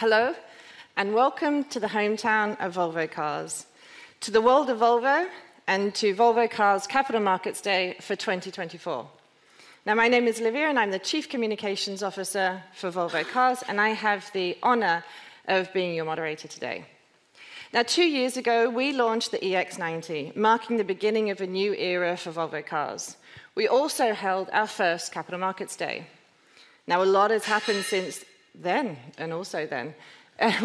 Hello, and Welcome to the Hometown of Volvo Cars, to the World of Volvo, and to Volvo Cars Capital Markets Day for 2024. Now, my name is Olivia, and I'm the Chief Communications Officer for Volvo Cars, and I have the honor of being your moderator today. Now, two years ago, we launched the EX90, marking the beginning of a new era for Volvo Cars. We also held our first Capital Markets Day. Now, a lot has happened since then, and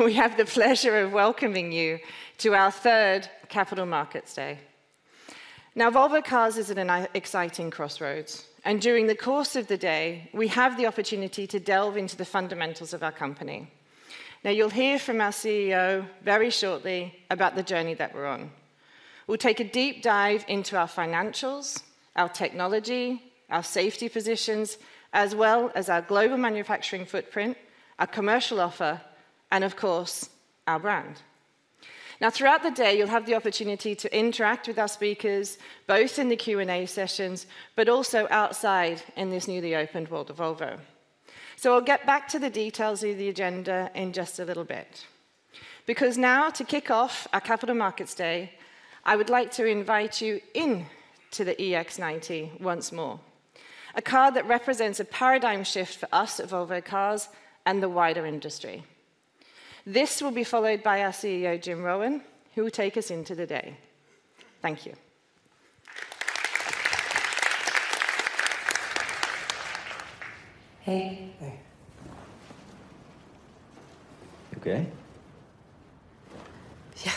we have the pleasure of welcoming you to our third Capital Markets Day. Now, Volvo Cars is at an exciting crossroads, and during the course of the day, we have the opportunity to delve into the fundamentals of our company. Now, you'll hear from our CEO very shortly about the journey that we're on. We'll take a deep dive into our financials, our technology, our safety positions, as well as our global manufacturing footprint, our commercial offer, and of course, our brand. Now, throughout the day, you'll have the opportunity to interact with our speakers, both in the Q&A sessions, but also outside in this newly opened world of Volvo. So I'll get back to the details of the agenda in just a little bit. Because now, to kick off our Capital Markets Day, I would like to invite you into the EX90 once more, a car that represents a paradigm shift for us at Volvo Cars and the wider industry. This will be followed by our CEO, Jim Rowan, who will take us into the day. Thank you. Hey. Hey. You okay? Yeah.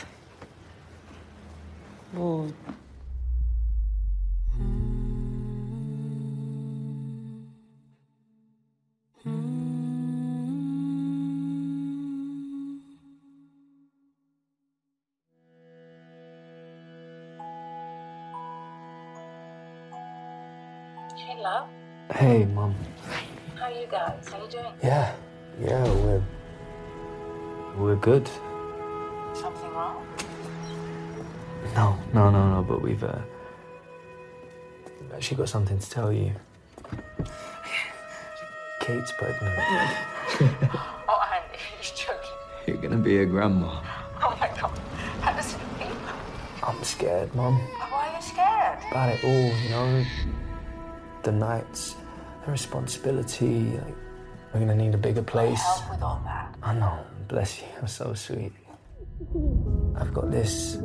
Well. Hey, love. Hey, Mom. Hi, how are you guys? How are you doing? Yeah. Yeah, we're good. Is something wrong? No. No, no, no, but we've actually got something to tell you. Kate's pregnant. Oh, are you joking? You're gonna be a grandma. Oh, my God! That is amazing. I'm scared, Mom. Why are you scared? About it all, you know? The nights, the responsibility, like, we're gonna need a bigger place. I'll help with all that. I know. Bless you, you're so sweet. Mm-hmm. I've got this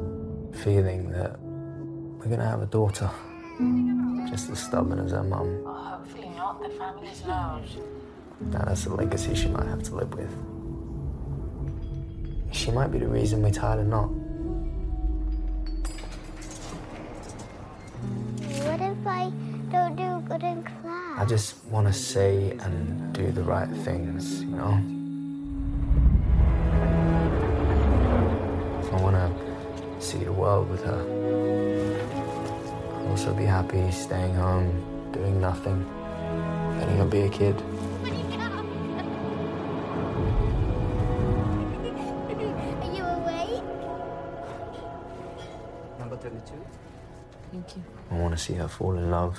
feeling that we're gonna have a daughter. Mm. Just as stubborn as her mom. Well, hopefully not. The family is loud. That's a legacy she might have to live with. She might be the reason we're tired and not. What if I don't do good in class? I just wanna say and do the right things, you know? I wanna see the world with her. I'll also be happy staying home, doing nothing, letting her be a kid. Wake up! Are you awake? Number 32. Thank you. I wanna see her fall in love,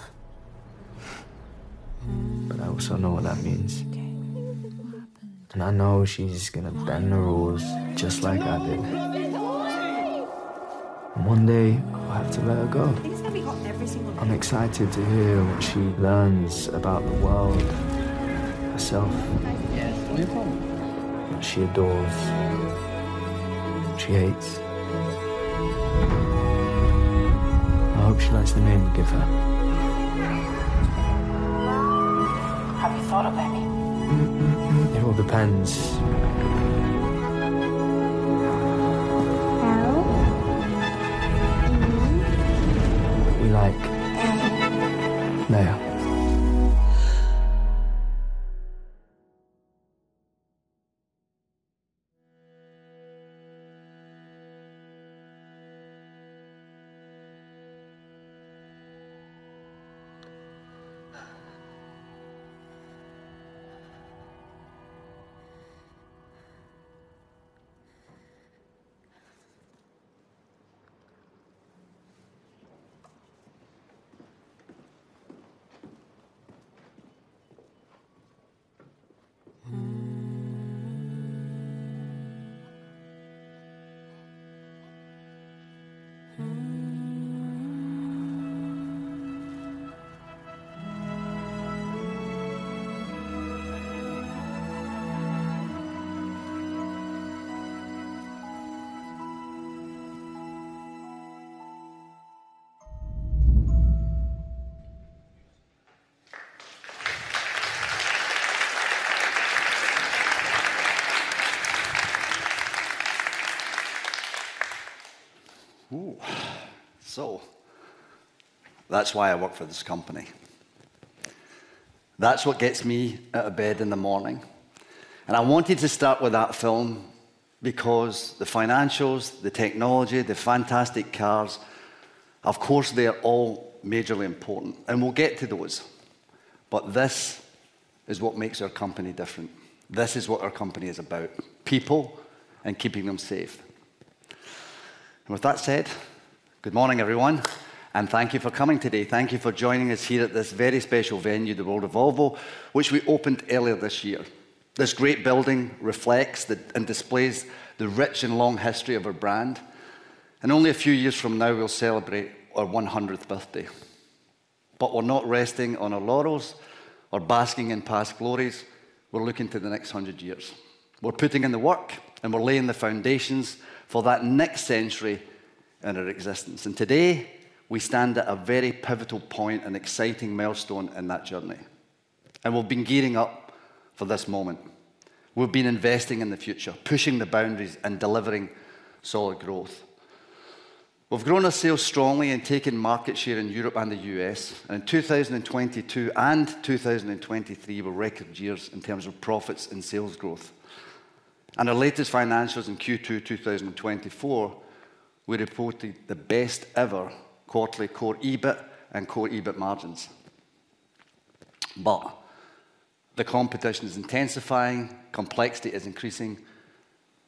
but I also know what that means. You okay? What happened? And I know she's gonna bend the rules just like I did. No! And one day, I'll have to let her go. Things can be hot every single day. I'm excited to hear what she learns about the world, herself. Yeah. No problem. What she adores, what she hates. I hope she likes the name we give her. Have you thought of any? It all depends. L? M? We like... N.... Leia. Ooh! So that's why I work for this company. That's what gets me out of bed in the morning, and I wanted to start with that film because the financials, the technology, the fantastic cars, of course, they are all majorly important, and we'll get to those, but this is what makes our company different. This is what our company is about: people and keeping them safe... And with that said, good morning, everyone, and thank you for coming today. Thank you for joining us here at this very special venue, the World of Volvo, which we opened earlier this year. This great building reflects the, and displays the rich and long history of our brand, and only a few years from now, we'll celebrate our 100th birthday. But we're not resting on our laurels or basking in past glories, we're looking to the next hundred years. We're putting in the work, and we're laying the foundations for that next century and our existence. And today, we stand at a very pivotal point, an exciting milestone in that journey, and we've been gearing up for this moment. We've been investing in the future, pushing the boundaries, and delivering solid growth. We've grown our sales strongly and taken market share in Europe and the U.S., and in 2022 and 2023 were record years in terms of profits and sales growth. In our latest financials in Q2 2024, we reported the best-ever quarterly core EBIT and core EBIT margins. But the competition is intensifying, complexity is increasing,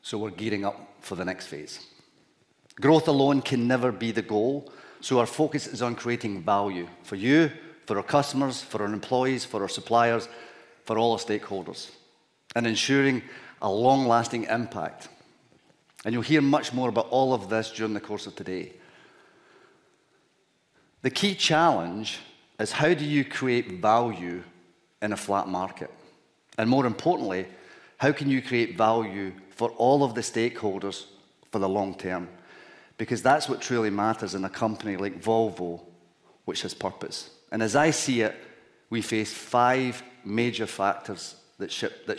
so we're gearing up for the next phase. Growth alone can never be the goal, so our focus is on creating value for you, for our customers, for our employees, for our suppliers, for all our stakeholders, and ensuring a long-lasting impact. And you'll hear much more about all of this during the course of today. The key challenge is: how do you create value in a flat market? And more importantly, how can you create value for all of the stakeholders for the long term? Because that's what truly matters in a company like Volvo, which has purpose. And as I see it, we face five major factors that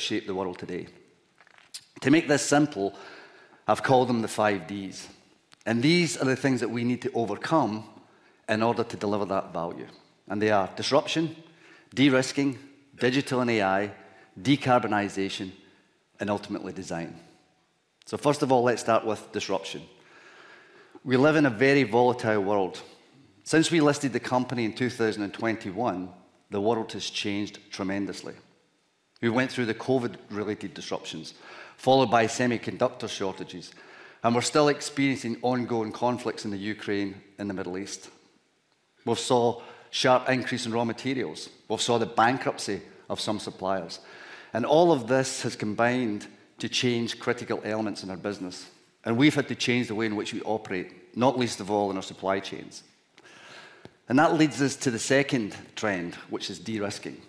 shape the world today. To make this simple, I've called them the five Ds, and these are the things that we need to overcome in order to deliver that value. And they are disruption, de-risking, digital and AI, decarbonization, and ultimately, design. So first of all, let's start with disruption. We live in a very volatile world. Since we listed the company in 2021, the world has changed tremendously. We went through the COVID-related disruptions, followed by semiconductor shortages, and we're still experiencing ongoing conflicts in Ukraine and the Middle East. We saw sharp increase in raw materials. We saw the bankruptcy of some suppliers, and all of this has combined to change critical elements in our business, and we've had to change the way in which we operate, not least of all in our supply chains. And that leads us to the second trend, which is de-risking.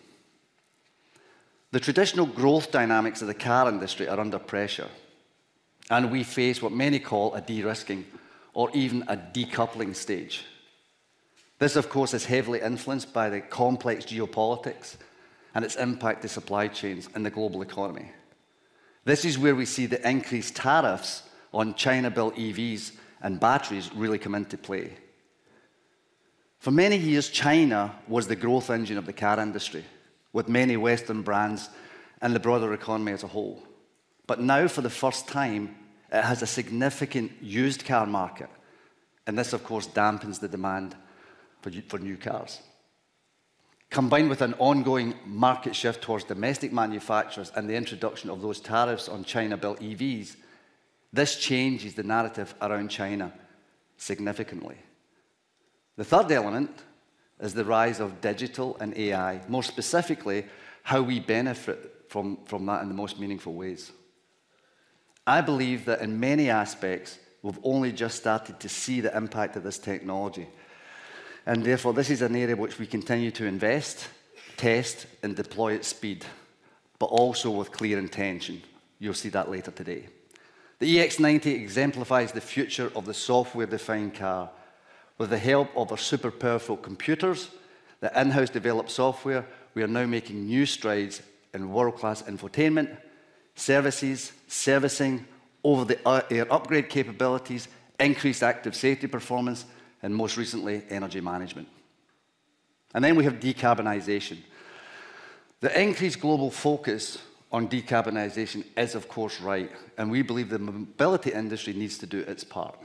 The traditional growth dynamics of the car industry are under pressure, and we face what many call a de-risking or even a decoupling stage. This, of course, is heavily influenced by the complex geopolitics and its impact to supply chains and the global economy. This is where we see the increased tariffs on China-built EVs and batteries really come into play. For many years, China was the growth engine of the car industry, with many Western brands and the broader economy as a whole. But now, for the first time, it has a significant used car market, and this, of course, dampens the demand for new cars. Combined with an ongoing market shift towards domestic manufacturers and the introduction of those tariffs on China-built EVs, this changes the narrative around China significantly. The third element is the rise of digital and AI, more specifically, how we benefit from that in the most meaningful ways. I believe that in many aspects, we've only just started to see the impact of this technology, and therefore, this is an area which we continue to invest, test, and deploy at speed, but also with clear intention. You'll see that later today. The EX90 exemplifies the future of the software-defined car. With the help of our super powerful computers, the in-house developed software, we are now making new strides in world-class infotainment, services, servicing, over-the-air upgrade capabilities, increased active safety performance, and most recently, energy management, and then we have decarbonization. The increased global focus on decarbonization is, of course, right, and we believe the mobility industry needs to do its part.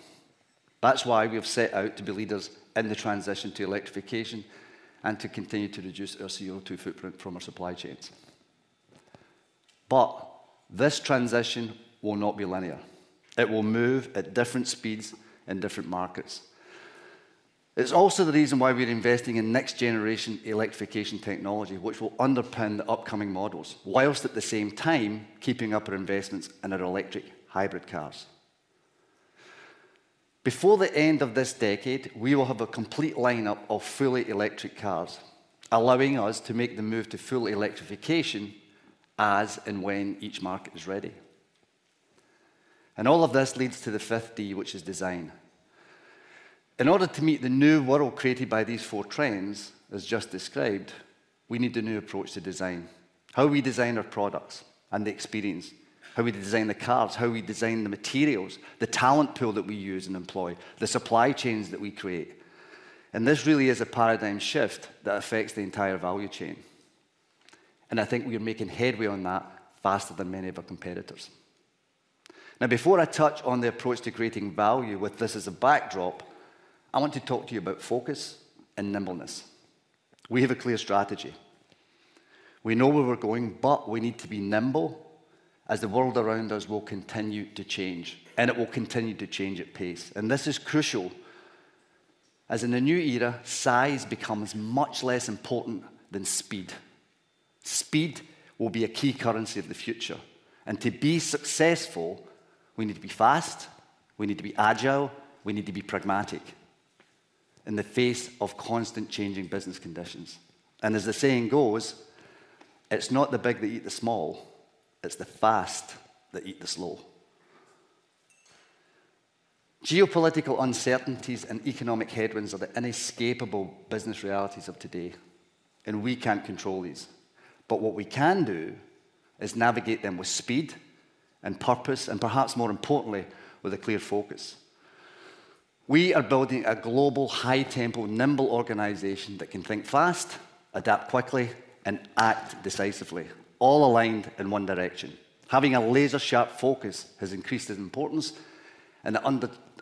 That's why we have set out to be leaders in the transition to electrification and to continue to reduce our CO2 footprint from our supply chains. But this transition will not be linear. It will move at different speeds in different markets. It's also the reason why we're investing in next-generation electrification technology, which will underpin the upcoming models, while at the same time, keeping up our investments in our electric hybrid cars. Before the end of this decade, we will have a complete lineup of fully electric cars, allowing us to make the move to full electrification as and when each market is ready, and all of this leads to the fifth D, which is design. In order to meet the new world created by these four trends, as just described, we need a new approach to design. How we design our products and the experience, how we design the cars, how we design the materials, the talent pool that we use and employ, the supply chains that we create. And this really is a paradigm shift that affects the entire value chain, and I think we are making headway on that faster than many of our competitors. Now, before I touch on the approach to creating value with this as a backdrop, I want to talk to you about focus and nimbleness. We have a clear strategy.... We know where we're going, but we need to be nimble, as the world around us will continue to change, and it will continue to change at pace. And this is crucial, as in a new era, size becomes much less important than speed. Speed will be a key currency of the future, and to be successful, we need to be fast, we need to be agile, we need to be pragmatic in the face of constant changing business conditions. And as the saying goes, "It's not the big that eat the small, it's the fast that eat the slow." Geopolitical uncertainties and economic headwinds are the inescapable business realities of today, and we can't control these. But what we can do is navigate them with speed and purpose, and perhaps more importantly, with a clear focus. We are building a global, high-tempo, nimble organization that can think fast, adapt quickly, and act decisively, all aligned in one direction. Having a laser-sharp focus has increased in importance, and it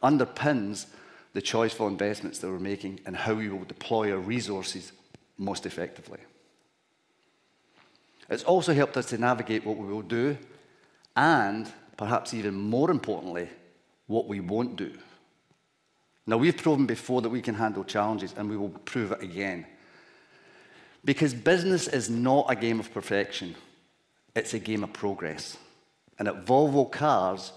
underpins the choice for investments that we're making and how we will deploy our resources most effectively. It's also helped us to navigate what we will do, and perhaps even more importantly, what we won't do. Now, we've proven before that we can handle challenges, and we will prove it again. Because business is not a game of perfection, it's a game of progress, and at Volvo Cars,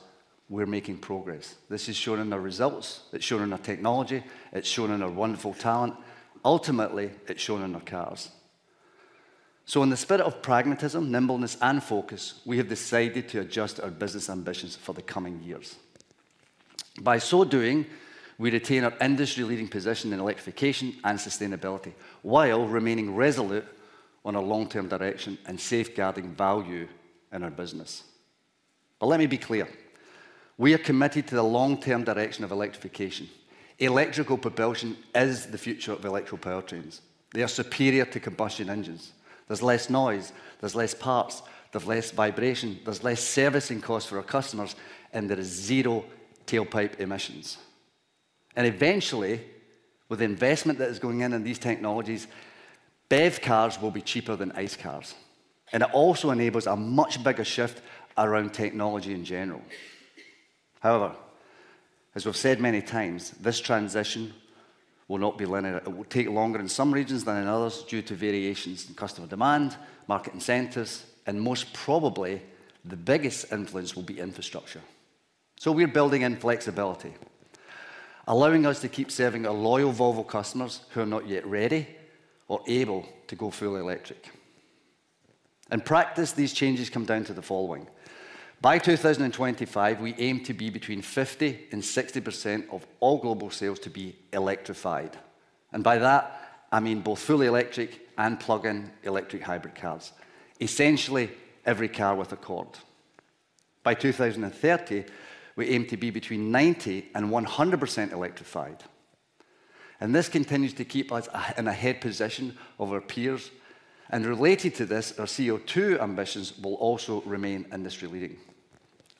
we're making progress. This is shown in our results, it's shown in our technology, it's shown in our wonderful talent. Ultimately, it's shown in our cars. So in the spirit of pragmatism, nimbleness, and focus, we have decided to adjust our business ambitions for the coming years. By so doing, we retain our industry-leading position in electrification and sustainability, while remaining resolute on our long-term direction and safeguarding value in our business. But let me be clear, we are committed to the long-term direction of electrification. Electrical propulsion is the future of electrical powertrains. They are superior to combustion engines. There's less noise, there's less parts, there's less vibration, there's less servicing costs for our customers, and there is zero tailpipe emissions. Eventually, with the investment that is going in on these technologies, BEV cars will be cheaper than ICE cars, and it also enables a much bigger shift around technology in general. However, as we've said many times, this transition will not be linear. It will take longer in some regions than in others due to variations in customer demand, market incentives, and most probably, the biggest influence will be infrastructure. So we're building in flexibility, allowing us to keep serving our loyal Volvo customers who are not yet ready or able to go fully electric. In practice, these changes come down to the following: By 2025, we aim to be between 50% and 60% of all global sales to be electrified, and by that, I mean both fully electric and plug-in electric hybrid cars. Essentially, every car with a cord. By 2030, we aim to be 90%-100% electrified, and this continues to keep us ahead in a head position over our peers. Related to this, our CO2 ambitions will also remain industry-leading.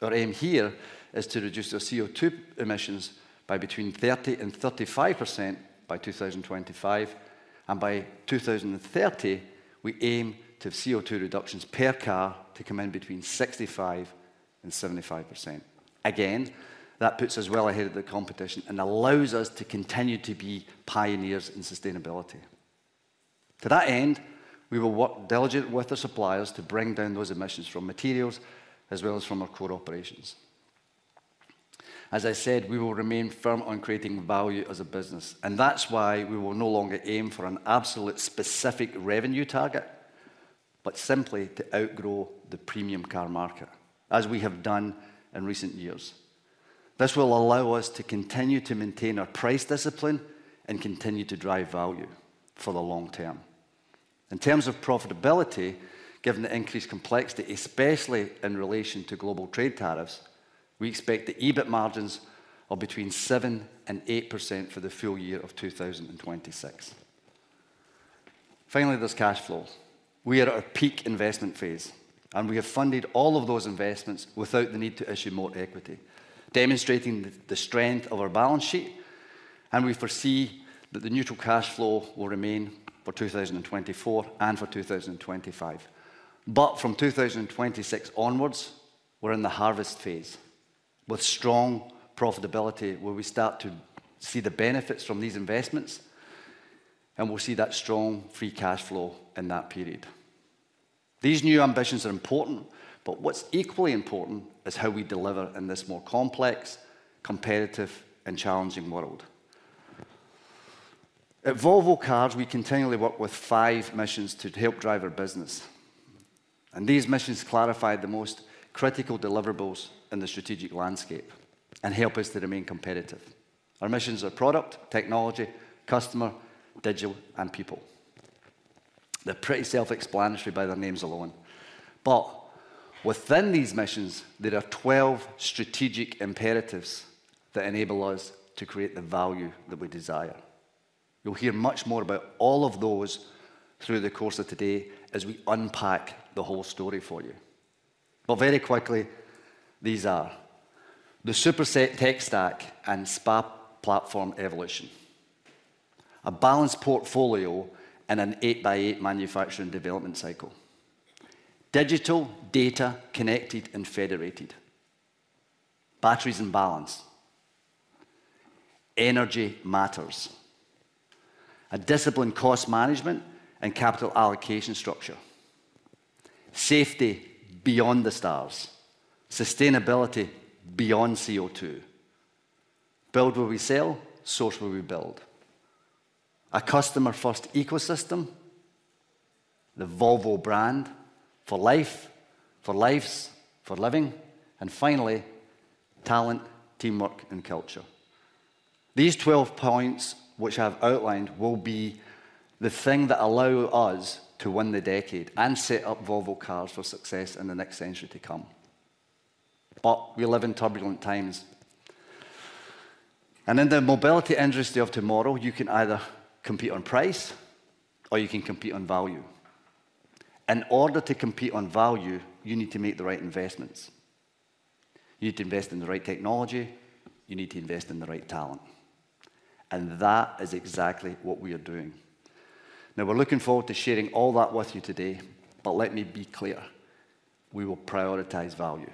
Our aim here is to reduce our CO2 emissions by 30%-35% by 2025, and by 2030, we aim to have CO2 reductions per car to come in 65%-75%. Again, that puts us well ahead of the competition and allows us to continue to be pioneers in sustainability. To that end, we will work diligently with our suppliers to bring down those emissions from materials as well as from our core operations. As I said, we will remain firm on creating value as a business, and that's why we will no longer aim for an absolute specific revenue target, but simply to outgrow the premium car market, as we have done in recent years. This will allow us to continue to maintain our price discipline and continue to drive value for the long term. In terms of profitability, given the increased complexity, especially in relation to global trade tariffs, we expect the EBIT margins of between 7% and 8% for the full year of 2026. Finally, there's cash flows. We are at our peak investment phase, and we have funded all of those investments without the need to issue more equity, demonstrating the strength of our balance sheet, and we foresee that the neutral cash flow will remain for 2024 and for 2025. But from 2026 onwards, we're in the harvest phase, with strong profitability, where we start to see the benefits from these investments, and we'll see that strong free cash flow in that period. These new ambitions are important, but what's equally important is how we deliver in this more complex, competitive, and challenging world. At Volvo Cars, we continually work with five missions to help drive our business, and these missions clarify the most critical deliverables in the strategic landscape and help us to remain competitive. Our missions are product, technology, customer, digital, and people. They're pretty self-explanatory by their names alone. But within these missions, there are twelve strategic imperatives that enable us to create the value that we desire. You'll hear much more about all of those through the course of today as we unpack the whole story for you. But very quickly, these are: the Superset tech stack and SPA platform evolution. A balanced portfolio and an eight-by-eight manufacturing development cycle. Digital data connected and federated. Batteries and balance. Energy matters. A disciplined cost management and capital allocation structure. Safety beyond the stars. Sustainability beyond CO2. Build where we sell, source where we build. A Customer-First ecosystem. The Volvo brand for life, for lives, for living. And finally, talent, teamwork, and culture. These 12 points, which I've outlined, will be the thing that allow us to win the decade and set up Volvo Cars for success in the next century to come. But we live in turbulent times, and in the mobility industry of tomorrow, you can either compete on price or you can compete on value. In order to compete on value, you need to make the right investments. You need to invest in the right technology, you need to invest in the right talent, and that is exactly what we are doing. Now, we're looking forward to sharing all that with you today, but let me be clear, we will prioritize value.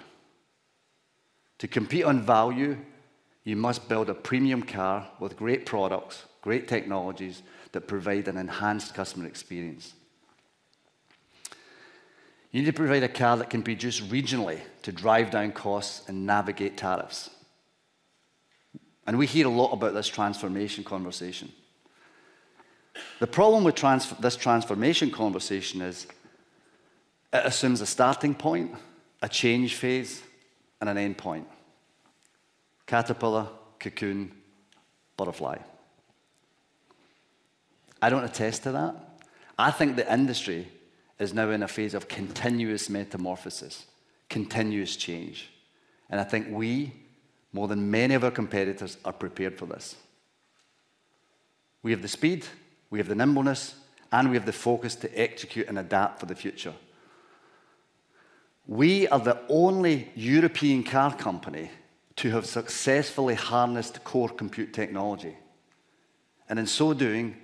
To compete on value, you must build a premium car with great products, great technologies, that provide an enhanced customer experience. You need to provide a car that can be produced regionally to drive down costs and navigate tariffs. We hear a lot about this transformation conversation. The problem with this transformation conversation is, it assumes a starting point, a change phase, and an end point. Caterpillar, cocoon, butterfly. I don't attest to that. I think the industry is now in a phase of continuous metamorphosis, continuous change, and I think we, more than many of our competitors, are prepared for this. We have the speed, we have the nimbleness, and we have the focus to execute and adapt for the future. We are the only European car company to have successfully harnessed core computing technology, and in so doing,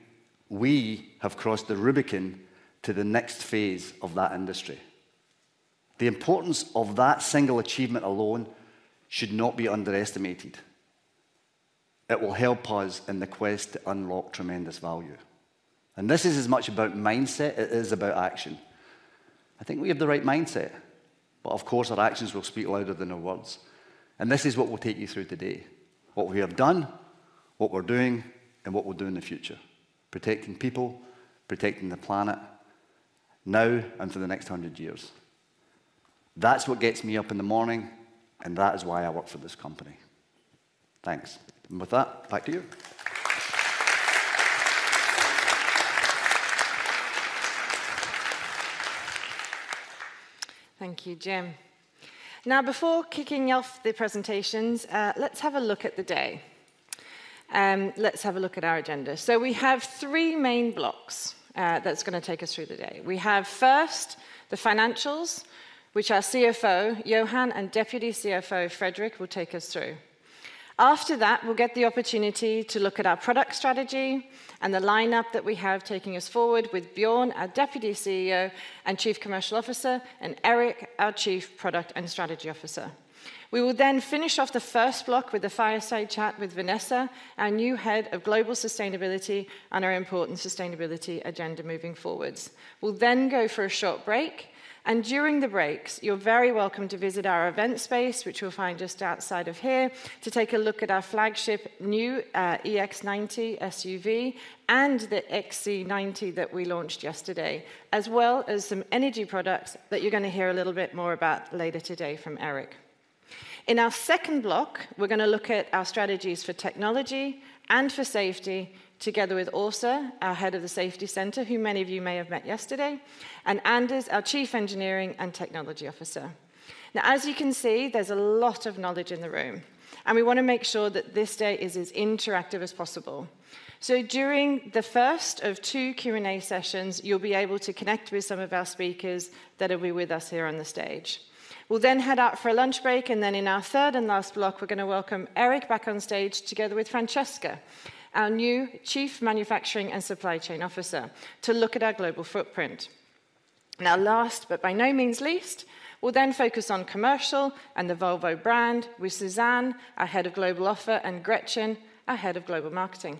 we have crossed the Rubicon to the next phase of that industry. The importance of that single achievement alone should not be underestimated. It will help us in the quest to unlock tremendous value. And this is as much about mindset as it is about action. I think we have the right mindset, but of course, our actions will speak louder than our words. And this is what we'll take you through today: what we have done, what we're doing, and what we'll do in the future. Protecting people, protecting the planet, now and for the next hundred years. That's what gets me up in the morning, and that is why I work for this company. Thanks, and with that, back to you. Thank you, Jim. Now, before kicking off the presentations, let's have a look at the day. Let's have a look at our agenda. We have three main blocks, that's gonna take us through the day. We have, first, the financials, which our CFO, Johan, and Deputy CFO, Fredrik, will take us through. After that, we'll get the opportunity to look at our product strategy and the lineup that we have taking us forward with Björn, our Deputy CEO and Chief Commercial Officer, and Erik, our Chief Product and Strategy Officer. We will then finish off the first block with a fireside chat with Vanessa, our new Head of Global Sustainability, and our important sustainability agenda moving forwards. We'll then go for a short break, and during the breaks, you're very welcome to visit our event space, which you'll find just outside of here, to take a look at our flagship new EX90 SUV and the XC90 that we launched yesterday, as well as some energy products that you're gonna hear a little bit more about later today from Erik. In our second block, we're gonna look at our strategies for technology and for safety, together with Åsa, our Head of the Safety Center, who many of you may have met yesterday, and Anders, our Chief Engineering and Technology Officer. Now, as you can see, there's a lot of knowledge in the room, and we want to make sure that this day is as interactive as possible. During the first of two Q&A sessions, you'll be able to connect with some of our speakers that will be with us here on the stage. We'll then head out for a lunch break, and then in our third and last block, we're gonna welcome Erik back on stage, together with Francesca, our new Chief Manufacturing and Supply Chain Officer, to look at our global footprint. Now, last, but by no means least, we'll then focus on commercial and the Volvo brand with Susanne, our Head of Global Offer, and Gretchen, our Head of Global Marketing.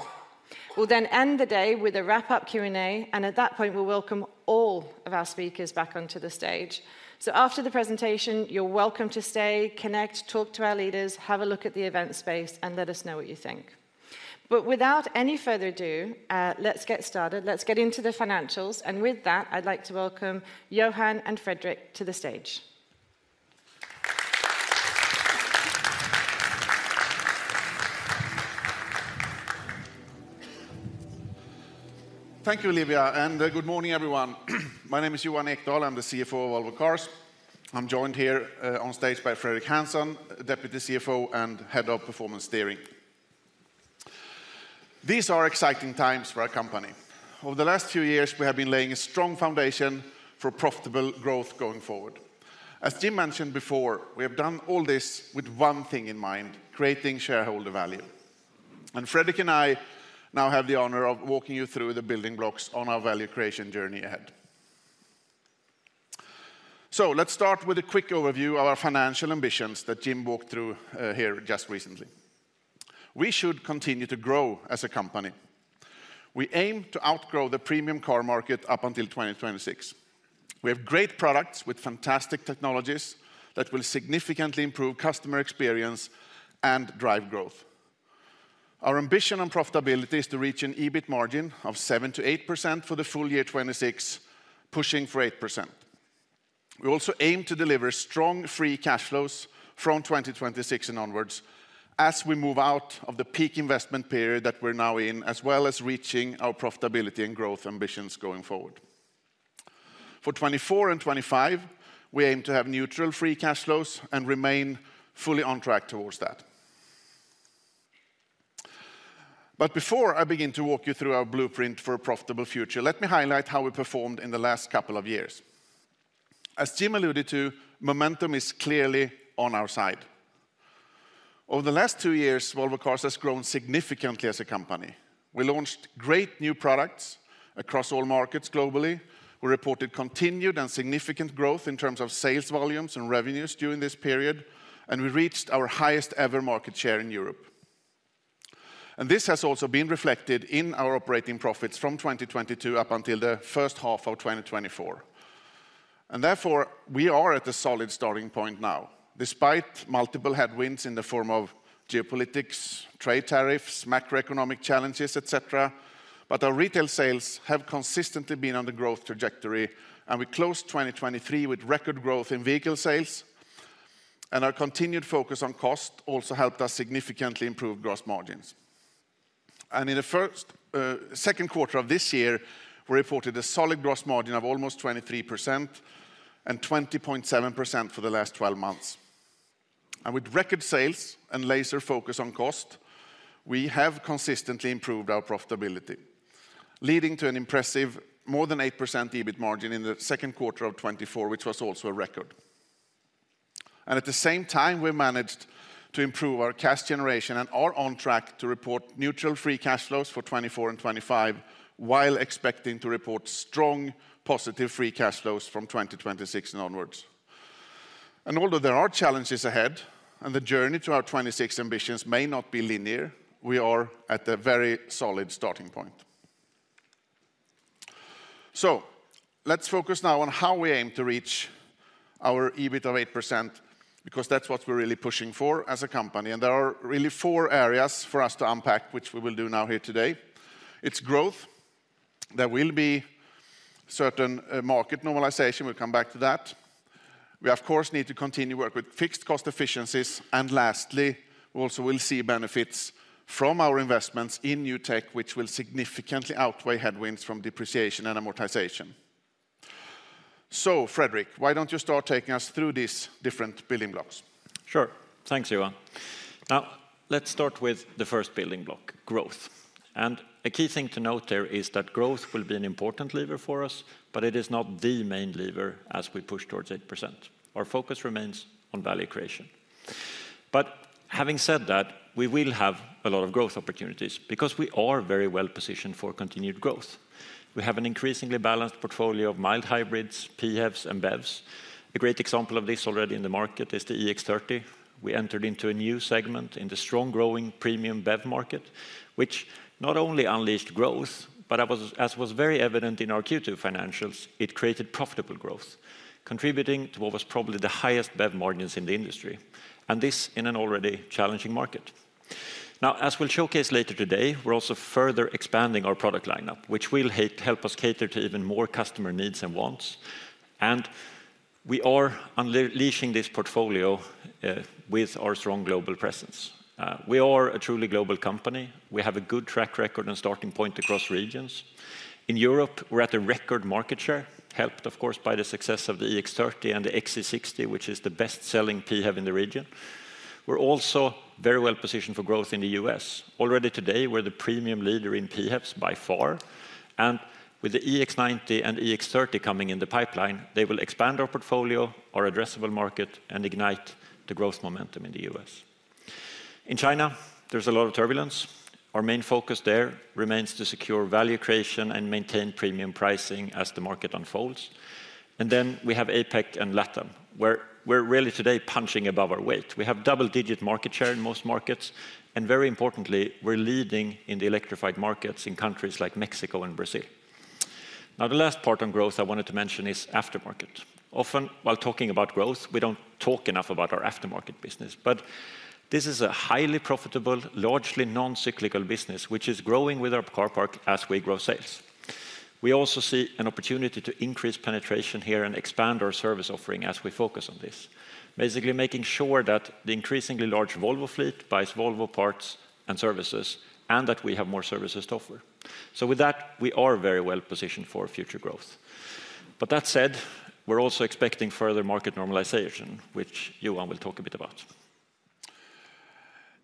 We'll then end the day with a wrap-up Q&A, and at that point, we'll welcome all of our speakers back onto the stage. So after the presentation, you're welcome to stay, connect, talk to our leaders, have a look at the event space, and let us know what you think. But without any further ado, let's get started. Let's get into the financials, and with that, I'd like to welcome Johan Ekdahl and Fredrik Hansson to the stage. Thank you, Olivia, and good morning, everyone. My name is Johan Ekdahl. I'm the CFO of Volvo Cars. I'm joined here on stage by Fredrik Hansson, deputy CFO and head of performance steering. These are exciting times for our company. Over the last few years, we have been laying a strong foundation for profitable growth going forward. ...As Jim mentioned before, we have done all this with one thing in mind, creating shareholder value. And Fredrik and I now have the honor of walking you through the building blocks on our value creation journey ahead. So let's start with a quick overview of our financial ambitions that Jim walked through here just recently. We should continue to grow as a company. We aim to outgrow the premium car market up until 2026. We have great products with fantastic technologies that will significantly improve customer experience and drive growth. Our ambition on profitability is to reach an EBIT margin of 7-8% for the full year 2026, pushing for 8%. We also aim to deliver strong free cash flows from 2026 and onwards as we move out of the peak investment period that we're now in, as well as reaching our profitability and growth ambitions going forward. For 2024 and 2025, we aim to have neutral free cash flows and remain fully on track towards that. But before I begin to walk you through our blueprint for a profitable future, let me highlight how we performed in the last couple of years. As Jim alluded to, momentum is clearly on our side. Over the last two years, Volvo Cars has grown significantly as a company. We launched great new products across all markets globally. We reported continued and significant growth in terms of sales volumes and revenues during this period, and we reached our highest-ever market share in Europe. This has also been reflected in our operating profits from 2022 up until the first half of 2024. Therefore, we are at a solid starting point now, despite multiple headwinds in the form of geopolitics, trade tariffs, macroeconomic challenges, et cetera. Our retail sales have consistently been on the growth trajectory, and we closed 2023 with record growth in vehicle sales. Our continued focus on cost also helped us significantly improve gross margins. In the second quarter of this year, we reported a solid gross margin of almost 23% and 20.7% for the last twelve months. With record sales and laser focus on cost, we have consistently improved our profitability, leading to an impressive more than 8% EBIT margin in the second quarter of 2024, which was also a record. At the same time, we managed to improve our cash generation and are on track to report neutral free cash flows for 2024 and 2025, while expecting to report strong, positive free cash flows from 2026 and onwards. Although there are challenges ahead, and the journey to our 2026 ambitions may not be linear, we are at a very solid starting point. Let's focus now on how we aim to reach our EBIT of 8%, because that's what we're really pushing for as a company. There are really four areas for us to unpack, which we will do now here today. It's growth. There will be certain market normalization. We'll come back to that. We, of course, need to continue work with fixed cost efficiencies. Lastly, we also will see benefits from our investments in new tech, which will significantly outweigh headwinds from depreciation and amortization. Fredrik, why don't you start taking us through these different building blocks? Sure. Thanks, Johan. Now, let's start with the first building block, growth. And a key thing to note there is that growth will be an important lever for us, but it is not the main lever as we push towards 8%. Our focus remains on value creation. But having said that, we will have a lot of growth opportunities because we are very well positioned for continued growth. We have an increasingly balanced portfolio of mild hybrids, PHEVs, and BEVs. A great example of this already in the market is the EX30. We entered into a new segment in the strong growing premium BEV market, which not only unleashed growth, but as was very evident in our Q2 financials, it created profitable growth, contributing to what was probably the highest BEV margins in the industry, and this in an already challenging market. Now, as we'll showcase later today, we're also further expanding our product lineup, which will help us cater to even more customer needs and wants. And we are unleashing this portfolio with our strong global presence. We are a truly global company. We have a good track record and starting point across regions. In Europe, we're at a record market share, helped, of course, by the success of the EX30 and the XC60, which is the best-selling PHEV in the region. We're also very well positioned for growth in the U.S. Already today, we're the premium leader in PHEVs by far, and with the EX90 and EX30 coming in the pipeline, they will expand our portfolio, our addressable market, and ignite the growth momentum in the U.S. In China, there's a lot of turbulence. Our main focus there remains to secure value creation and maintain premium pricing as the market unfolds. And then we have APAC and LATAM, where we're really today punching above our weight. We have double-digit market share in most markets, and very importantly, we're leading in the electrified markets in countries like Mexico and Brazil. Now, the last part on growth I wanted to mention is aftermarket. Often, while talking about growth, we don't talk enough about our aftermarket business. But this is a highly profitable, largely non-cyclical business, which is growing with our car park as we grow sales. We also see an opportunity to increase penetration here and expand our service offering as we focus on this, basically making sure that the increasingly large Volvo fleet buys Volvo parts and services, and that we have more services to offer. So with that, we are very well positioned for future growth. But that said, we're also expecting further market normalization, which Johan will talk a bit about. ...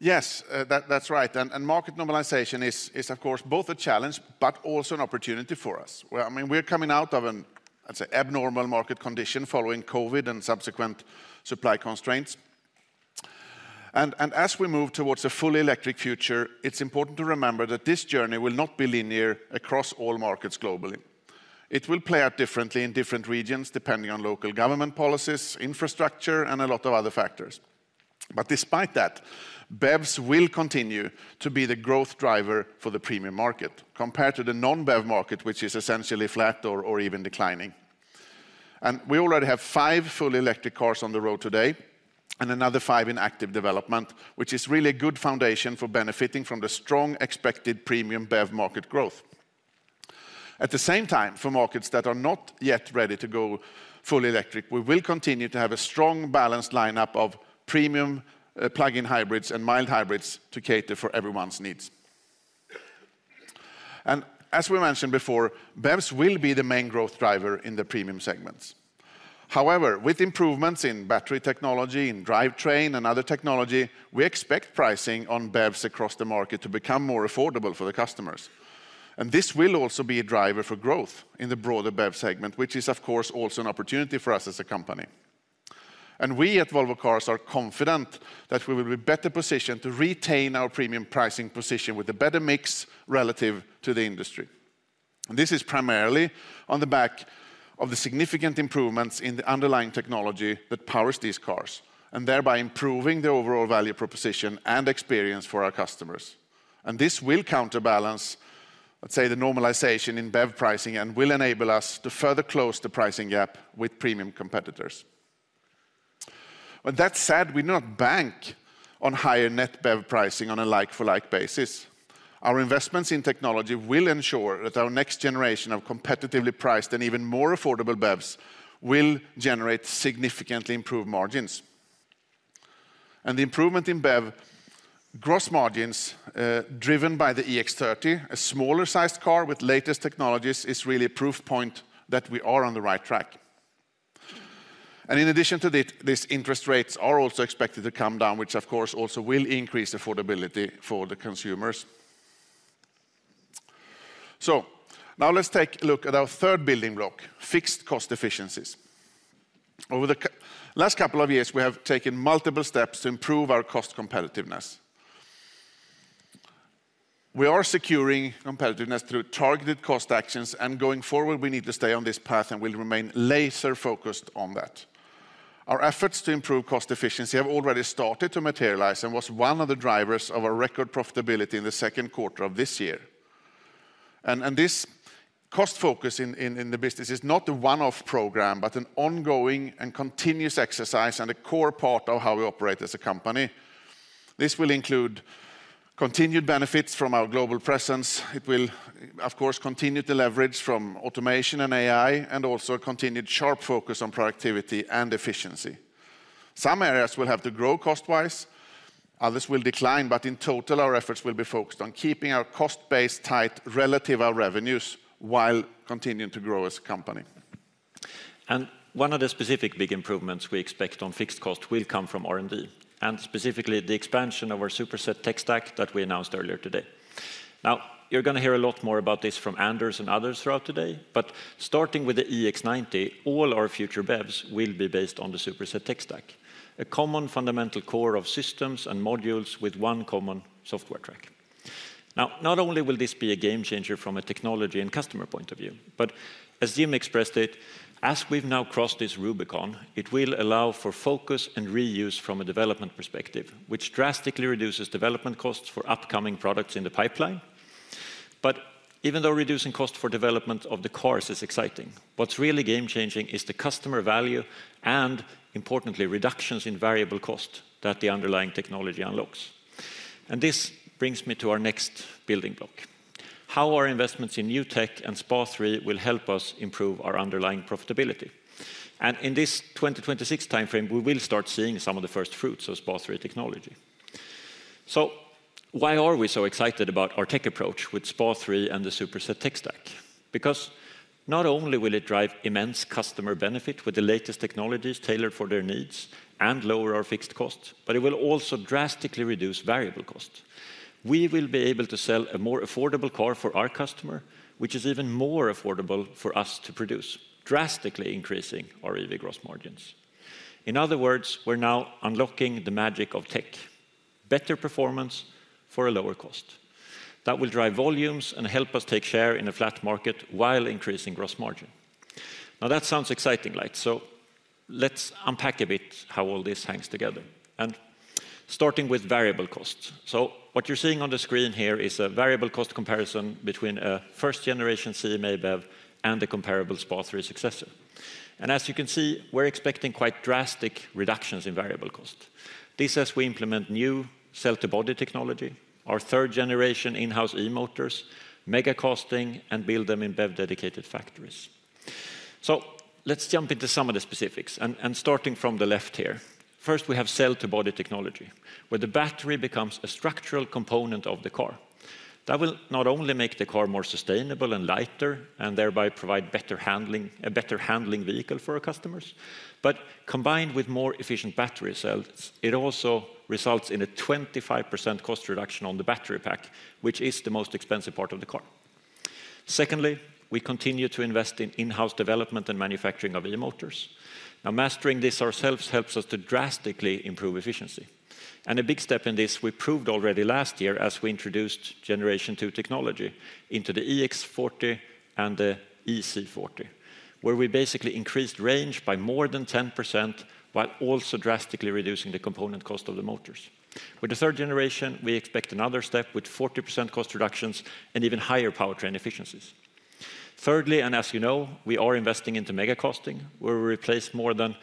Yes, that's right. And market normalization is, of course, both a challenge, but also an opportunity for us. Well, I mean, we're coming out of an I'd say abnormal market condition following COVID and subsequent supply constraints. And as we move towards a fully electric future, it's important to remember that this journey will not be linear across all markets globally. It will play out differently in different regions, depending on local government policies, infrastructure, and a lot of other factors. But despite that, BEVs will continue to be the growth driver for the premium market, compared to the non-BEV market, which is essentially flat or even declining. And we already have five fully electric cars on the road today, and another five in active development, which is really a good foundation for benefiting from the strong expected premium BEV market growth. At the same time, for markets that are not yet ready to go fully electric, we will continue to have a strong, balanced lineup of premium, plug-in hybrids and mild hybrids to cater for everyone's needs. And as we mentioned before, BEVs will be the main growth driver in the premium segments. However, with improvements in battery technology, in drivetrain, and other technology, we expect pricing on BEVs across the market to become more affordable for the customers. And this will also be a driver for growth in the broader BEV segment, which is, of course, also an opportunity for us as a company. And we at Volvo Cars are confident that we will be better positioned to retain our premium pricing position with a better mix relative to the industry. This is primarily on the back of the significant improvements in the underlying technology that powers these cars, and thereby improving the overall value proposition and experience for our customers. This will counterbalance, let's say, the normalization in BEV pricing, and will enable us to further close the pricing gap with premium competitors. But that said, we do not bank on higher net BEV pricing on a like-for-like basis. Our investments in technology will ensure that our next generation of competitively priced and even more affordable BEVs will generate significantly improved margins. The improvement in BEV gross margins, driven by the EX30, a smaller-sized car with latest technologies, is really a proof point that we are on the right track. In addition to this, interest rates are also expected to come down, which of course also will increase affordability for the consumers. So now let's take a look at our third building block, fixed cost efficiencies. Over the last couple of years, we have taken multiple steps to improve our cost competitiveness. We are securing competitiveness through targeted cost actions, and going forward, we need to stay on this path and will remain laser-focused on that. Our efforts to improve cost efficiency have already started to materialize, and was one of the drivers of our record profitability in the second quarter of this year. And this cost focus in the business is not a one-off program, but an ongoing and continuous exercise, and a core part of how we operate as a company. This will include continued benefits from our global presence. It will, of course, continue to leverage from automation and AI, and also a continued sharp focus on productivity and efficiency. Some areas will have to grow cost-wise, others will decline, but in total, our efforts will be focused on keeping our cost base tight relative to our revenues, while continuing to grow as a company. And one of the specific big improvements we expect on fixed cost will come from R&D, and specifically the expansion of our Superset tech stack that we announced earlier today. Now, you're gonna hear a lot more about this from Anders and others throughout today, but starting with the EX90, all our future BEVs will be based on the Superset tech stack, a common fundamental core of systems and modules with one common software track. Now, not only will this be a game-changer from a technology and customer point of view, but as Jim expressed it, "As we've now crossed this Rubicon, it will allow for focus and reuse from a development perspective, which drastically reduces development costs for upcoming products in the pipeline." But even though reducing cost for development of the cars is exciting, what's really game-changing is the customer value, and importantly, reductions in variable cost that the underlying technology unlocks. And this brings me to our next building block: how our investments in new tech and SPA3 will help us improve our underlying profitability. And in this 2026 timeframe, we will start seeing some of the first fruits of SPA3 technology. So why are we so excited about our tech approach with SPA3 and the Superset tech stack? Because not only will it drive immense customer benefit with the latest technologies tailored for their needs and lower our fixed costs, but it will also drastically reduce variable costs. We will be able to sell a more affordable car for our customer, which is even more affordable for us to produce, drastically increasing our EV gross margins. In other words, we're now unlocking the magic of tech, better performance for a lower cost. That will drive volumes and help us take share in a flat market, while increasing gross margin. Now, that sounds exciting, right? So let's unpack a bit how all this hangs together, and starting with variable costs. So what you're seeing on the screen here is a variable cost comparison between a first-generation CMA BEV and the comparable SPA3 successor. And as you can see, we're expecting quite drastic reductions in variable cost. This, as we implement new cell-to-body technology, our third-generation in-house e-motors, megacasting, and build them in BEV-dedicated factories. So let's jump into some of the specifics, and starting from the left here. First, we have cell-to-body technology, where the battery becomes a structural component of the car. That will not only make the car more sustainable and lighter, and thereby provide better handling, a better-handling vehicle for our customers, but combined with more efficient battery cells, it also results in a 25% cost reduction on the battery pack, which is the most expensive part of the car. Secondly, we continue to invest in in-house development and manufacturing of e-motors. Now, mastering this ourselves helps us to drastically improve efficiency. A big step in this, we proved already last year as we introduced Generation 2 technology into the EX40 and the EC40, where we basically increased range by more than 10%, while also drastically reducing the component cost of the motors. With the third generation, we expect another step with 40% cost reductions and even higher powertrain efficiencies. Thirdly, and as you know, we are investing into megacasting, where we replace more than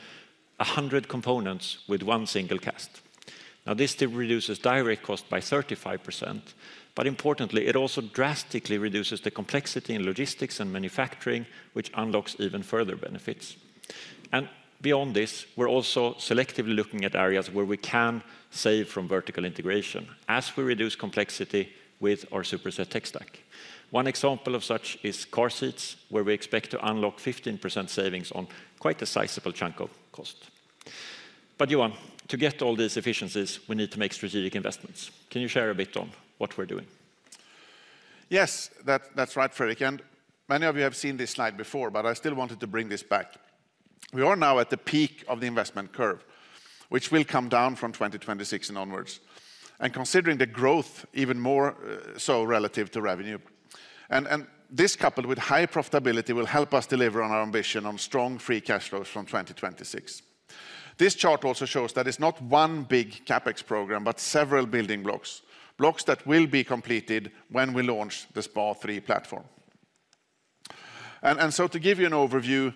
100 components with one single cast. Now, this step reduces direct cost by 35%, but importantly, it also drastically reduces the complexity in logistics and manufacturing, which unlocks even further benefits. And beyond this, we're also selectively looking at areas where we can save from vertical integration as we reduce complexity with our Superset tech stack. One example of such is car seats, where we expect to unlock 15% savings on quite a sizable chunk of cost. But Johan, to get all these efficiencies, we need to make strategic investments. Can you share a bit on what we're doing? Yes, that's right, Fredrik. Many of you have seen this slide before, but I still wanted to bring this back. We are now at the peak of the investment curve, which will come down from 2026 and onwards, and considering the growth even more, so relative to revenue. This, coupled with high profitability, will help us deliver on our ambition on strong free cash flows from 2026. This chart also shows that it's not one big CapEx program, but several building blocks that will be completed when we launch the SPA3 platform. So to give you an overview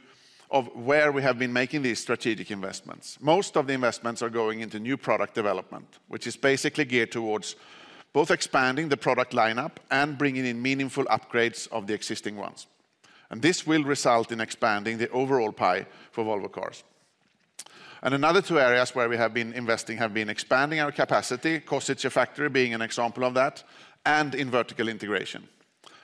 of where we have been making these strategic investments, most of the investments are going into new product development, which is basically geared towards both expanding the product lineup and bringing in meaningful upgrades of the existing ones. And this will result in expanding the overall pie for Volvo Cars. And another two areas where we have been investing have been expanding our capacity, Košice factory being an example of that, and in vertical integration.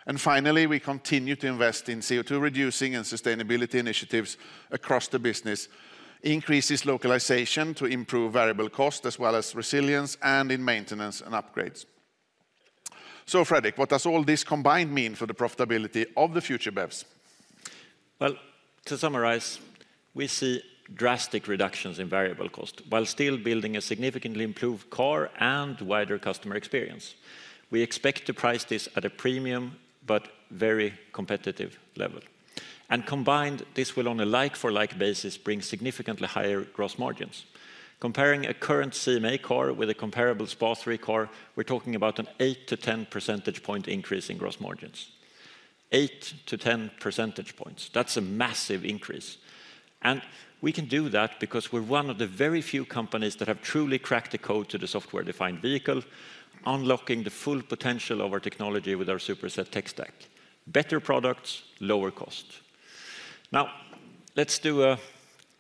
And finally, we continue to invest in CO2-reducing and sustainability initiatives across the business, increases localization to improve variable cost, as well as resilience and in maintenance and upgrades. So Fredrik, what does all this combined mean for the profitability of the future BEVs? To summarize, we see drastic reductions in variable cost, while still building a significantly improved car and wider customer experience. We expect to price this at a premium, but very competitive level. And combined, this will, on a like-for-like basis, bring significantly higher gross margins. Comparing a current CMA car with a comparable SPA3 car, we're talking about an 8-10 percentage point increase in gross margins. 8-10 percentage points, that's a massive increase. And we can do that because we're one of the very few companies that have truly cracked the code to the software-defined vehicle, unlocking the full potential of our technology with our Superset tech stack. Better products, lower cost. Now, let's do a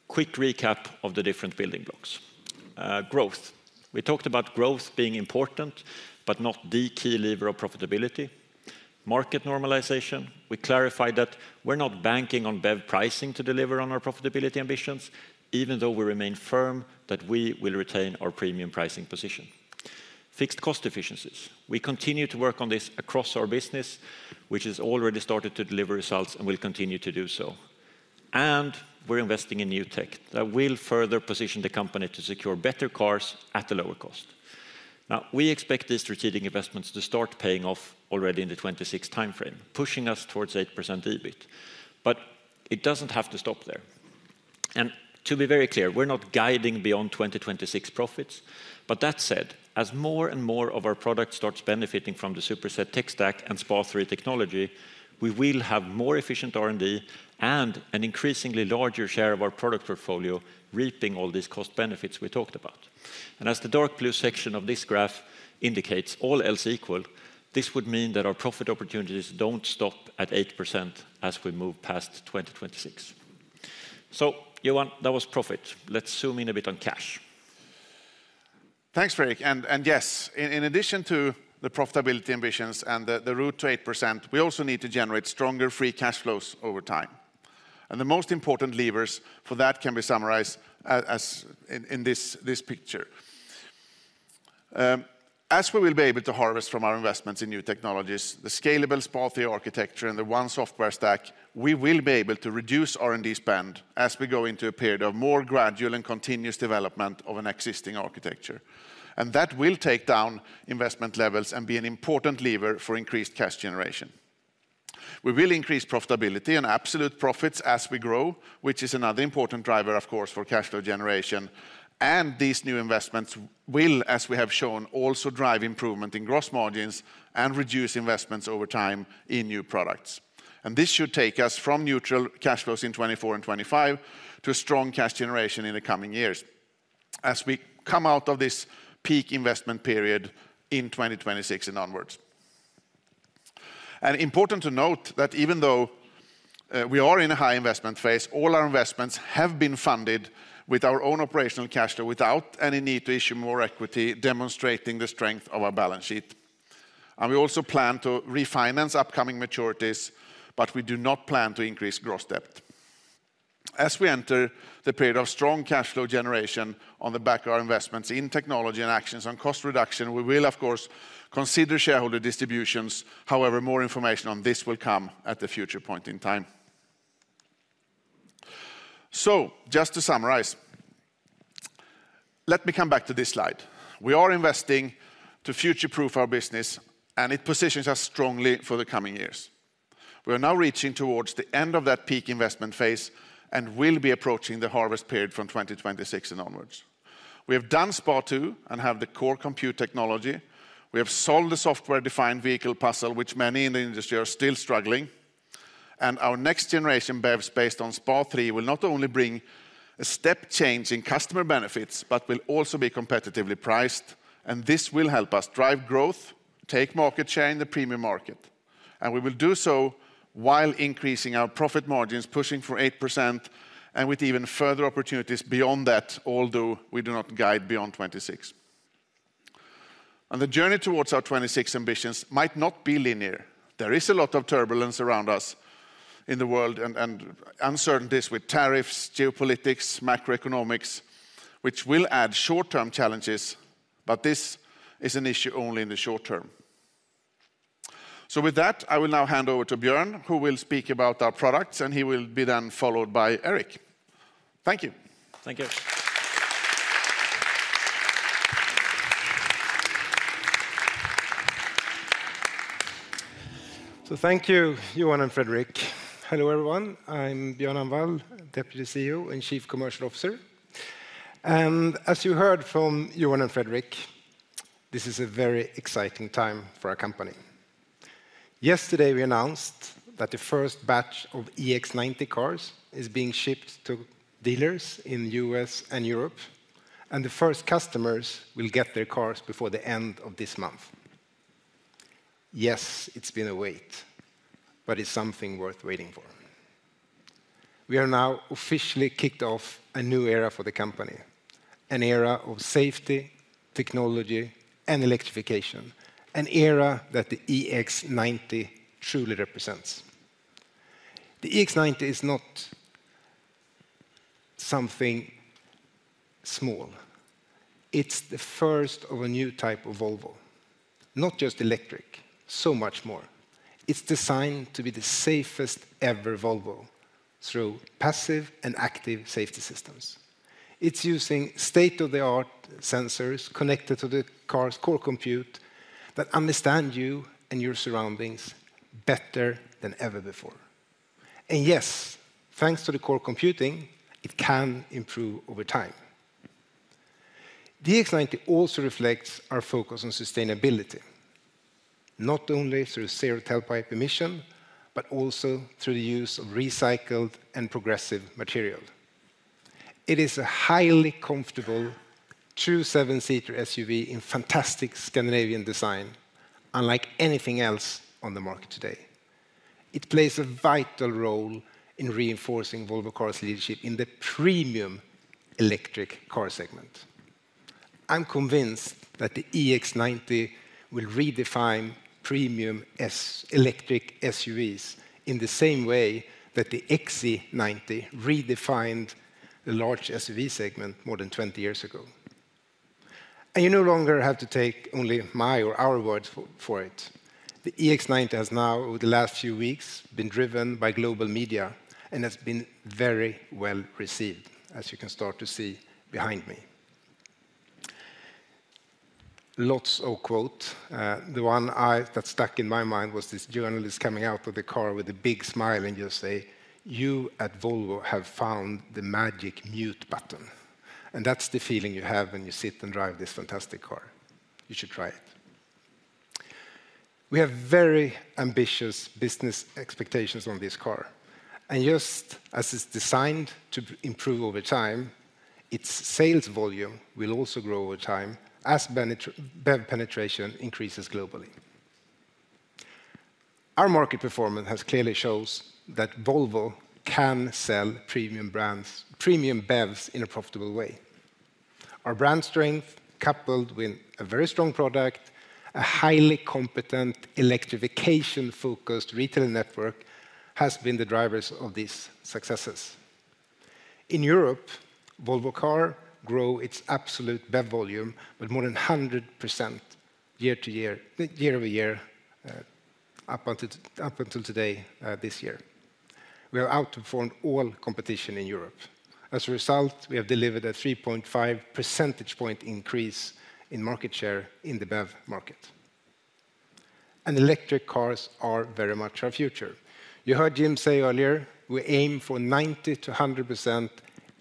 quick recap of the different building blocks. Growth, we talked about growth being important, but not the key lever of profitability. Market normalization, we clarified that we're not banking on BEV pricing to deliver on our profitability ambitions, even though we remain firm that we will retain our premium pricing position. Fixed cost efficiencies, we continue to work on this across our business, which has already started to deliver results and will continue to do so. And we're investing in new tech that will further position the company to secure better cars at a lower cost. Now, we expect these strategic investments to start paying off already in the 2026 timeframe, pushing us towards 8% EBIT. But it doesn't have to stop there. And to be very clear, we're not guiding beyond 2026 profits. But that said, as more and more of our product starts benefiting from the Superset tech stack and SPA3 Technology, we will have more efficient R&D and an increasingly larger share of our product portfolio reaping all these cost benefits we talked about. And as the dark blue section of this graph indicates, all else equal, this would mean that our profit opportunities don't stop at 8% as we move past 2026. So Johan, that was profit. Let's zoom in a bit on cash. Thanks, Fredrik. And yes, in addition to the profitability ambitions and the route to 8%, we also need to generate stronger free cash flows over time. And the most important levers for that can be summarized as in this picture. As we will be able to harvest from our investments in new technologies, the scalable SPA3 architecture and the one software stack, we will be able to reduce R&D spend as we go into a period of more gradual and continuous development of an existing architecture. And that will take down investment levels and be an important lever for increased cash generation. We will increase profitability and absolute profits as we grow, which is another important driver, of course, for cash flow generation. These new investments will, as we have shown, also drive improvement in gross margins and reduce investments over time in new products. This should take us from neutral cash flows in 2024 and 2025 to strong cash generation in the coming years as we come out of this peak investment period in 2026 and onwards. It is important to note that even though we are in a high investment phase, all our investments have been funded with our own operational cash flow without any need to issue more equity, demonstrating the strength of our balance sheet. We also plan to refinance upcoming maturities, but we do not plan to increase gross debt. As we enter the period of strong cash flow generation on the back of our investments in technology and actions on cost reduction, we will of course consider shareholder distributions. However, more information on this will come at a future point in time, so just to summarize, let me come back to this slide. We are investing to future-proof our business, and it positions us strongly for the coming years. We are now reaching towards the end of that peak investment phase and will be approaching the harvest period from 2026 and onwards. We have done SPA2 and have the core compute technology. We have solved the software-defined vehicle puzzle, which many in the industry are still struggling, and our next generation BEVs based on SPA3 will not only bring a step change in customer benefits, but will also be competitively priced, and this will help us drive growth, take market share in the premium market. We will do so while increasing our profit margins, pushing for 8%, and with even further opportunities beyond that, although we do not guide beyond 2026. The journey towards our 2026 ambitions might not be linear. There is a lot of turbulence around us in the world and uncertainties with tariffs, geopolitics, macroeconomics, which will add short-term challenges, but this is an issue only in the short term. With that, I will now hand over to Björn, who will speak about our products, and he will be then followed by Erik. Thank you. Thank you. So thank you, Johan and Fredrik. Hello, everyone. I'm Björn Annwall, Deputy CEO and Chief Commercial Officer. And as you heard from Johan and Fredrik, this is a very exciting time for our company. Yesterday, we announced that the first batch of EX90 cars is being shipped to dealers in US and Europe, and the first customers will get their cars before the end of this month. Yes, it's been a wait, but it's something worth waiting for. We are now officially kicked off a new era for the company, an era of safety, technology, and electrification, an era that the EX90 truly represents. The EX90 is not something small. It's the first of a new type of Volvo, not just electric, so much more. It's designed to be the safest ever Volvo through passive and active safety systems. It's using state-of-the-art sensors connected to the car's core compute that understand you and your surroundings better than ever before. And yes, thanks to the core computing, it can improve over time. The EX90 also reflects our focus on sustainability, not only through zero tailpipe emission, but also through the use of recycled and progressive material. It is a highly comfortable, true seven-seater SUV in fantastic Scandinavian design, unlike anything else on the market today. It plays a vital role in reinforcing Volvo Cars' leadership in the premium electric car segment. I'm convinced that the EX90 will redefine premium electric SUVs in the same way that the XC90 redefined the large SUV segment more than 20 years ago. And you no longer have to take only my or our word for it. The EX90 has now, over the last few weeks, been driven by global media and has been very well received, as you can start to see behind me. Lots of quote, the one I, that stuck in my mind was this journalist coming out of the car with a big smile and just say, "You at Volvo have found the magic mute button." And that's the feeling you have when you sit and drive this fantastic car. You should try it. We have very ambitious business expectations on this car, and just as it's designed to improve over time, its sales volume will also grow over time as BEV penetration increases globally. Our market performance has clearly shows that Volvo can sell premium brands, premium BEVs in a profitable way. Our brand strength, coupled with a very strong product, a highly competent electrification-focused retail network, has been the drivers of these successes. In Europe, Volvo Cars grew its absolute BEV volume with more than 100% year-over-year up until today this year. We have outperformed all competition in Europe. As a result, we have delivered a 3.5 percentage point increase in market share in the BEV market. And electric cars are very much our future. You heard Jim say earlier, we aim for 90%-100%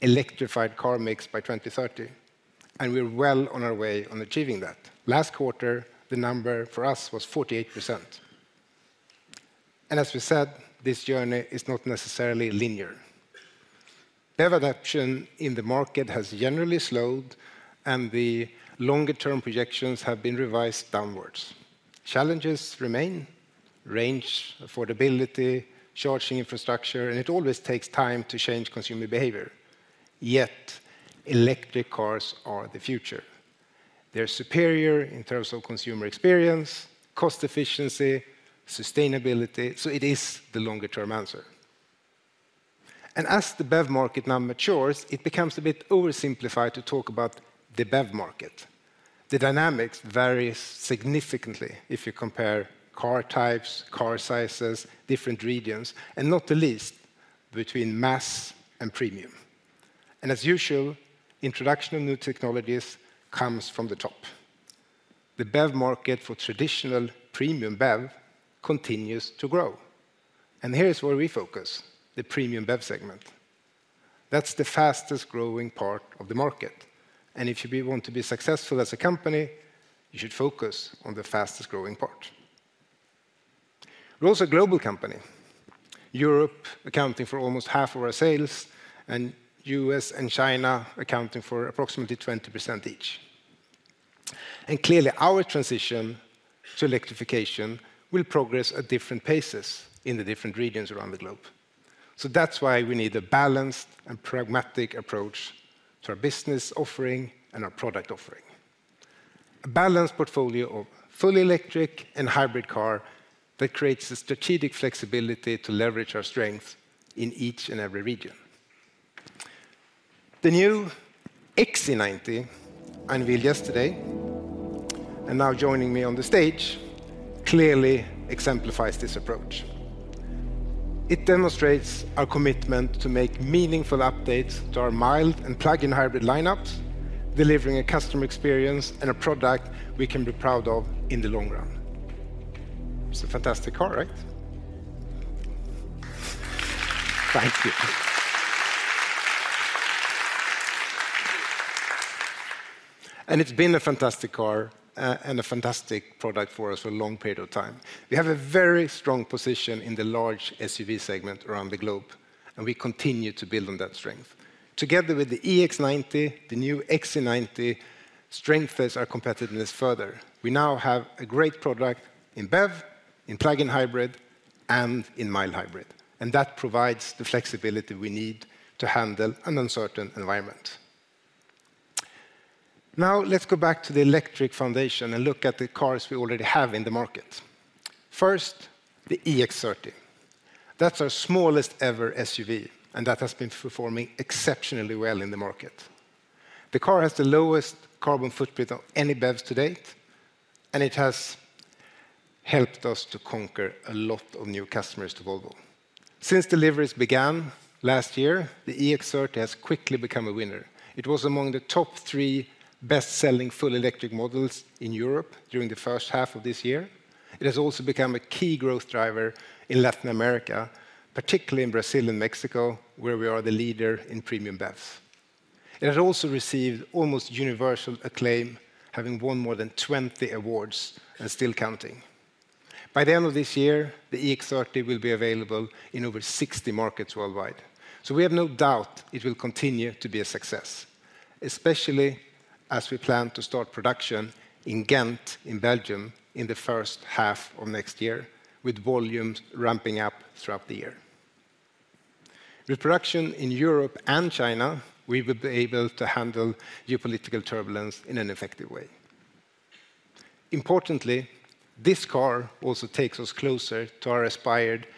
electrified car mix by 2030, and we're well on our way on achieving that. Last quarter, the number for us was 48%. And as we said, this journey is not necessarily linear. BEV adoption in the market has generally slowed, and the longer-term projections have been revised downwards. Challenges remain: range, affordability, charging infrastructure, and it always takes time to change consumer behavior. Yet, electric cars are the future... They're superior in terms of consumer experience, cost efficiency, sustainability, so it is the longer-term answer, and as the BEV market now matures, it becomes a bit oversimplified to talk about the BEV market. The dynamics vary significantly if you compare car types, car sizes, different regions, and not the least, between mass and premium, and as usual, introduction of new technologies comes from the top. The BEV market for traditional premium BEV continues to grow, and here is where we focus, the premium BEV segment. That's the fastest growing part of the market, and if you want to be successful as a company, you should focus on the fastest growing part. We're also a global company, Europe accounting for almost half of our sales, and U.S. and China accounting for approximately 20% each. And clearly, our transition to electrification will progress at different paces in the different regions around the globe. So that's why we need a balanced and pragmatic approach to our business offering and our product offering. A balanced portfolio of fully electric and hybrid car that creates the strategic flexibility to leverage our strengths in each and every region. The new XC90, unveiled yesterday, and now joining me on the stage, clearly exemplifies this approach. It demonstrates our commitment to make meaningful updates to our mild and plug-in hybrid line-ups, delivering a customer experience and a product we can be proud of in the long run. It's a fantastic car, right? Thank you. And it's been a fantastic car, and a fantastic product for us for a long period of time. We have a very strong position in the large SUV segment around the globe, and we continue to build on that strength. Together with the EX90, the new XC90 strengthens our competitiveness further. We now have a great product in BEV, in plug-in hybrid, and in mild hybrid, and that provides the flexibility we need to handle an uncertain environment. Now, let's go back to the electric foundation and look at the cars we already have in the market. First, the EX30. That's our smallest ever SUV, and that has been performing exceptionally well in the market. The car has the lowest carbon footprint of any BEVs to date, and it has helped us to conquer a lot of new customers to Volvo. Since deliveries began last year, the EX30 has quickly become a winner. It was among the top three best-selling full electric models in Europe during the first half of this year. It has also become a key growth driver in Latin America, particularly in Brazil and Mexico, where we are the leader in premium BEVs. It has also received almost universal acclaim, having won more than 20 awards and still counting. By the end of this year, the EX30 will be available in over 60 markets worldwide. So we have no doubt it will continue to be a success, especially as we plan to start production in Ghent, in Belgium, in the first half of next year, with volumes ramping up throughout the year. With production in Europe and China, we will be able to handle geopolitical turbulence in an effective way. Importantly, this car also takes us closer to our aspired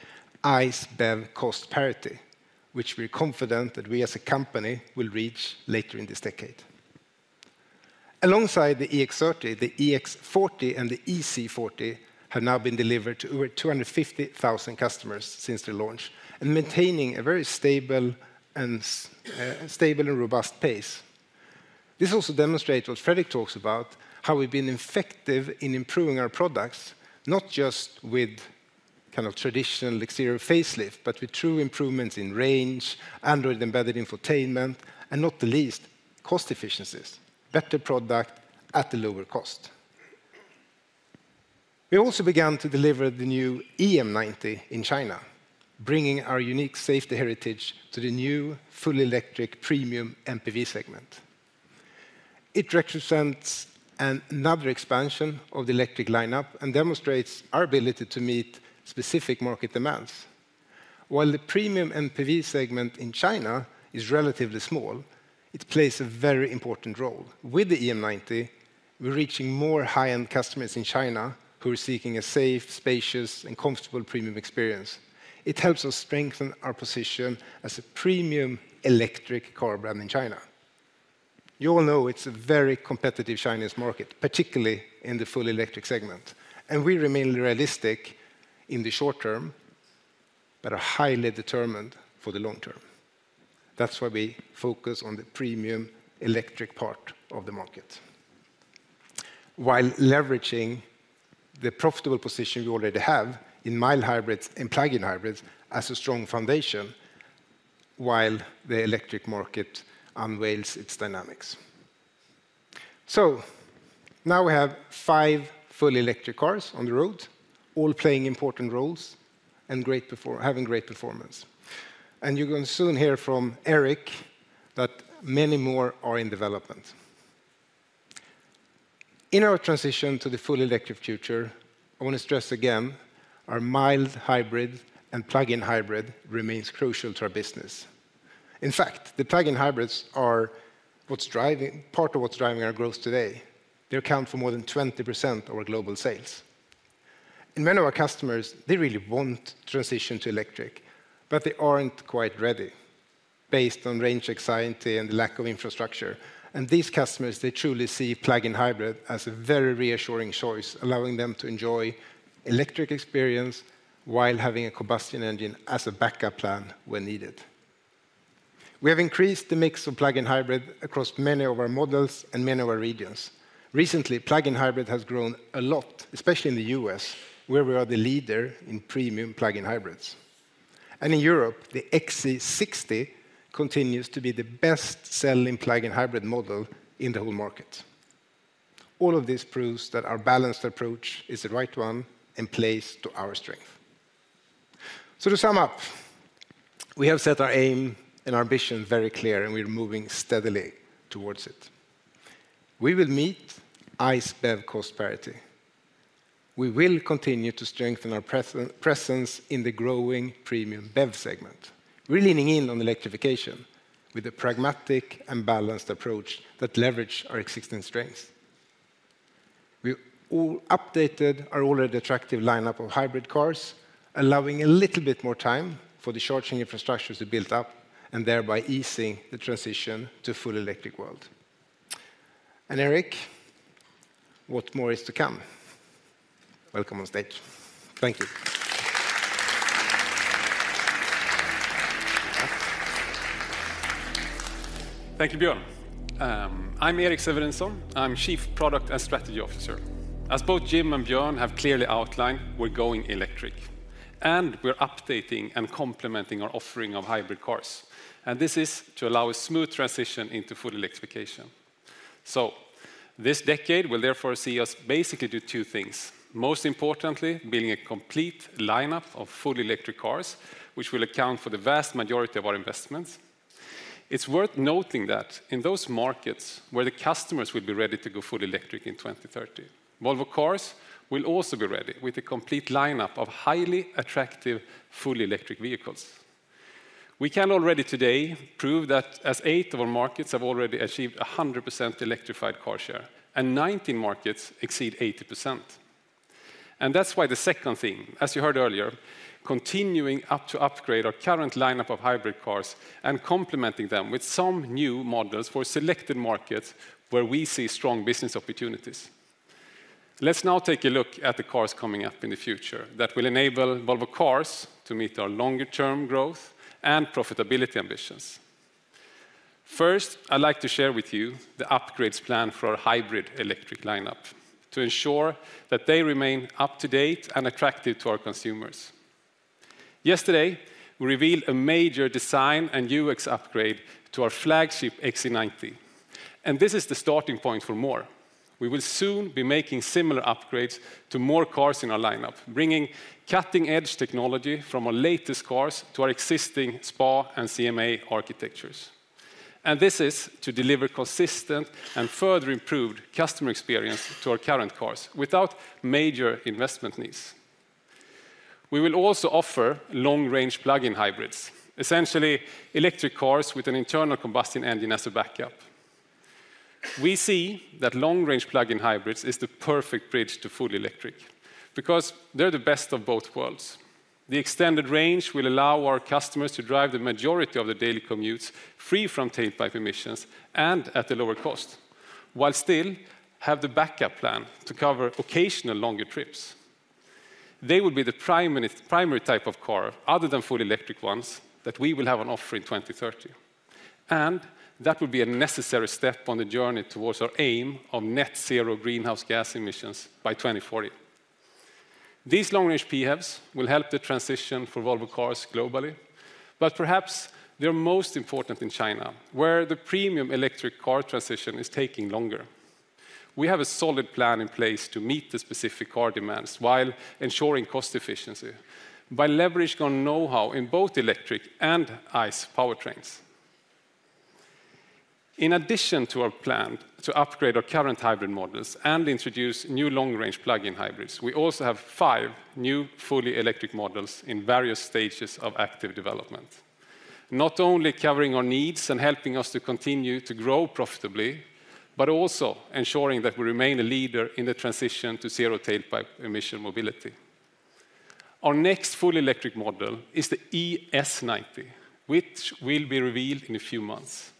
ICE/BEV cost parity, which we're confident that we as a company will reach later in this decade. Alongside the EX30, the EX40 and the EC40 have now been delivered to over 250,000 customers since the launch, and maintaining a very stable and robust pace. This also demonstrates what Fredrik talks about, how we've been effective in improving our products, not just with kind of traditional exterior facelift, but with true improvements in range, Android-embedded infotainment, and not the least, cost efficiencies, better product at a lower cost. We also began to deliver the new EM90 in China, bringing our unique safety heritage to the new fully electric premium MPV segment. It represents another expansion of the electric line-up and demonstrates our ability to meet specific market demands. While the premium MPV segment in China is relatively small, it plays a very important role. With the EM90, we're reaching more high-end customers in China who are seeking a safe, spacious, and comfortable premium experience. It helps us strengthen our position as a premium electric car brand in China. You all know it's a very competitive Chinese market, particularly in the full electric segment, and we remain realistic in the short term, but are highly determined for the long term. That's why we focus on the premium electric part of the market, while leveraging the profitable position we already have in mild hybrids and plug-in hybrids as a strong foundation, while the electric market unveils its dynamics. So now we have five fully electric cars on the road, all playing important roles and having great performance. And you're going to soon hear from Erik that many more are in development. In our transition to the full electric future, I want to stress again, our mild hybrid and plug-in hybrid remains crucial to our business. In fact, the plug-in hybrids are what's driving, part of what's driving our growth today. They account for more than 20% of our global sales. And many of our customers, they really want transition to electric, but they aren't quite ready based on range anxiety and lack of infrastructure. And these customers, they truly see plug-in hybrid as a very reassuring choice, allowing them to enjoy electric experience while having a combustion engine as a backup plan when needed. We have increased the mix of plug-in hybrid across many of our models and many of our regions. Recently, plug-in hybrid has grown a lot, especially in the U.S., where we are the leader in premium plug-in hybrids, and in Europe, the XC60 continues to be the best-selling plug-in hybrid model in the whole market. All of this proves that our balanced approach is the right one and plays to our strength, so to sum up, we have set our aim and our ambition very clear, and we're moving steadily towards it. We will meet ICE BEV cost parity. We will continue to strengthen our presence in the growing premium BEV segment. We're leaning in on electrification with a pragmatic and balanced approach that leverage our existing strengths. We all updated our already attractive lineup of hybrid cars, allowing a little bit more time for the charging infrastructure to build up and thereby easing the transition to full electric world, and Erik, what more is to come? Welcome on stage. Thank you. Thank you, Björn. I'm Erik Severinsson. I'm Chief Product and Strategy Officer. As both Jim and Björn have clearly outlined, we're going electric, and we're updating and complementing our offering of hybrid cars, and this is to allow a smooth transition into full electrification. This decade will therefore see us basically do two things. Most importantly, building a complete lineup of fully electric cars, which will account for the vast majority of our investments. It's worth noting that in those markets where the customers will be ready to go full electric in 2030, Volvo Cars will also be ready with a complete lineup of highly attractive, fully electric vehicles. We can already today prove that as eight of our markets have already achieved 100% electrified car share and 19 markets exceed 80%. And that's why the second thing, as you heard earlier, continuing up to upgrade our current lineup of hybrid cars and complementing them with some new models for selected markets where we see strong business opportunities. Let's now take a look at the cars coming up in the future that will enable Volvo Cars to meet our longer-term growth and profitability ambitions. First, I'd like to share with you the upgrades plan for our hybrid electric lineup to ensure that they remain up-to-date and attractive to our consumers. Yesterday, we revealed a major design and UX upgrade to our flagship XC90, and this is the starting point for more. We will soon be making similar upgrades to more cars in our lineup, bringing cutting-edge technology from our latest cars to our existing SPA and CMA architectures. This is to deliver consistent and further improved customer experience to our current cars without major investment needs. We will also offer long-range plug-in hybrids, essentially electric cars with an internal combustion engine as a backup. We see that long-range plug-in hybrids is the perfect bridge to fully electric because they're the best of both worlds. The extended range will allow our customers to drive the majority of their daily commutes free from tailpipe emissions and at a lower cost, while still have the backup plan to cover occasional longer trips. They will be the primary type of car, other than fully electric ones, that we will have on offer in 2030, and that will be a necessary step on the journey towards our aim of net zero greenhouse gas emissions by 2040. These long-range PHEVs will help the transition for Volvo Cars globally, but perhaps they're most important in China, where the premium electric car transition is taking longer. We have a solid plan in place to meet the specific car demands while ensuring cost efficiency by leveraging on know-how in both electric and ICE powertrains. In addition to our plan to upgrade our current hybrid models and introduce new long-range plug-in hybrids, we also have five new fully electric models in various stages of active development, not only covering our needs and helping us to continue to grow profitably, but also ensuring that we remain a leader in the transition to zero tailpipe emission mobility. Our next fully electric model is the ES90, which will be revealed in a few months.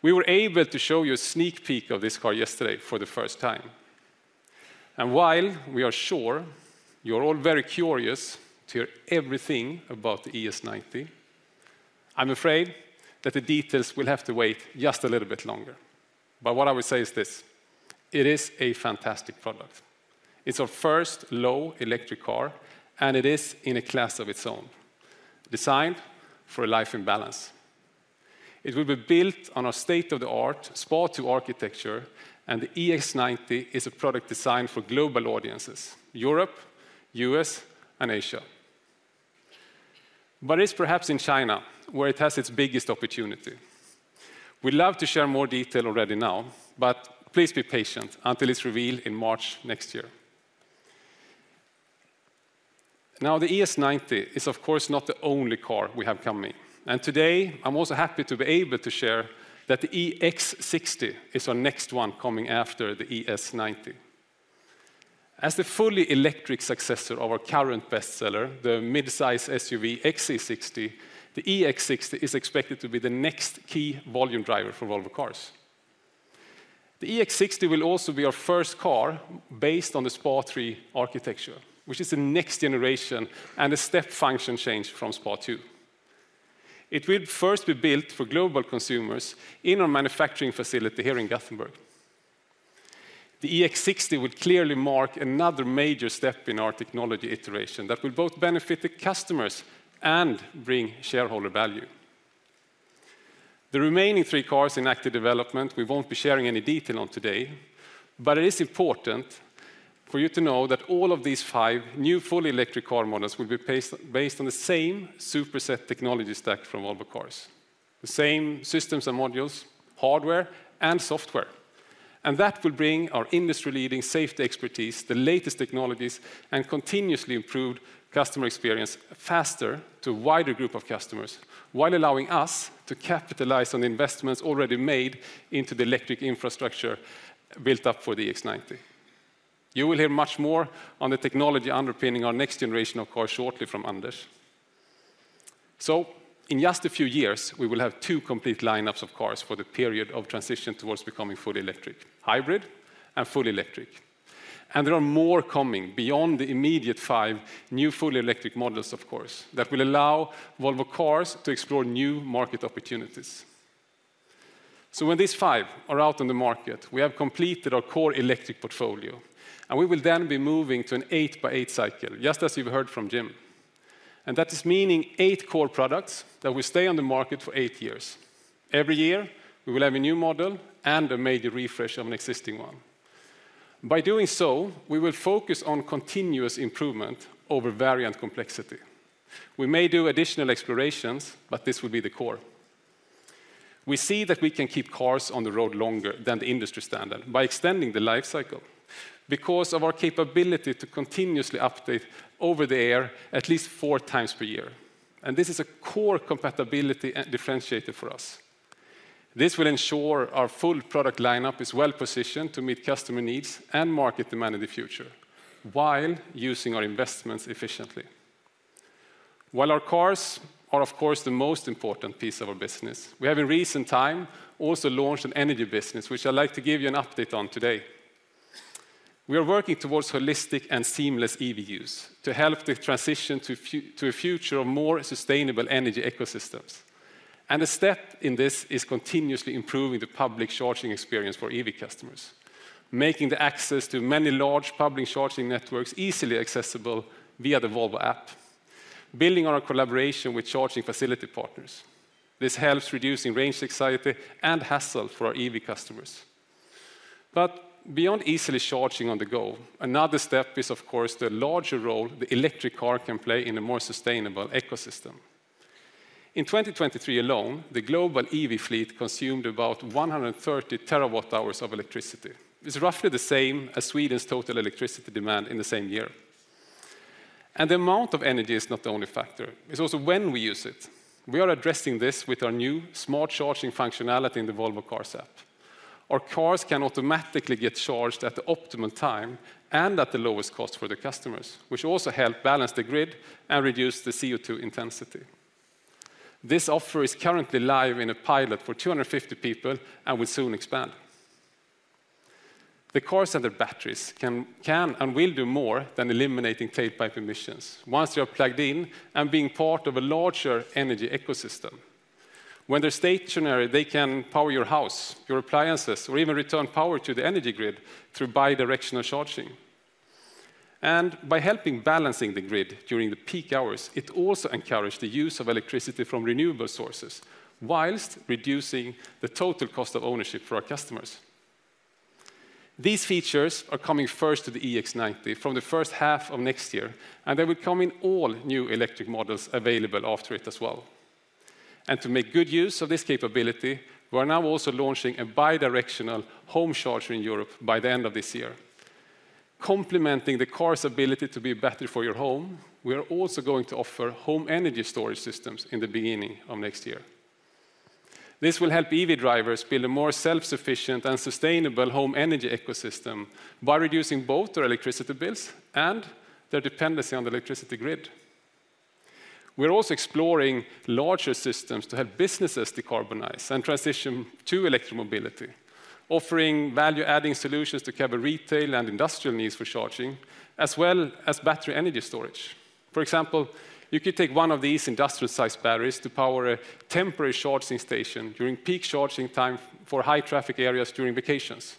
We were able to show you a sneak peek of this car yesterday for the first time. While we are sure you're all very curious to hear everything about the ES90, I'm afraid that the details will have to wait just a little bit longer. But what I will say is this: It is a fantastic product. It's our first luxury electric car, and it is in a class of its own, designed for a life in balance. It will be built on a state-of-the-art SPA2 architecture, and the ES90 is a product designed for global audiences, Europe, US, and Asia. But it's perhaps in China, where it has its biggest opportunity. We'd love to share more detail already now, but please be patient until it's revealed in March next year. Now, the ES90 is of course not the only car we have coming. Today, I'm also happy to be able to share that the EX60 is our next one coming after the ES90. As the fully electric successor of our current best seller, the mid-size SUV XC60, the EX60 is expected to be the next key volume driver for Volvo Cars. The EX60 will also be our first car based on the SPA3 architecture, which is the next generation and a step function change from SPA2. It will first be built for global consumers in our manufacturing facility here in Gothenburg. The EX60 will clearly mark another major step in our technology iteration that will both benefit the customers and bring shareholder value. The remaining three cars in active development, we won't be sharing any detail on today, but it is important for you to know that all of these five new fully electric car models will be based on the same super set technology stack from Volvo Cars. The same systems and modules, hardware, and software, and that will bring our industry-leading safety expertise, the latest technologies, and continuously improved customer experience faster to a wider group of customers, while allowing us to capitalize on the investments already made into the electric infrastructure built up for the EX90. You will hear much more on the technology underpinning our next generation of cars shortly from Anders. So in just a few years, we will have two complete lineups of cars for the period of transition towards becoming fully electric, hybrid and full electric. And there are more coming beyond the immediate five new fully electric models, of course, that will allow Volvo Cars to explore new market opportunities. When these five are out on the market, we have completed our core electric portfolio, and we will then be moving to an eight by eight cycle, just as you've heard from Jim. That is meaning eight core products that will stay on the market for eight years. Every year, we will have a new model and a major refresh of an existing one. By doing so, we will focus on continuous improvement over variant complexity. We may do additional explorations, but this will be the core. We see that we can keep cars on the road longer than the industry standard by extending the life cycle because of our capability to continuously update over the air at least four times per year, and this is a core compatibility and differentiator for us. This will ensure our full product lineup is well-positioned to meet customer needs and market demand in the future while using our investments efficiently. While our cars are, of course, the most important piece of our business, we have in recent time also launched an energy business, which I'd like to give you an update on today. We are working towards holistic and seamless EV use to help the transition to a future of more sustainable energy ecosystems. And a step in this is continuously improving the public charging experience for EV customers, making the access to many large public charging networks easily accessible via the Volvo app, building on our collaboration with charging facility partners. This helps reducing range anxiety and hassle for our EV customers. But beyond easily charging on the go, another step is, of course, the larger role the electric car can play in a more sustainable ecosystem. In 2023 alone, the global EV fleet consumed about 130 terawatt-hours of electricity. It's roughly the same as Sweden's total electricity demand in the same year. And the amount of energy is not the only factor, it's also when we use it. We are addressing this with our new smart charging functionality in the Volvo Cars app. Our cars can automatically get charged at the optimal time and at the lowest cost for the customers, which also help balance the grid and reduce the CO2 intensity. This offer is currently live in a pilot for 250 people and will soon expand. The cars and the batteries can and will do more than eliminating tailpipe emissions once you are plugged in and being part of a larger energy ecosystem. When they're stationary, they can power your house, your appliances, or even return power to the energy grid through bi-directional charging, and by helping balancing the grid during the peak hours, it also encourage the use of electricity from renewable sources whilst reducing the total cost of ownership for our customers. These features are coming first to the EX90 from the first half of next year, and they will come in all new electric models available after it as well, and to make good use of this capability, we are now also launching a bi-directional home charger in Europe by the end of this year. Complementing the car's ability to be a battery for your home, we are also going to offer home energy storage systems in the beginning of next year. This will help EV drivers build a more self-sufficient and sustainable home energy ecosystem by reducing both their electricity bills and their dependency on the electricity grid. We're also exploring larger systems to help businesses decarbonize and transition to electric mobility, offering value-adding solutions to cover retail and industrial needs for charging, as well as battery energy storage. For example, you could take one of these industrial-sized batteries to power a temporary charging station during peak charging time for high traffic areas during vacations.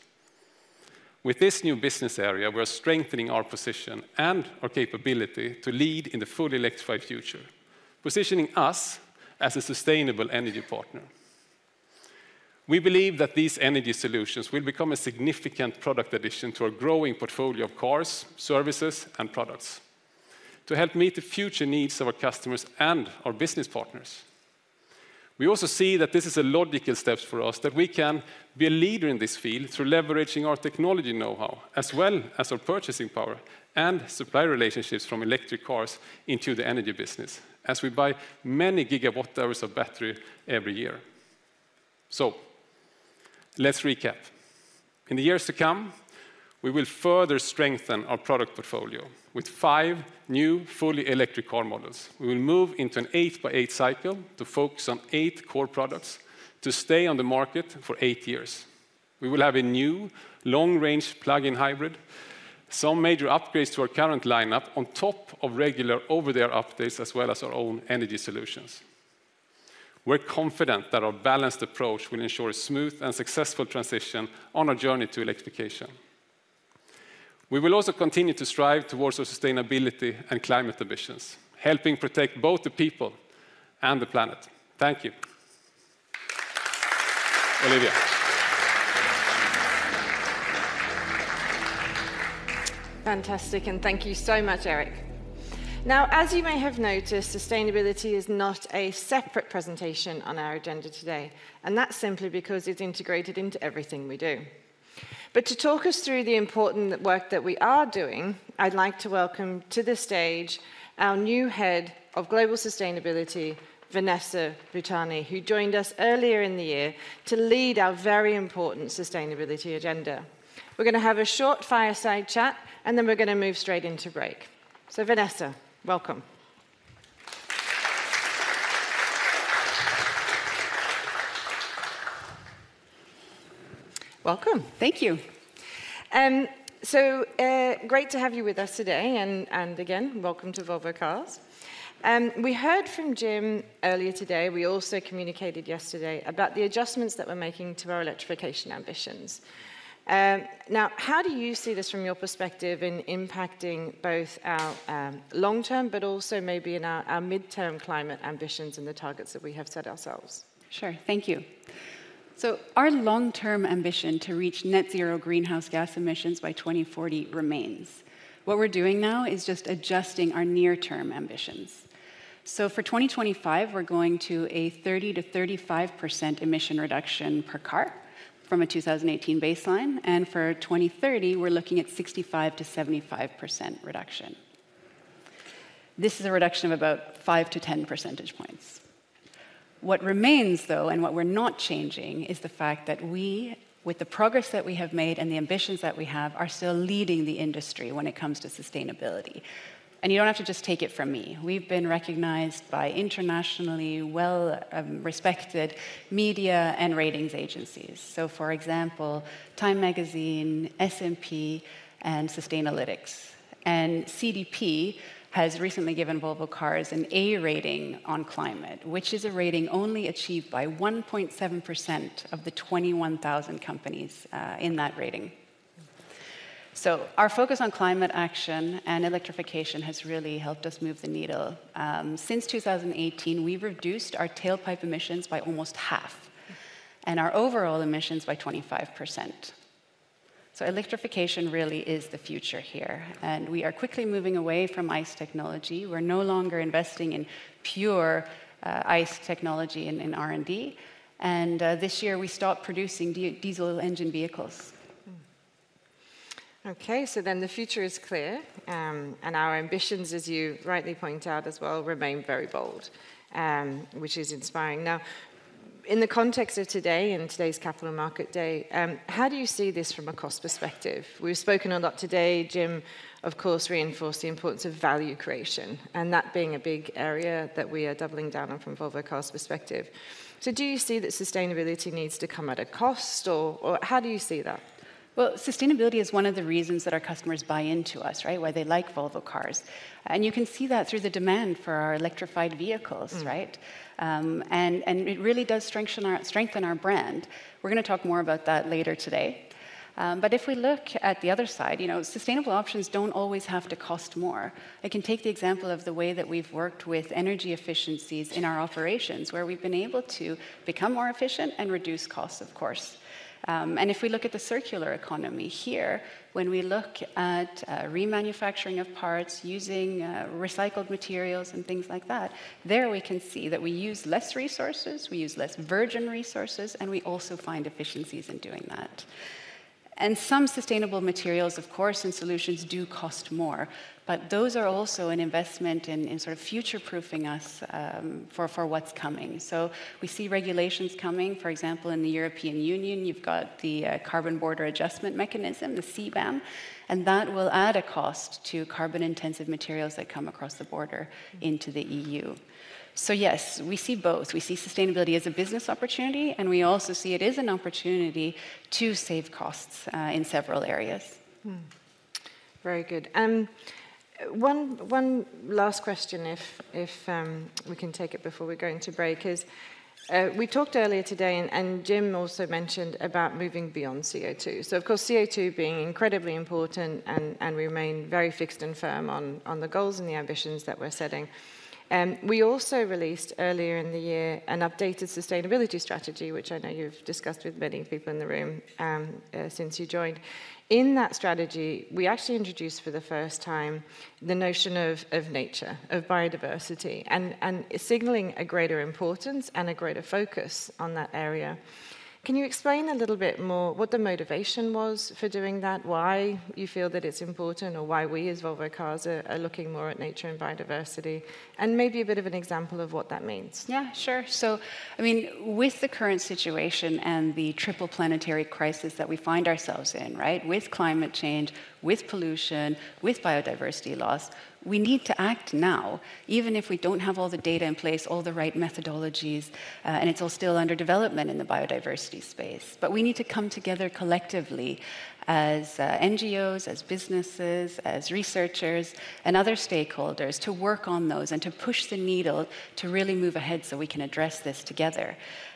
With this new business area, we're strengthening our position and our capability to lead in the fully electrified future, positioning us as a sustainable energy partner. We believe that these energy solutions will become a significant product addition to our growing portfolio of cars, services, and products to help meet the future needs of our customers and our business partners. We also see that this is a logical steps for us, that we can be a leader in this field through leveraging our technology know-how, as well as our purchasing power and supply relationships from electric cars into the energy business, as we buy many gigawatt-hours of battery every year. So let's recap. In the years to come, we will further strengthen our product portfolio with five new fully electric car models. We will move into an eight-by-eight cycle to focus on eight core products to stay on the market for eight years. We will have a new long-range plug-in hybrid, some major upgrades to our current lineup on top of regular over-the-air updates, as well as our own energy solutions. We're confident that our balanced approach will ensure a smooth and successful transition on our journey to electrification. We will also continue to strive towards our sustainability and climate ambitions, helping protect both the people and the planet. Thank you. Olivia. Fantastic, and thank you so much, Erik. Now, as you may have noticed, sustainability is not a separate presentation on our agenda today, and that's simply because it's integrated into everything we do. But to talk us through the important work that we are doing, I'd like to welcome to the stage our new Head of Global Sustainability, Vanessa Butani, who joined us earlier in the year to lead our very important sustainability agenda. We're gonna have a short fireside chat, and then we're gonna move straight into break. So Vanessa, welcome. Welcome. Thank you. Great to have you with us today, and again, welcome to Volvo Cars. We heard from Jim earlier today. We also communicated yesterday about the adjustments that we're making to our electrification ambitions. Now, how do you see this from your perspective in impacting both our long term, but also maybe in our midterm climate ambitions and the targets that we have set ourselves? Sure, thank you. Our long-term ambition to reach net zero greenhouse gas emissions by 2040 remains. What we're doing now is just adjusting our near-term ambitions. For 2025, we're going to a 30-35% emission reduction per car from a 2018 baseline, and for 2030, we're looking at 65-75% reduction. This is a reduction of about five to ten percentage points. What remains, though, and what we're not changing, is the fact that we, with the progress that we have made and the ambitions that we have, are still leading the industry when it comes to sustainability. You don't have to just take it from me. We've been recognized by internationally well-respected media and ratings agencies, so for example, TIME magazine, S&P, and Sustainalytics. CDP has recently given Volvo Cars an A rating on climate, which is a rating only achieved by 1.7% of the 21,000 companies in that rating. Our focus on climate action and electrification has really helped us move the needle. Since 2018, we've reduced our tailpipe emissions by almost half, and our overall emissions by 25%. Electrification really is the future here, and we are quickly moving away from ICE technology. We're no longer investing in pure ICE technology in R&D, and this year we stopped producing diesel engine vehicles. Okay, so then the future is clear, and our ambitions, as you rightly point out as well, remain very bold, which is inspiring. Now, in the context of today, in today's Capital Markets Day, how do you see this from a cost perspective? We've spoken a lot today. Jim, of course, reinforced the importance of value creation, and that being a big area that we are doubling down on from Volvo Cars' perspective. So do you see that sustainability needs to come at a cost, or how do you see that? Sustainability is one of the reasons that our customers buy into us, right? Why they like Volvo Cars. You can see that through the demand for our electrified vehicles- Mm... right? And it really does strengthen our brand. We're gonna talk more about that later today. But if we look at the other side, you know, sustainable options don't always have to cost more. I can take the example of the way that we've worked with energy efficiencies in our operations, where we've been able to become more efficient and reduce costs, of course. And if we look at the circular economy here, when we look at remanufacturing of parts, using recycled materials and things like that, there we can see that we use less resources, we use less virgin resources, and we also find efficiencies in doing that. And some sustainable materials, of course, and solutions do cost more, but those are also an investment in sort of future-proofing us for what's coming. So we see regulations coming. For example, in the European Union, you've got the Carbon Border Adjustment Mechanism, the CBAM, and that will add a cost to carbon-intensive materials that come across the border into the EU. So yes, we see both. We see sustainability as a business opportunity, and we also see it as an opportunity to save costs in several areas. Very good. One last question, if we can take it before we go into break, is we talked earlier today, and Jim also mentioned about moving beyond CO2. So, of course, CO2 being incredibly important, and we remain very fixed and firm on the goals and the ambitions that we're setting. We also released earlier in the year an updated sustainability strategy, which I know you've discussed with many people in the room since you joined. In that strategy, we actually introduced for the first time the notion of nature, of biodiversity, and it's signaling a greater importance and a greater focus on that area. Can you explain a little bit more what the motivation was for doing that? Why you feel that it's important, or why we as Volvo Cars are looking more at nature and biodiversity, and maybe a bit of an example of what that means? Yeah, sure. So, I mean, with the current situation and the triple planetary crisis that we find ourselves in, right? With climate change, with pollution, with biodiversity loss, we need to act now, even if we don't have all the data in place, all the right methodologies, and it's all still under development in the biodiversity space. But we need to come together collectively as NGOs, as businesses, as researchers, and other stakeholders to work on those and to push the needle to really move ahead so we can address this together.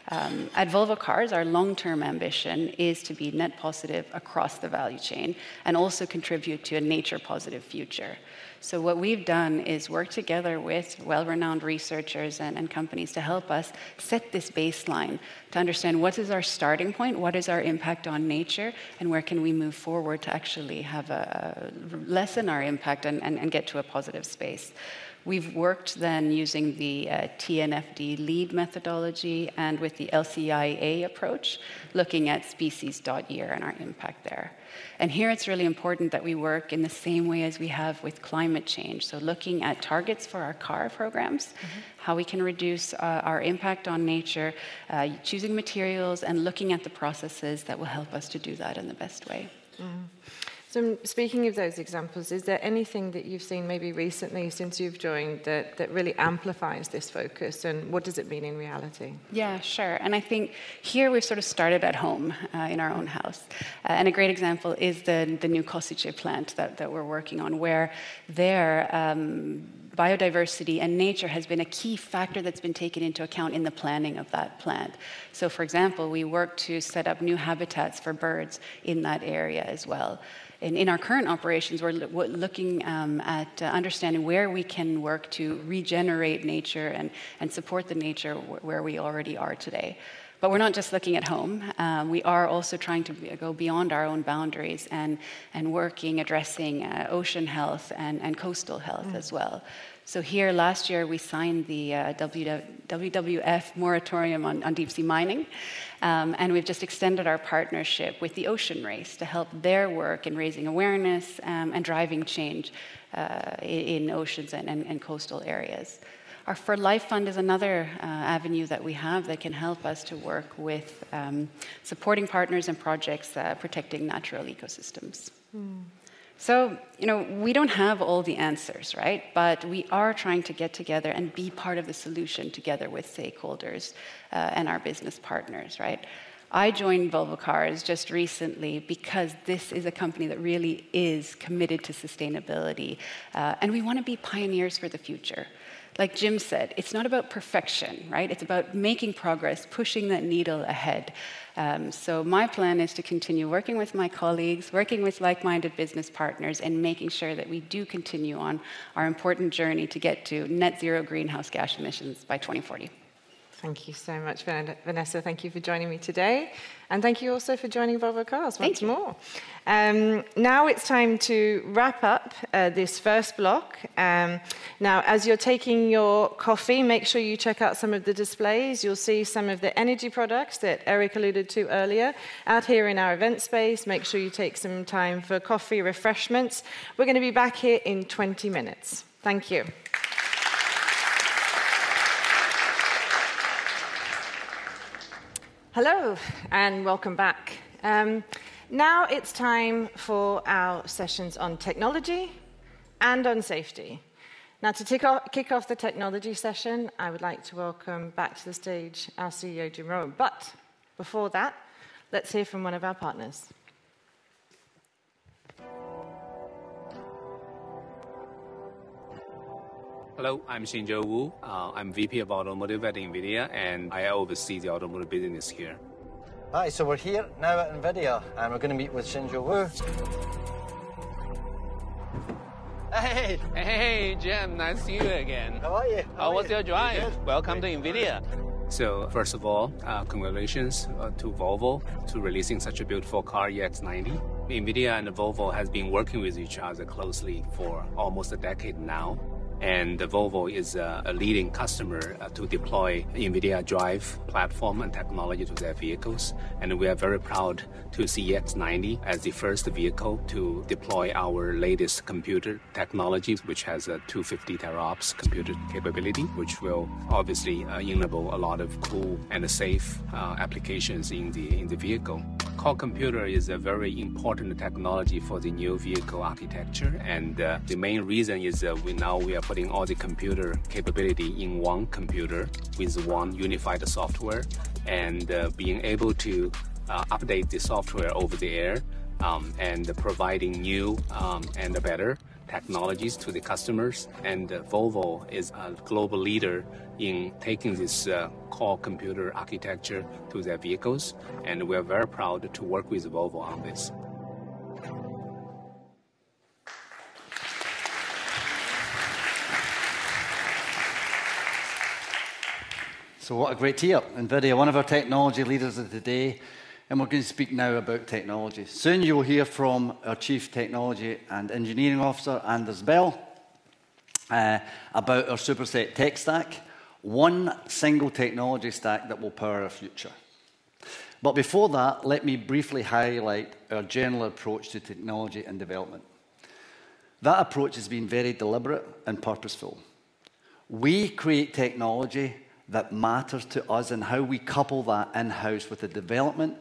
At Volvo Cars, our long-term ambition is to be net positive across the value chain and also contribute to a nature-positive future. So what we've done is work together with well-renowned researchers and companies to help us set this baseline to understand what is our starting point, what is our impact on nature, and where can we move forward to actually have a lessen our impact and get to a positive space. We've worked then using the TNFD LEAP methodology and with the LCIA approach, looking at species-year and our impact there. And here, it's really important that we work in the same way as we have with climate change, so looking at targets for our car programs- Mm-hmm. How we can reduce our impact on nature, choosing materials, and looking at the processes that will help us to do that in the best way. Mm-hmm. So speaking of those examples, is there anything that you've seen maybe recently since you've joined that really amplifies this focus, and what does it mean in reality? Yeah, sure. I think here we've sort of started at home, in our own house. A great example is the new Košice plant that we're working on, where biodiversity and nature has been a key factor that's been taken into account in the planning of that plant. For example, we worked to set up new habitats for birds in that area as well. In our current operations, we're looking at understanding where we can work to regenerate nature and support the nature where we already are today. We're not just looking at home. We are also trying to go beyond our own boundaries and working, addressing, ocean health and coastal health as well. Mm. Here last year, we signed the WWF moratorium on deep sea mining. We've just extended our partnership with the Ocean Race to help their work in raising awareness and driving change in oceans and coastal areas. Our For Life Fund is another avenue that we have that can help us to work with supporting partners and projects protecting natural ecosystems. Mm. So, you know, we don't have all the answers, right? But we are trying to get together and be part of the solution together with stakeholders, and our business partners, right? I joined Volvo Cars just recently because this is a company that really is committed to sustainability, and we wanna be pioneers for the future. Like Jim said, it's not about perfection, right? It's about making progress, pushing that needle ahead. So my plan is to continue working with my colleagues, working with like-minded business partners, and making sure that we do continue on our important journey to get to net zero greenhouse gas emissions by 2040. Thank you so much, Vanessa. Thank you for joining me today, and thank you also for joining Volvo Cars once more. Thank you! Now it's time to wrap up this first block. Now, as you're taking your coffee, make sure you check out some of the displays. You'll see some of the energy products that Erik alluded to earlier out here in our event space. Make sure you take some time for coffee, refreshments. We're gonna be back here in 20 minutes. Thank you. Hello, and welcome back. Now it's time for our sessions on technology and on safety. Now, to kick off the technology session, I would like to welcome back to the stage our CEO, Jim Rowan. But before that, let's hear from one of our partners. Hello, I'm Xinzhou Wu. I'm VP of Automotive at NVIDIA, and I oversee the automotive business here. Hi, so we're here now at NVIDIA, and we're gonna meet with Xinzhou Wu. Hey! Hey, Jim, nice to see you again. How are you? How was your drive? Good. Welcome to NVIDIA. So, first of all, congratulations to Volvo for releasing such a beautiful car, EX90. NVIDIA and Volvo has been working with each other closely for almost a decade now, and Volvo is a leading customer to deploy NVIDIA Drive platform and technology to their vehicles. And we are very proud to see EX90 as the first vehicle to deploy our latest computer technologies, which has a 250 teraOPS computer capability, which will obviously enable a lot of cool and safe applications in the vehicle. Core computing is a very important technology for the new vehicle architecture, and the main reason is that we now are putting all the computer capability in one computer with one unified software, and being able to update the software over the air, and providing new and better technologies to the customers, and Volvo is a global leader in taking this core computing architecture to their vehicles, and we are very proud to work with Volvo on this. So what a great year, NVIDIA, one of our technology leaders of today, and we're going to speak now about technology. Soon, you will hear from our Chief Technology and Engineering Officer, Anders Bell, about our Superset tech stack, one single technology stack that will power our future. But before that, let me briefly highlight our general approach to technology and development. That approach has been very deliberate and purposeful. We create technology that matters to us and how we couple that in-house with the development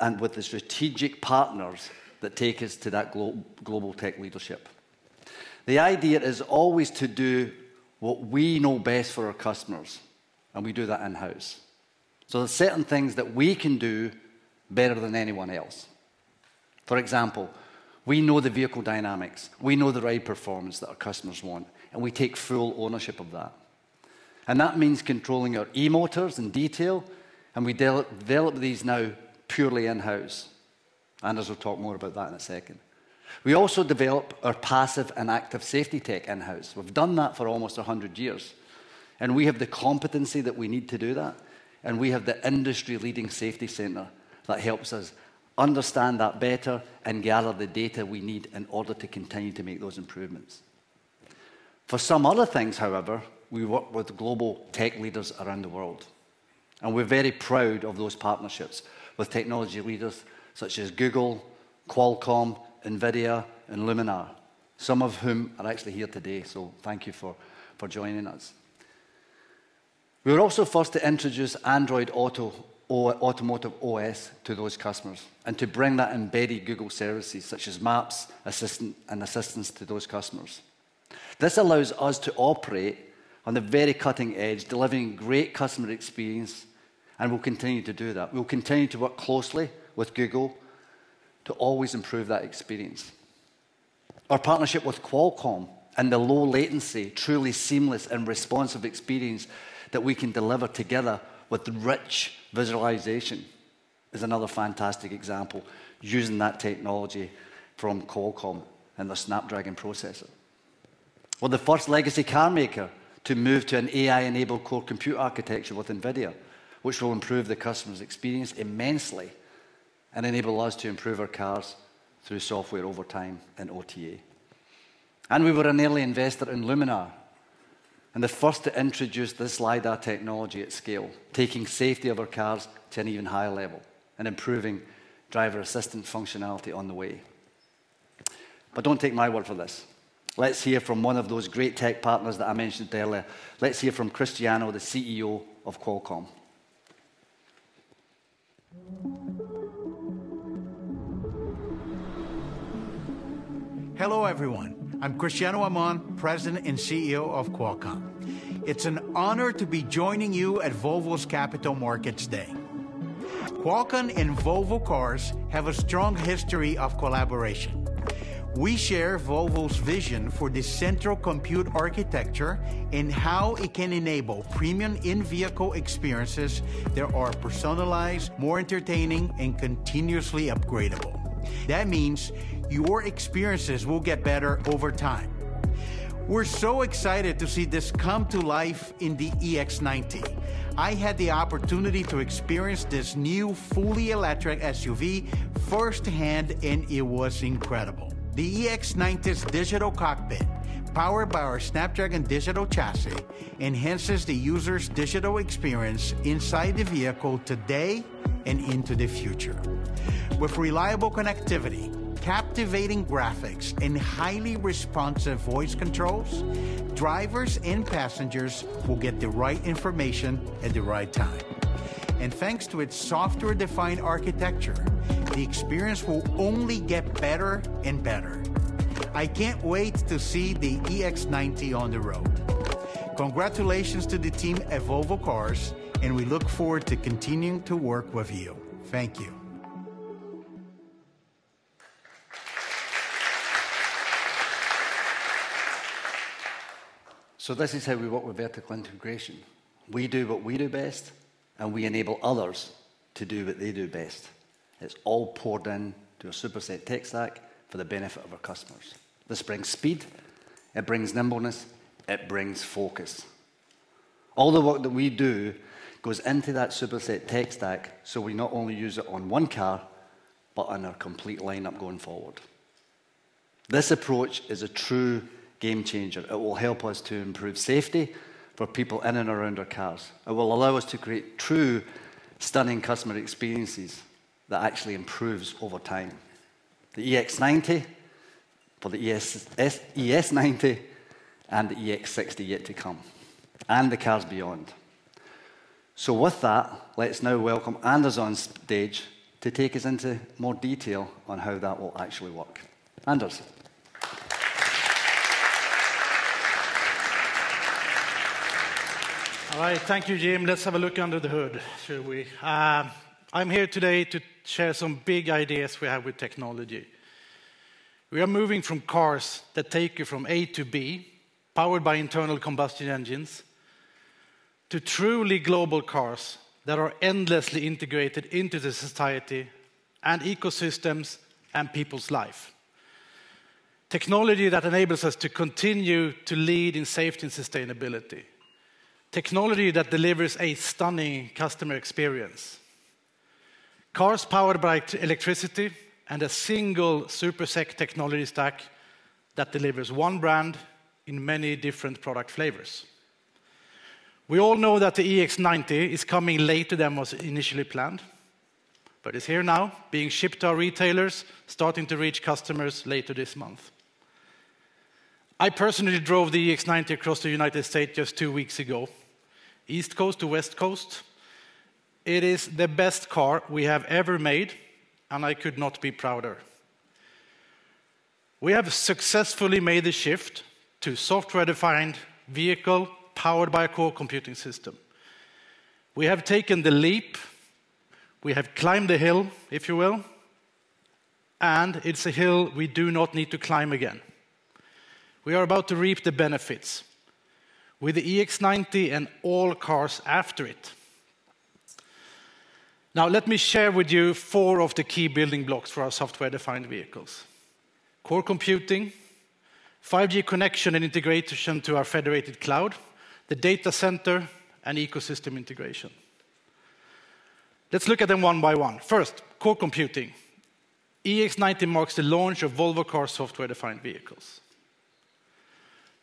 and with the strategic partners that take us to that global tech leadership. The idea is always to do what we know best for our customers, and we do that in-house. So there's certain things that we can do better than anyone else. For example, we know the vehicle dynamics, we know the ride performance that our customers want, and we take full ownership of that. And that means controlling our e-motors in detail, and we develop these now purely in-house. Anders will talk more about that in a second. We also develop our passive and active safety tech in-house. We've done that for almost a hundred years, and we have the competency that we need to do that, and we have the industry-leading safety center that helps us understand that better and gather the data we need in order to continue to make those improvements. For some other things, however, we work with global tech leaders around the world, and we're very proud of those partnerships with technology leaders such as Google, Qualcomm, NVIDIA, and Luminar, some of whom are actually here today, so thank you for joining us. We were also first to introduce Android Automotive OS to those customers, and to bring that embedded Google services such as Maps, Assistant, and Play to those customers. This allows us to operate on the very cutting edge, delivering great customer experience, and we'll continue to do that. We'll continue to work closely with Google to always improve that experience. Our partnership with Qualcomm and the low latency, truly seamless and responsive experience that we can deliver together with rich visualization is another fantastic example using that technology from Qualcomm and the Snapdragon processor. We're the first legacy car maker to move to an AI-enabled core computing architecture with NVIDIA, which will improve the customer's experience immensely and enable us to improve our cars through software over time and OTA. We were an early investor in Luminar, and the first to introduce this LiDAR technology at scale, taking safety of our cars to an even higher level and improving driver assistance functionality on the way. But don't take my word for this. Let's hear from one of those great tech partners that I mentioned earlier. Let's hear from Cristiano, the CEO of Qualcomm. Hello, everyone. I'm Cristiano Amon, President and CEO of Qualcomm. It's an honor to be joining you at Volvo's Capital Markets Day. Qualcomm and Volvo Cars have a strong history of collaboration. We share Volvo's vision for the central compute architecture and how it can enable premium in-vehicle experiences that are personalized, more entertaining, and continuously upgradable. That means your experiences will get better over time. We're so excited to see this come to life in the EX90. I had the opportunity to experience this new fully electric SUV firsthand, and it was incredible. The EX90's digital cockpit, powered by our Snapdragon Digital Chassis, enhances the user's digital experience inside the vehicle today and into the future. With reliable connectivity, captivating graphics, and highly responsive voice controls, drivers and passengers will get the right information at the right time. And thanks to its software-defined architecture, the experience will only get better and better. I can't wait to see the EX90 on the road. Congratulations to the team at Volvo Cars, and we look forward to continuing to work with you. Thank you. So this is how we work with vertical integration. We do what we do best, and we enable others to do what they do best. It's all poured into a Superset tech stack for the benefit of our customers. This brings speed, it brings nimbleness, it brings focus. All the work that we do goes into that Superset tech stack, so we not only use it on one car, but on our complete lineup going forward. This approach is a true game changer. It will help us to improve safety for people in and around our cars. It will allow us to create true stunning customer experiences that actually improves over time. The EX90, the ES90, and the EX60 yet to come, and the cars beyond. So with that, let's now welcome Anders on stage to take us into more detail on how that will actually work. Anders. All right. Thank you, Jim. Let's have a look under the hood, shall we? I'm here today to share some big ideas we have with technology. We are moving from cars that take you from A to B, powered by internal combustion engines to truly global cars that are endlessly integrated into the society and ecosystems and people's life. Technology that enables us to continue to lead in safety and sustainability, technology that delivers a stunning customer experience. Cars powered by electricity, and a single Superset tech stack that delivers one brand in many different product flavors. We all know that the EX90 is coming later than was initially planned, but it's here now, being shipped to our retailers, starting to reach customers later this month. I personally drove the EX90 across the United States just two weeks ago, East Coast to West Coast. It is the best car we have ever made, and I could not be prouder. We have successfully made the shift to software-defined vehicle powered by a core computing system. We have taken the leap, we have climbed the hill, if you will, and it's a hill we do not need to climb again. We are about to reap the benefits with the EX90 and all cars after it. Now, let me share with you four of the key building blocks for our software-defined vehicles: core computing, 5G connection and integration to our federated cloud, the data center, and ecosystem integration. Let's look at them one by one. First, core computing. EX90 marks the launch of Volvo Cars software-defined vehicles.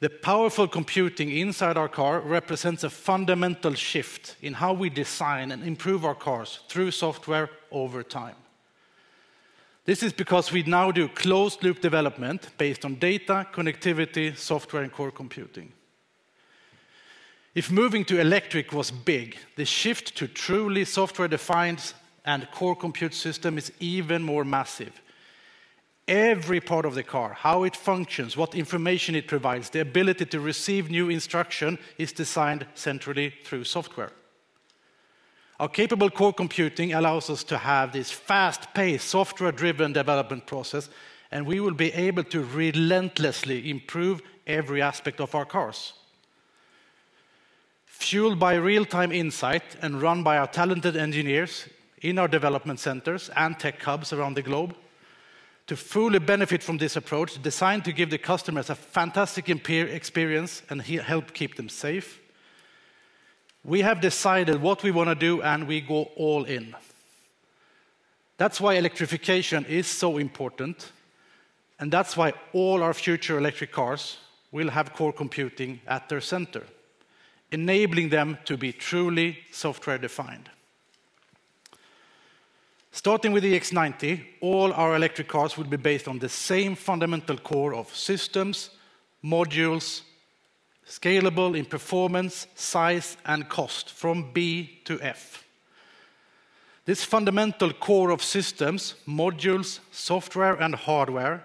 The powerful computing inside our car represents a fundamental shift in how we design and improve our cars through software over time. This is because we now do closed-loop development based on data, connectivity, software, and core computing. If moving to electric was big, the shift to truly software-defined and core computing system is even more massive. Every part of the car, how it functions, what information it provides, the ability to receive new instruction, is designed centrally through software. Our capable core computing allows us to have this fast-paced, software-driven development process, and we will be able to relentlessly improve every aspect of our cars. Fueled by real-time insight and run by our talented engineers in our development centers and tech hubs around the globe, to fully benefit from this approach, designed to give the customers a fantastic experience and help keep them safe, we have decided what we wanna do, and we go all in. That's why electrification is so important, and that's why all our future electric cars will have core computing at their center, enabling them to be truly software-defined. Starting with the EX90, all our electric cars will be based on the same fundamental core of systems, modules, scalable in performance, size, and cost, from B to F. This fundamental core of systems, modules, software, and hardware,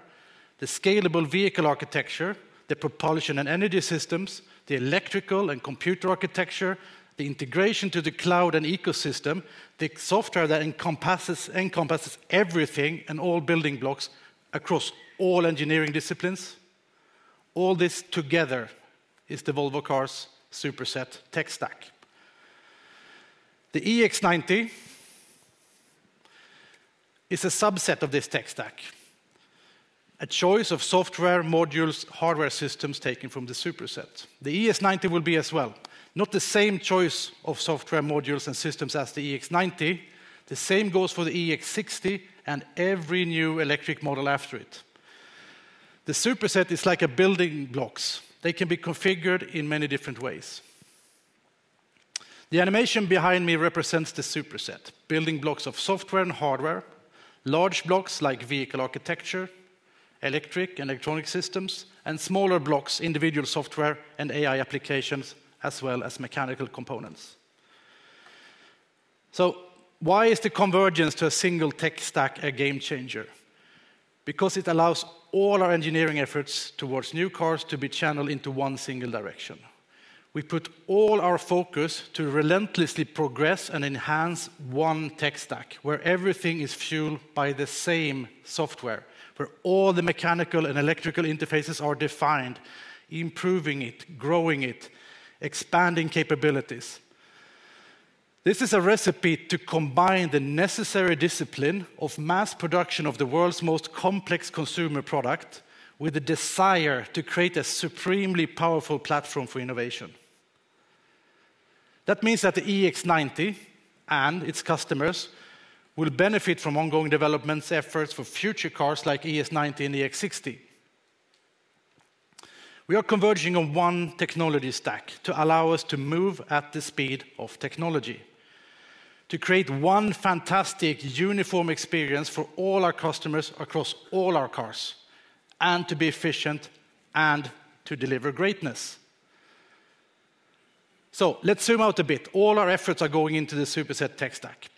the scalable vehicle architecture, the propulsion and energy systems, the electrical and computer architecture, the integration to the cloud and ecosystem, the software that encompasses everything and all building blocks across all engineering disciplines, all this together is the Volvo Cars Superset tech stack. The EX90 is a subset of this tech stack, a choice of software modules, hardware systems taken from the Superset. The ES90 will be as well, not the same choice of software modules and systems as the EX90. The same goes for the EX60 and every new electric model after it. The Superset is like a building blocks. They can be configured in many different ways. The animation behind me represents the Superset, building blocks of software and hardware, large blocks like vehicle architecture, electric and electronic systems, and smaller blocks, individual software and AI applications, as well as mechanical components. So why is the convergence to a single tech stack a game changer? Because it allows all our engineering efforts towards new cars to be channeled into one single direction. We put all our focus to relentlessly progress and enhance one tech stack, where everything is fueled by the same software, where all the mechanical and electrical interfaces are defined, improving it, growing it, expanding capabilities. This is a recipe to combine the necessary discipline of mass production of the world's most complex consumer product, with the desire to create a supremely powerful platform for innovation. That means that the EX90 and its customers will benefit from ongoing developments, efforts for future cars like ES90 and EX60. We are converging on one technology stack to allow us to move at the speed of technology, to create one fantastic uniform experience for all our customers across all our cars, and to be efficient and to deliver greatness. So let's zoom out a bit. All our efforts are going into the Superset tech stack,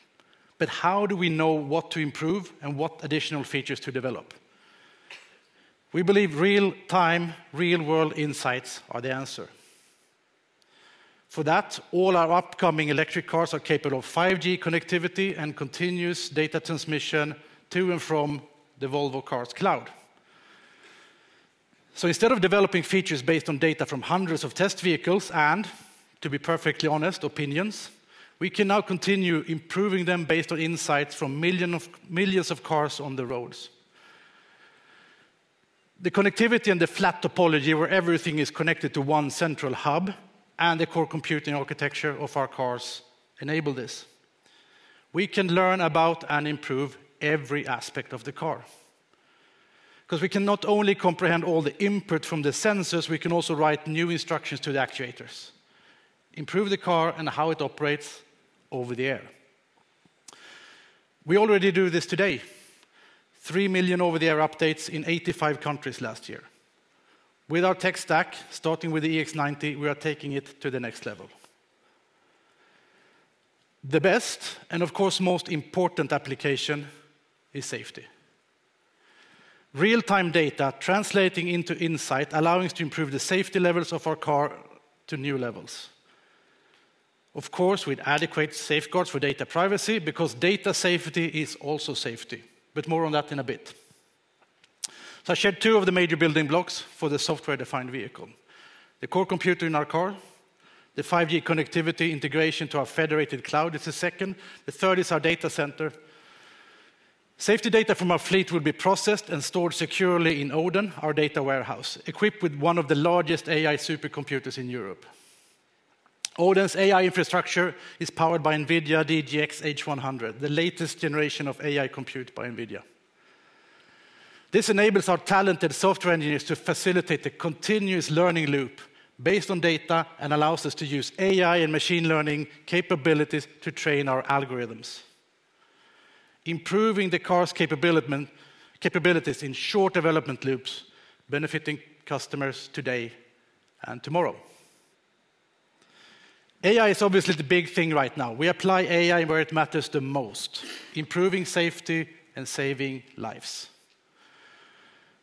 but how do we know what to improve and what additional features to develop? We believe real-time, real-world insights are the answer. For that, all our upcoming electric cars are capable of 5G connectivity and continuous data transmission to and from the Volvo Cars cloud. So instead of developing features based on data from hundreds of test vehicles, and to be perfectly honest, opinions, we can now continue improving them based on insights from millions of cars on the roads. The connectivity and the flat topology, where everything is connected to one central hub, and the core computing architecture of our cars enable this. We can learn about and improve every aspect of the car. Because we can not only comprehend all the input from the sensors, we can also write new instructions to the actuators, improve the car and how it operates over the air. We already do this today. 3 million over-the-air updates in 85 countries last year. With our tech stack, starting with the EX90, we are taking it to the next level. The best, and of course, most important application is safety. Real-time data translating into insight, allowing us to improve the safety levels of our car to new levels. Of course, with adequate safeguards for data privacy, because data safety is also safety, but more on that in a bit. So I shared two of the major building blocks for the software-defined vehicle. The core computer in our car, the 5G connectivity integration to our federated cloud is the second, the third is our data center. Safety data from our fleet will be processed and stored securely in Odin, our data warehouse, equipped with one of the largest AI supercomputers in Europe. Odin's AI infrastructure is powered by NVIDIA DGX H100, the latest generation of AI compute by NVIDIA. This enables our talented software engineers to facilitate the continuous learning loop based on data, and allows us to use AI and machine learning capabilities to train our algorithms, improving the car's capabilities in short development loops, benefiting customers today and tomorrow. AI is obviously the big thing right now. We apply AI where it matters the most, improving safety and saving lives.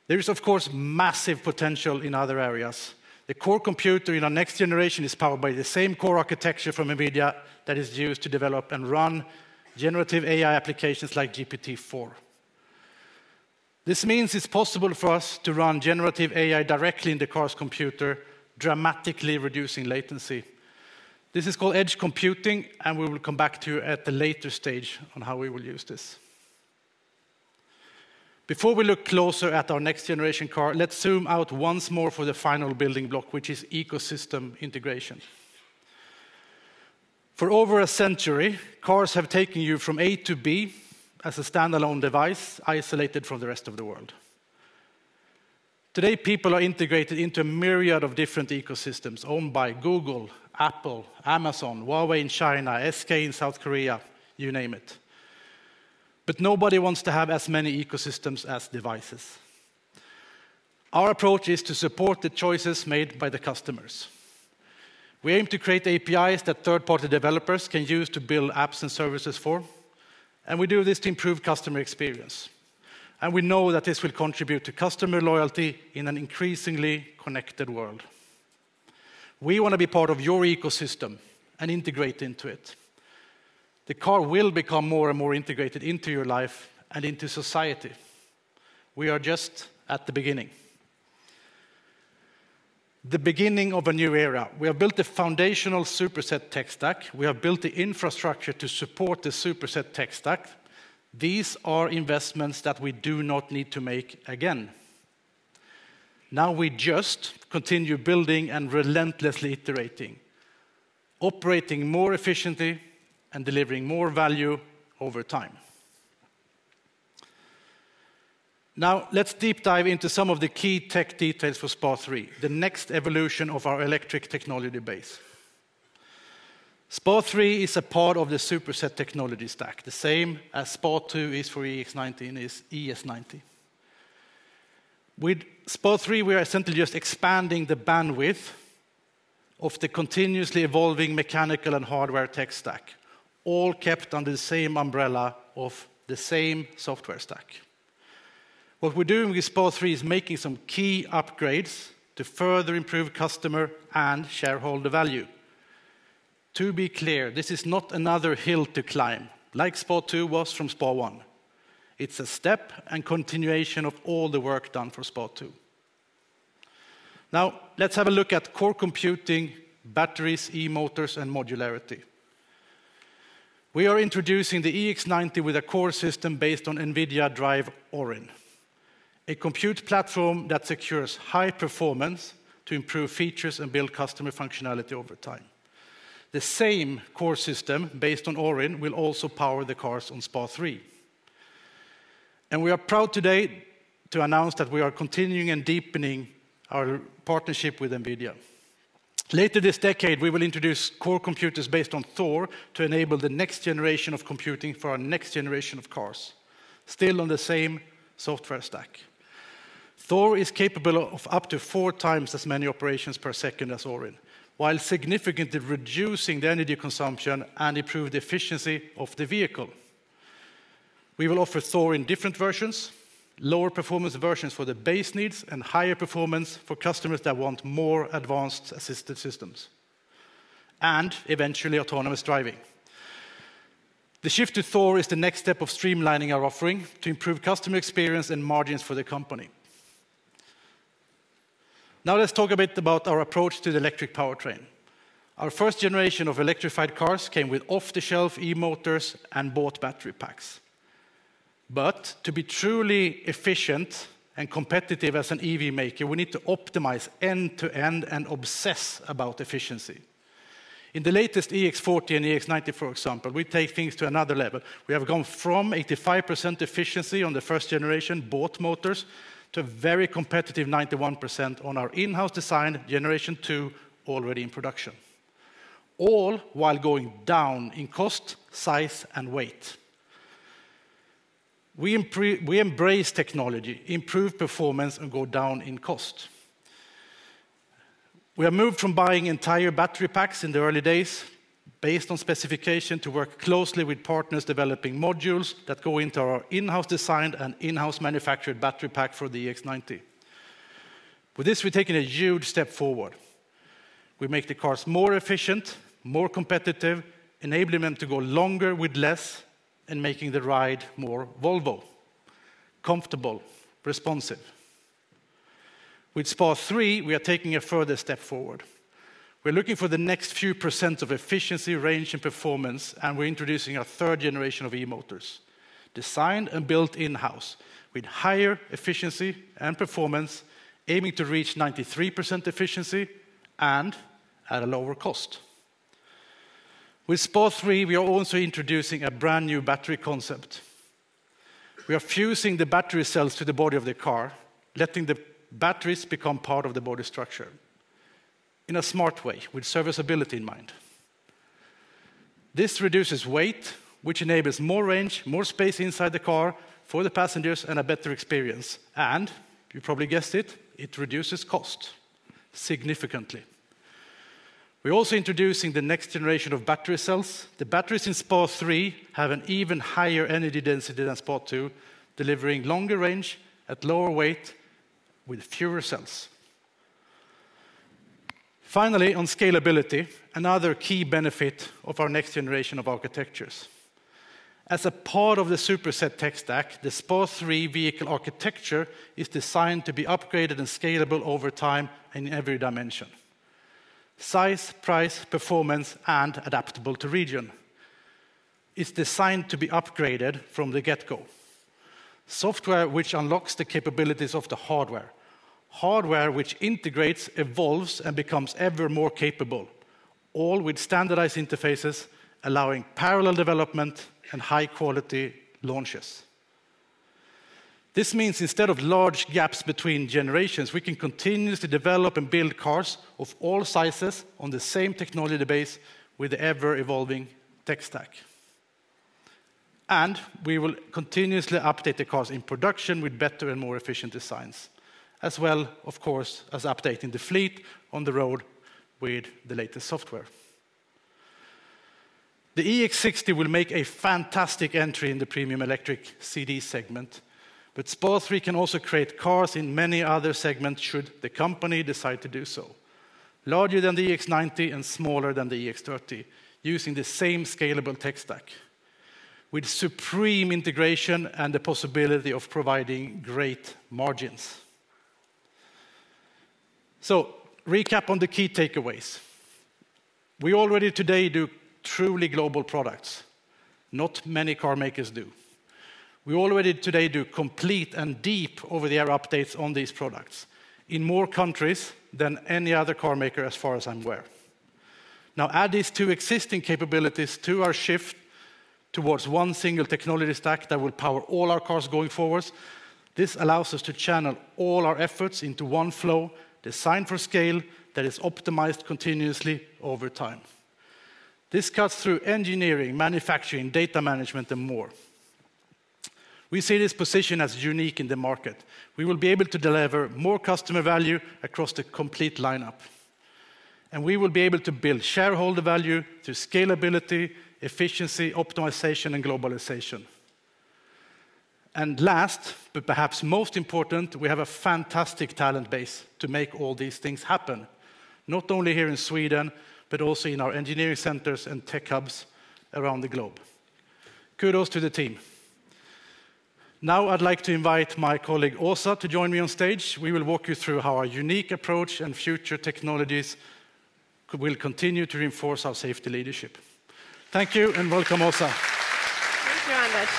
There is, of course, massive potential in other areas. The core computer in our next generation is powered by the same core architecture from NVIDIA that is used to develop and run generative AI applications like GPT-4. This means it's possible for us to run generative AI directly in the car's computer, dramatically reducing latency. This is called edge computing, and we will come back to you at a later stage on how we will use this. Before we look closer at our next generation car, let's zoom out once more for the final building block, which is ecosystem integration. For over a century, cars have taken you from A to B as a standalone device, isolated from the rest of the world. Today, people are integrated into a myriad of different ecosystems owned by Google, Apple, Amazon, Huawei in China, SK in South Korea, you name it. But nobody wants to have as many ecosystems as devices. Our approach is to support the choices made by the customers. We aim to create APIs that third-party developers can use to build apps and services for, and we do this to improve customer experience. And we know that this will contribute to customer loyalty in an increasingly connected world. We wanna be part of your ecosystem and integrate into it. The car will become more and more integrated into your life and into society. We are just at the beginning. The beginning of a new era. We have built a foundational Superset tech stack. We have built the infrastructure to support the Superset tech stack. These are investments that we do not need to make again. Now, we just continue building and relentlessly iterating, operating more efficiently and delivering more value over time. Now, let's deep dive into some of the key tech details for SPA3, the next evolution of our electric technology base. SPA3 is a part of the Superset technology stack, the same as SPA2 is for EX90 and ES90. With SPA3, we are simply just expanding the bandwidth of the continuously evolving mechanical and hardware tech stack, all kept under the same umbrella of the same software stack. What we're doing with SPA3 is making some key upgrades to further improve customer and shareholder value. To be clear, this is not another hill to climb, like SPA2 was from SPA1. It's a step and continuation of all the work done for SPA2. Now, let's have a look at core computing, batteries, e-motors, and modularity. We are introducing the EX90 with a core system based on NVIDIA Drive Orin, a compute platform that secures high performance to improve features and build customer functionality over time. The same core system based on Orin will also power the cars on SPA3. And we are proud today to announce that we are continuing and deepening our partnership with NVIDIA. Later this decade, we will introduce core computers based on Thor to enable the next generation of computing for our next generation of cars, still on the same software stack. Thor is capable of up to four times as many operations per second as Orin, while significantly reducing the energy consumption and improve the efficiency of the vehicle. We will offer Thor in different versions, lower performance versions for the base needs, and higher performance for customers that want more advanced assisted systems, and eventually autonomous driving... The shift to Thor is the next step of streamlining our offering to improve customer experience and margins for the company. Now let's talk a bit about our approach to the electric powertrain. Our first generation of electrified cars came with off-the-shelf e-motors and bought battery packs. But to be truly efficient and competitive as an EV maker, we need to optimize end-to-end and obsess about efficiency. In the latest EX40 and EX90, for example, we take things to another level. We have gone from 85% efficiency on the first generation bought motors to a very competitive 91% on our in-house design, generation two, already in production, all while going down in cost, size, and weight. We embrace technology, improve performance, and go down in cost. We have moved from buying entire battery packs in the early days based on specification to work closely with partners developing modules that go into our in-house designed and in-house manufactured battery pack for the EX90. With this, we've taken a huge step forward. We make the cars more efficient, more competitive, enabling them to go longer with less, and making the ride more Volvo, comfortable, responsive. With SPA3, we are taking a further step forward. We're looking for the next few percent of efficiency, range, and performance, and we're introducing our third generation of e-motors, designed and built in-house with higher efficiency and performance, aiming to reach 93% efficiency and at a lower cost. With SPA3, we are also introducing a brand-new battery concept. We are fusing the battery cells to the body of the car, letting the batteries become part of the body structure in a smart way, with serviceability in mind. This reduces weight, which enables more range, more space inside the car for the passengers, and a better experience, and you probably guessed it, it reduces cost significantly. We're also introducing the next generation of battery cells. The batteries in SPA3 have an even higher energy density than SPA2, delivering longer range at lower weight with fewer cells. Finally, on scalability, another key benefit of our next generation of architectures. As a part of the Superset tech stack, the SPA3 Vehicle architecture is designed to be upgraded and scalable over time in every dimension: size, price, performance, and adaptable to region. It's designed to be upgraded from the get-go. Software which unlocks the capabilities of the hardware, hardware which integrates, evolves, and becomes ever more capable, all with standardized interfaces, allowing parallel development and high-quality launches. This means instead of large gaps between generations, we can continuously develop and build cars of all sizes on the same technology base with ever-evolving tech stack. And we will continuously update the cars in production with better and more efficient designs, as well, of course, as updating the fleet on the road with the latest software. The EX60 will make a fantastic entry in the premium electric C/D segment, but SPA3 can also create cars in many other segments, should the company decide to do so. Larger than the EX90 and smaller than the EX30, using the same scalable tech stack, with supreme integration and the possibility of providing great margins. So, recap on the key takeaways. We already today do truly global products. Not many car makers do. We already today do complete and deep over-the-air updates on these products in more countries than any other car maker, as far as I'm aware. Now, add these two existing capabilities to our shift towards one single technology stack that will power all our cars going forward. This allows us to channel all our efforts into one flow designed for scale that is optimized continuously over time. This cuts through engineering, manufacturing, data management, and more. We see this position as unique in the market. We will be able to deliver more customer value across the complete lineup, and we will be able to build shareholder value through scalability, efficiency, optimization, and globalization. And last, but perhaps most important, we have a fantastic talent base to make all these things happen, not only here in Sweden, but also in our engineering centers and tech hubs around the globe. Kudos to the team. Now, I'd like to invite my colleague, Åsa, to join me on stage. We will walk you through how our unique approach and future technologies will continue to reinforce our safety leadership. Thank you, and welcome, Åsa. Thank you, Anders.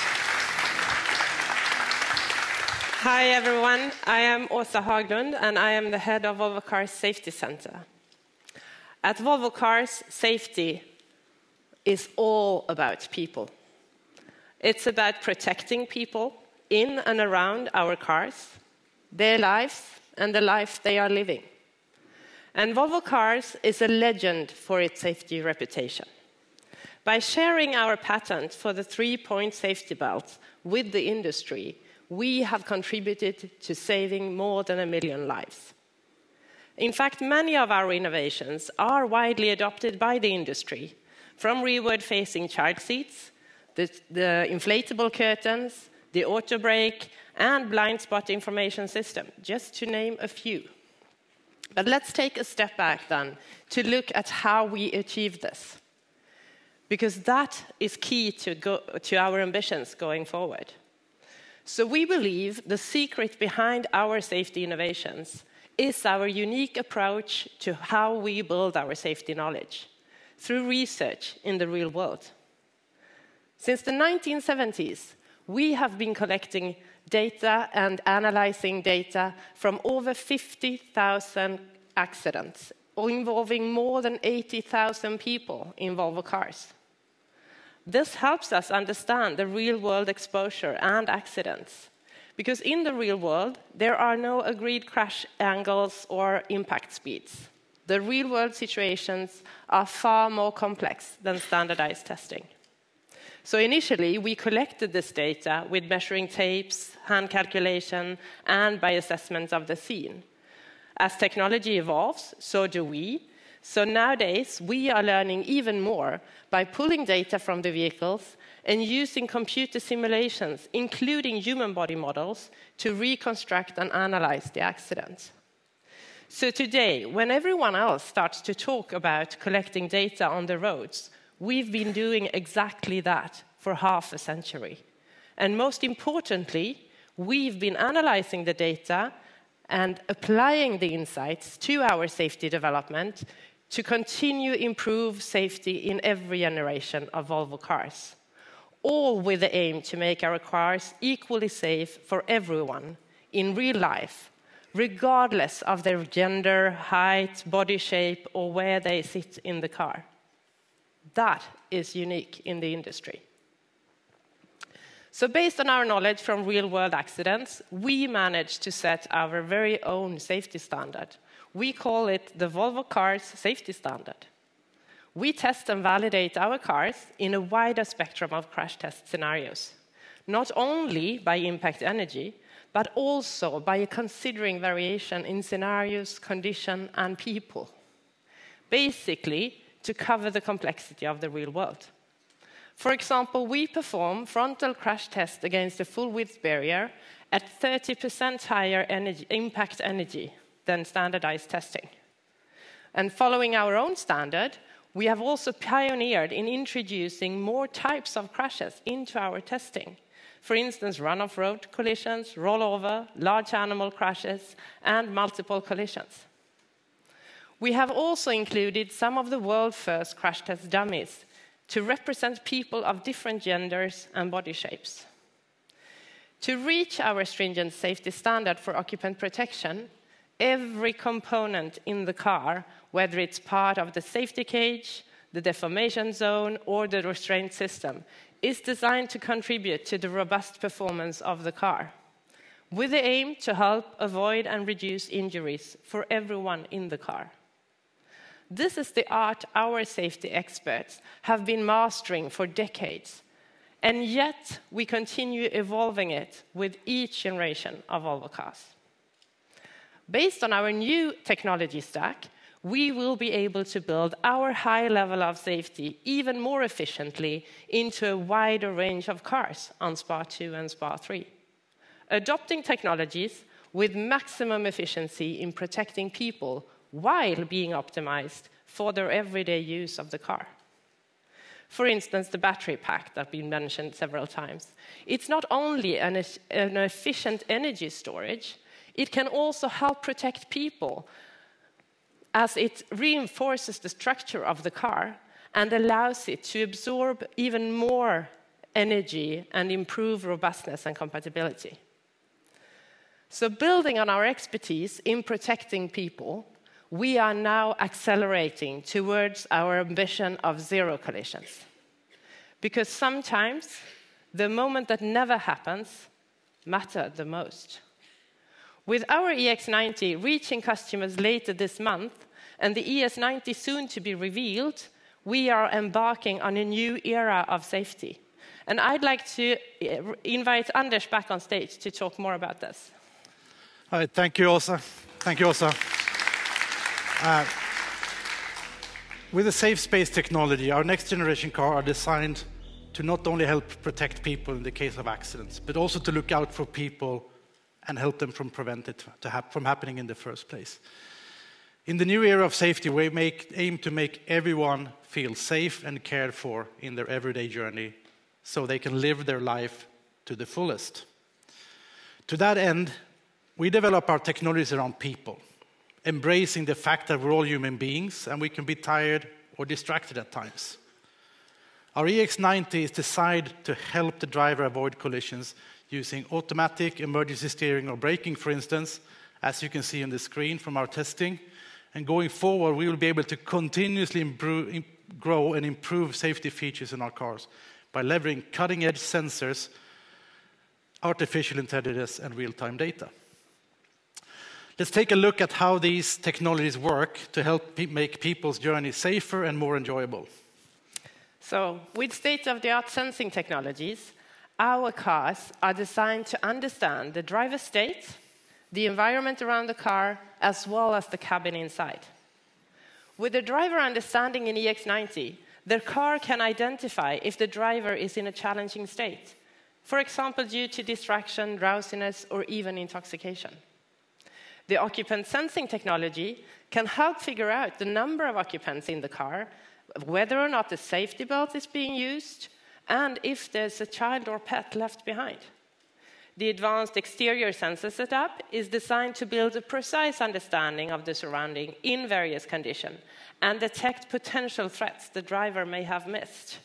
Hi, everyone. I am Åsa Haglund, and I am the head of Volvo Cars Safety Center. At Volvo Cars, safety is all about people. It's about protecting people in and around our cars, their lives, and the life they are living. Volvo Cars is a legend for its safety reputation. By sharing our patent for the three-point safety belt with the industry, we have contributed to saving more than a million lives. In fact, many of our innovations are widely adopted by the industry, from inward-facing child seats, the inflatable curtains, the auto brake, and blind spot information system, just to name a few. Let's take a step back then to look at how we achieve this, because that is key to go to our ambitions going forward. We believe the secret behind our safety innovations is our unique approach to how we build our safety knowledge through research in the real world. Since the 1970s, we have been collecting data and analyzing data from over 50,000 accidents, all involving more than 80,000 people in Volvo Cars. This helps us understand the real-world exposure and accidents, because in the real world, there are no agreed crash angles or impact speeds. The real-world situations are far more complex than standardized testing. Initially, we collected this data with measuring tapes, hand calculation, and by assessments of the scene. As technology evolves, so do we. Nowadays, we are learning even more by pulling data from the vehicles and using computer simulations, including human body models, to reconstruct and analyze the accident. Today, when everyone else starts to talk about collecting data on the roads, we've been doing exactly that for half a century. Most importantly, we've been analyzing the data and applying the insights to our safety development to continuously improve safety in every generation of Volvo Cars, all with the aim to make our cars equally safe for everyone in real life, regardless of their gender, height, body shape, or where they sit in the car. That is unique in the industry. Based on our knowledge from real-world accidents, we managed to set our very own safety standard. We call it the Volvo Cars Safety Standard. We test and validate our cars in a wider spectrum of crash test scenarios, not only by impact energy, but also by considering variation in scenarios, condition, and people, basically, to cover the complexity of the real world. For example, we perform frontal crash test against a full-width barrier at 30% higher energy, impact energy than standardized testing. And following our own standard, we have also pioneered in introducing more types of crashes into our testing. For instance, run-off-road collisions, rollover, large animal crashes, and multiple collisions. We have also included some of the world-first crash test dummies to represent people of different genders and body shapes. To reach our stringent safety standard for occupant protection, every component in the car, whether it's part of the safety cage, the deformation zone, or the restraint system, is designed to contribute to the robust performance of the car, with the aim to help avoid and reduce injuries for everyone in the car. This is the art our safety experts have been mastering for decades, and yet we continue evolving it with each generation of Volvo Cars. Based on our new technology stack, we will be able to build our high level of safety even more efficiently into a wider range of cars on SPA2 and SPA3, adopting technologies with maximum efficiency in protecting people while being optimized for their everyday use of the car. For instance, the battery pack that been mentioned several times. It's not only an efficient energy storage, it can also help protect people as it reinforces the structure of the car and allows it to absorb even more energy and improve robustness and compatibility. So building on our expertise in protecting people, we are now accelerating towards our ambition of zero collisions, because sometimes the moment that never happens matter the most. With our EX90 reaching customers later this month and the ES90 soon to be revealed, we are embarking on a new era of safety, and I'd like to invite Anders back on stage to talk more about this. All right, thank you, Åsa. Thank you, Åsa. With the Safe Space Technology, our next generation car are designed to not only help protect people in the case of accidents, but also to look out for people and help them from happening in the first place. In the new era of safety, we aim to make everyone feel safe and cared for in their everyday journey so they can live their life to the fullest. To that end, we develop our technologies around people, embracing the fact that we're all human beings, and we can be tired or distracted at times. Our EX90 is designed to help the driver avoid collisions using automatic emergency steering or braking, for instance, as you can see on the screen from our testing. And going forward, we will be able to continuously grow and improve safety features in our cars by leveraging cutting-edge sensors, artificial intelligence, and real-time data. Let's take a look at how these technologies work to help make people's journey safer and more enjoyable. So with state-of-the-art sensing technologies, our cars are designed to understand the driver's state, the environment around the car, as well as the cabin inside. With the driver understanding in EX90, the car can identify if the driver is in a challenging state, for example, due to distraction, drowsiness, or even intoxication. The occupant sensing technology can help figure out the number of occupants in the car, whether or not the safety belt is being used, and if there's a child or pet left behind. The advanced exterior sensor setup is designed to build a precise understanding of the surroundings in various conditions, and detect potential threats the driver may have missed.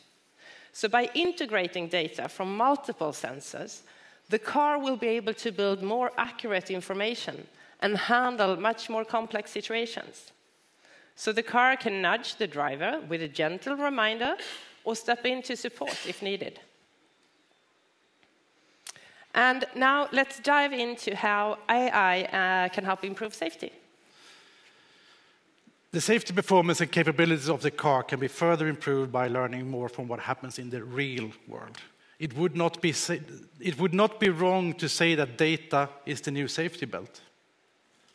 So by integrating data from multiple sensors, the car will be able to build more accurate information and handle much more complex situations. So the car can nudge the driver with a gentle reminder or step in to support if needed. And now let's dive into how AI can help improve safety. The safety performance and capabilities of the car can be further improved by learning more from what happens in the real world. It would not be wrong to say that data is the new safety belt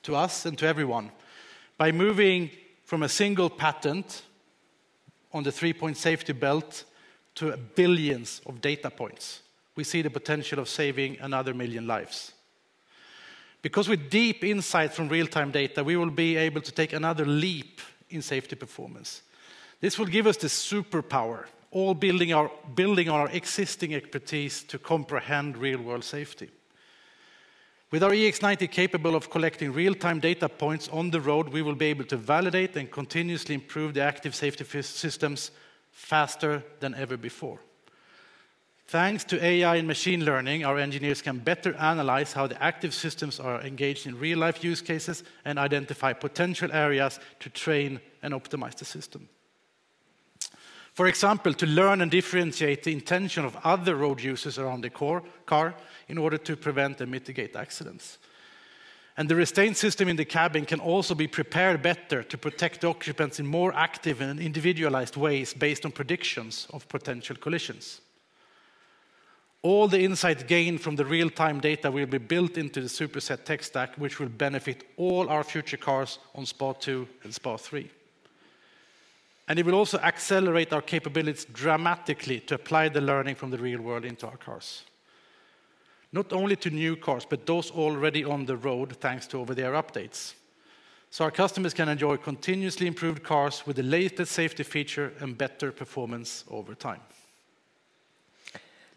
to us and to everyone. By moving from a single patent on the three-point safety belt to billions of data points, we see the potential of saving another million lives. Because with deep insight from real-time data, we will be able to take another leap in safety performance. This will give us the superpower, all building on our existing expertise to comprehend real-world safety. With our EX90 capable of collecting real-time data points on the road, we will be able to validate and continuously improve the active safety systems faster than ever before. Thanks to AI and machine learning, our engineers can better analyze how the active systems are engaged in real-life use cases, and identify potential areas to train and optimize the system. For example, to learn and differentiate the intention of other road users around the car in order to prevent and mitigate accidents. The restraint system in the cabin can also be prepared better to protect the occupants in more active and individualized ways based on predictions of potential collisions. All the insight gained from the real-time data will be built into the Superset tech stack, which will benefit all our future cars on SPA2 and SPA3. It will also accelerate our capabilities dramatically to apply the learning from the real world into our cars. Not only to new cars, but those already on the road, thanks to over-the-air updates. Our customers can enjoy continuously improved cars with the latest safety feature and better performance over time.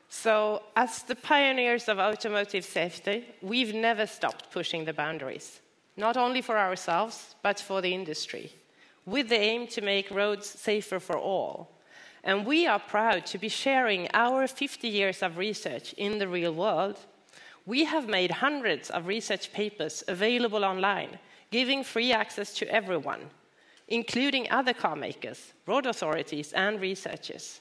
So as the pioneers of automotive safety, we've never stopped pushing the boundaries, not only for ourselves, but for the industry, with the aim to make roads safer for all. And we are proud to be sharing our 50 years of research in the real world. We have made hundreds of research papers available online, giving free access to everyone, including other car makers, road authorities, and researchers.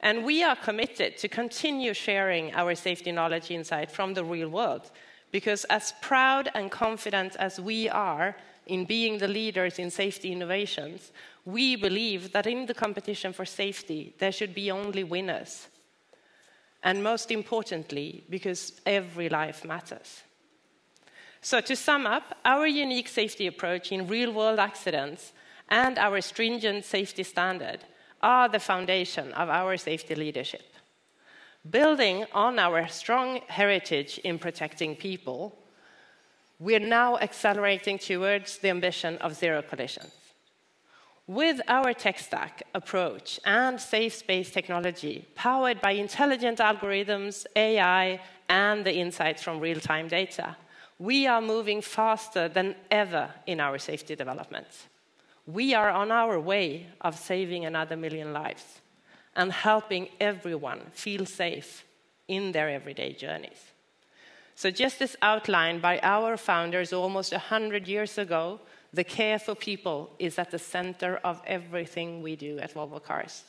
And we are committed to continue sharing our safety knowledge insight from the real world, because as proud and confident as we are in being the leaders in safety innovations, we believe that in the competition for safety, there should be only winners, and most importantly, because every life matters. So to sum up, our unique safety approach in real-world accidents and our stringent safety standard are the foundation of our safety leadership. Building on our strong heritage in protecting people, we are now accelerating towards the ambition of zero collisions. With our tech stack approach and Safe Space Technology, powered by intelligent algorithms, AI, and the insights from real-time data, we are moving faster than ever in our safety developments. We are on our way of saving another million lives and helping everyone feel safe in their everyday journeys. Just as outlined by our founders almost a hundred years ago, the care for people is at the center of everything we do at Volvo Cars,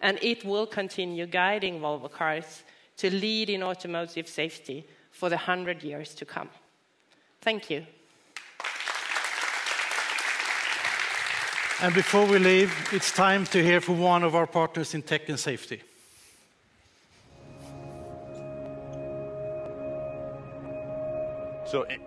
and it will continue guiding Volvo Cars to lead in automotive safety for the hundred years to come. Thank you. Before we leave, it's time to hear from one of our partners in tech and safety.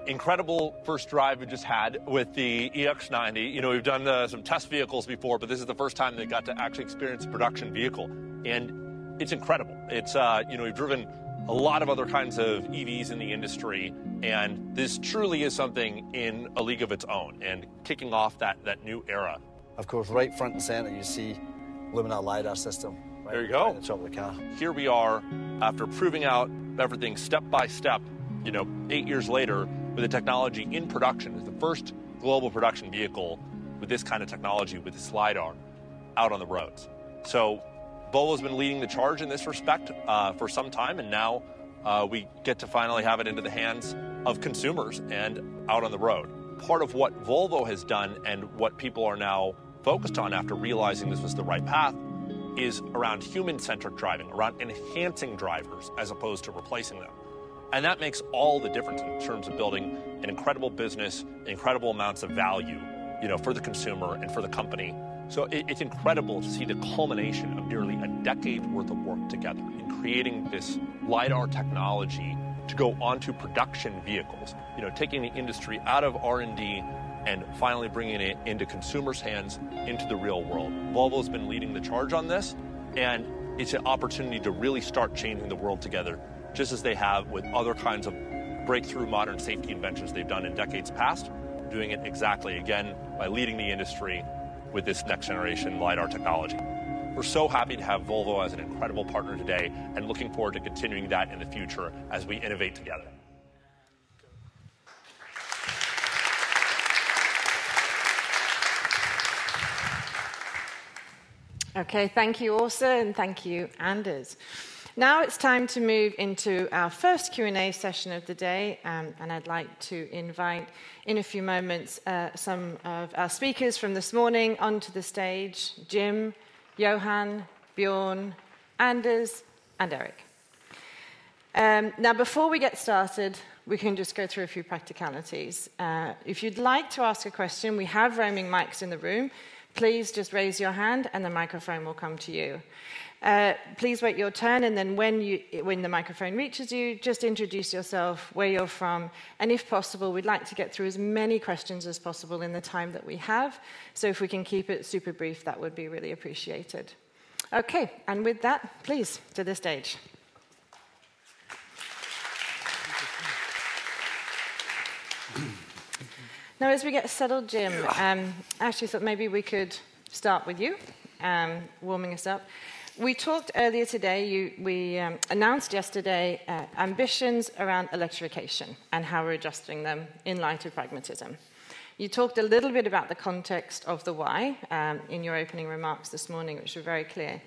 Incredible first drive we just had with the EX90. You know, we've done some test vehicles before, but this is the first time that we got to actually experience a production vehicle, and it's incredible. It's you know, we've driven a lot of other kinds of EVs in the industry, and this truly is something in a league of its own and kicking off that new era. Of course, right front and center, you see Luminar LiDAR system. There you go.... Right in the top of the car. Here we are, after proving out everything step by step, you know, eight years later, with the technology in production, with the first global production vehicle with this kind of technology, with this LiDAR out on the roads, so Volvo has been leading the charge in this respect for some time, and now we get to finally have it into the hands of consumers and out on the road. Part of what Volvo has done and what people are now focused on after realizing this was the right path is around human-centric driving, around enhancing drivers as opposed to replacing them, and that makes all the difference in terms of building an incredible business, incredible amounts of value, you know, for the consumer and for the company. It's incredible to see the culmination of nearly a decade worth of work together in creating this LiDAR technology to go onto production vehicles. You know, taking the industry out of R&D and finally bringing it into consumers' hands, into the real world. Volvo's been leading the charge on this, and it's an opportunity to really start changing the world together, just as they have with other kinds of breakthrough modern safety inventions they've done in decades past. Doing it exactly again by leading the industry with this next generation LiDAR technology. We're so happy to have Volvo as an incredible partner today and looking forward to continuing that in the future as we innovate together. Okay, thank you, Åsa, and thank you, Anders. Now it's time to move into our first Q&A session of the day, and I'd like to invite, in a few moments, some of our speakers from this morning onto the stage: Jim, Johan, Björn, Anders, and Erik. Now, before we get started, we can just go through a few practicalities. If you'd like to ask a question, we have roaming mics in the room. Please just raise your hand, and the microphone will come to you. Please wait your turn, and then when the microphone reaches you, just introduce yourself, where you're from, and if possible, we'd like to get through as many questions as possible in the time that we have. So if we can keep it super brief, that would be really appreciated. Okay, and with that, please, to the stage. Now, as we get settled, Jim, I actually thought maybe we could start with you, warming us up. We talked earlier today, you, we announced yesterday, ambitions around electrification and how we're adjusting them in light of pragmatism. You talked a little bit about the context of the 'why', in your opening remarks this morning, which were very clear.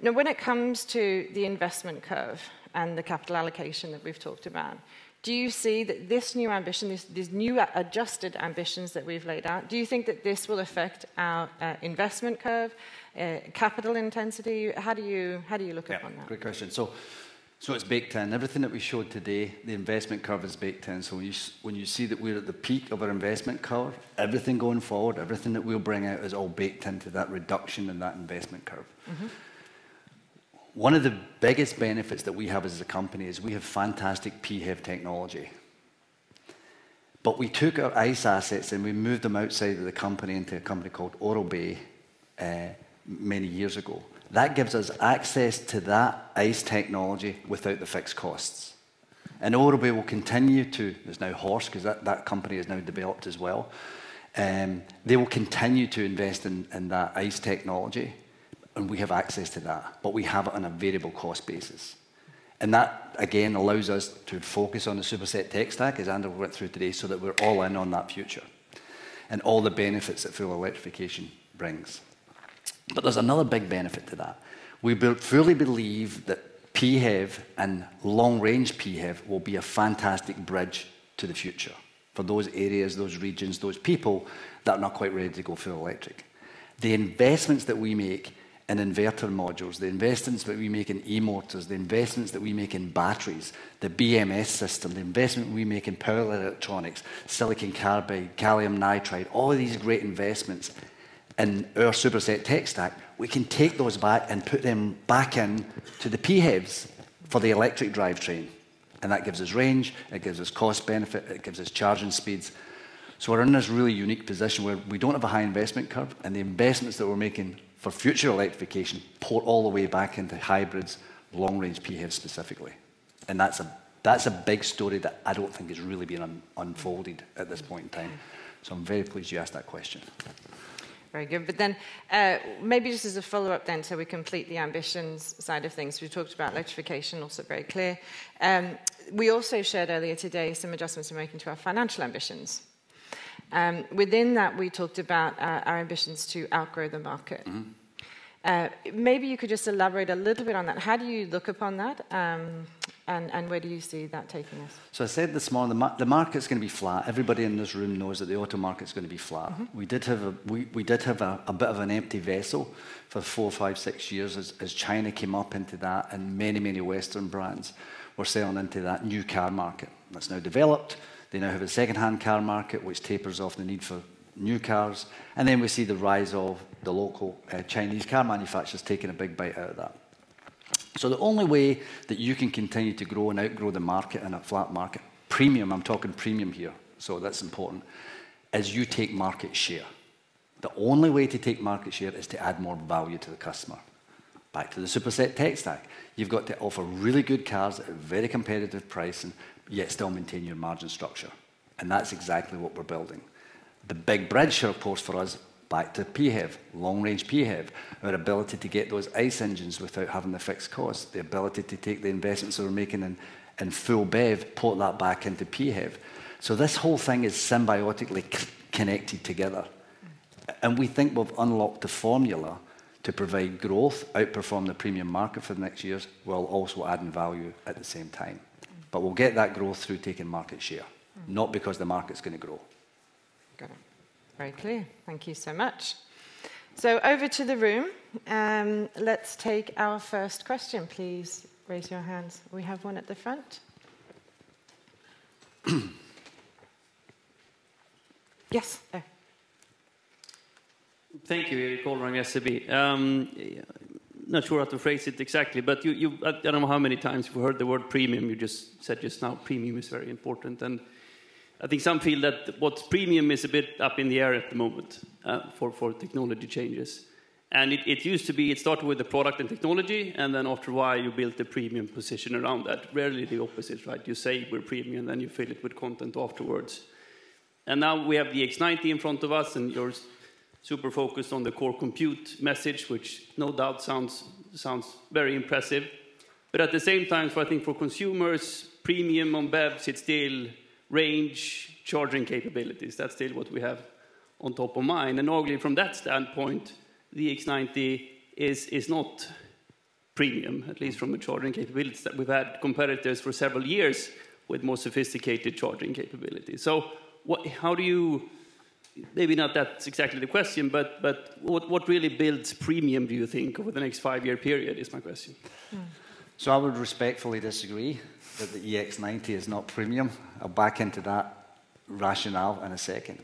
Now, when it comes to the investment curve and the capital allocation that we've talked about, do you see that this new ambition, this, these new adjusted ambitions that we've laid out, do you think that this will affect our, investment curve, capital intensity? How do you, how do you look upon that? Yeah, great question. So, so it's baked in. Everything that we showed today, the investment curve is baked in. So when you see that we're at the peak of our investment curve, everything going forward, everything that we'll bring out, is all baked into that reduction in that investment curve. Mm-hmm. One of the biggest benefits that we have as a company is we have fantastic PHEV technology. But we took our ICE assets, and we moved them outside of the company into a company called Aurobay many years ago. That gives us access to that ICE technology without the fixed costs. And Aurobay will continue to. It's now Horse, 'cause that company has now developed as well. They will continue to invest in that ICE technology, and we have access to that, but we have it on a variable cost basis. And that, again, allows us to focus on the Superset tech stack, as Anders went through today, so that we're all in on that future and all the benefits that full electrification brings. But there's another big benefit to that. We fully believe that PHEV and long-range PHEV will be a fantastic bridge to the future for those areas, those regions, those people that are not quite ready to go full electric. The investments that we make in inverter modules, the investments that we make in e-motors, the investments that we make in batteries, the BMS system, the investment we make in power electronics, silicon carbide, gallium nitride, all of these great investments in our Superset tech stack, we can take those back and put them back into the PHEVs for the electric drivetrain, and that gives us range, it gives us cost benefit, it gives us charging speeds. We're in this really unique position where we don't have a high investment curve, and the investments that we're making for future electrification port all the way back into hybrids, long-range PHEVs specifically. That's a big story that I don't think is really being unfolded at this point in time. So I'm very pleased you asked that question. Very good. But then, maybe just as a follow-up then, till we complete the ambitions side of things. We've talked about electrification, also very clear. We also shared earlier today some adjustments we're making to our financial ambitions. Within that, we talked about our ambitions to outgrow the market. Mm-hmm. Maybe you could just elaborate a little bit on that. How do you look upon that, and where do you see that taking us? I said this morning, the market's gonna be flat. Everybody in this room knows that the auto market's gonna be flat. Mm-hmm. We did have a bit of an empty vessel for four, five, six years as China came up into that, and many, many Western brands were selling into that new car market. That's now developed. They now have a second-hand car market, which tapers off the need for new cars, and then we see the rise of the local Chinese car manufacturers taking a big bite out of that. So the only way that you can continue to grow and outgrow the market in a flat market, premium, I'm talking premium here, so that's important, is you take market share. The only way to take market share is to add more value to the customer. Back to the Superset tech stack. You've got to offer really good cars at a very competitive price and yet still maintain your margin structure, and that's exactly what we're building. The big bridge here, of course, for us, back to PHEV, long-range PHEV, our ability to get those ICE engines without having the fixed cost, the ability to take the investments that we're making in full BEV, port that back into PHEV. So this whole thing is symbiotically connected together, and we think we've unlocked the formula to provide growth, outperform the premium market for the next years, while also adding value at the same time. Mm. But we'll get that growth through taking market share- Mm... not because the market's gonna grow.... Got it. Very clear. Thank you so much. So over to the room, let's take our first question. Please raise your hands. We have one at the front. Yes, there. Thank you, Erik Golrang from SEB. Not sure how to phrase it exactly, but you, I don't know how many times we've heard the word premium. You just said just now premium is very important, and I think some feel that what's premium is a bit up in the air at the moment, for technology changes. And it used to be it started with the product and technology, and then after a while, you built a premium position around that. Rarely the opposite, right? You say we're premium, then you fill it with content afterwards. And now we have the EX90 in front of us, and you're super focused on the core computing message, which no doubt sounds very impressive. But at the same time, so I think for consumers, premium on BEVs, it's still range, charging capabilities. That's still what we have on top of mind. And normally, from that standpoint, the EX90 is not premium, at least from a charging capability. We've had competitors for several years with more sophisticated charging capabilities. So what... How do you-- Maybe not that's exactly the question, but what really builds premium, do you think, over the next five-year period, is my question? Mm. So I would respectfully disagree that the EX90 is not premium. I'll back into that rationale in a second.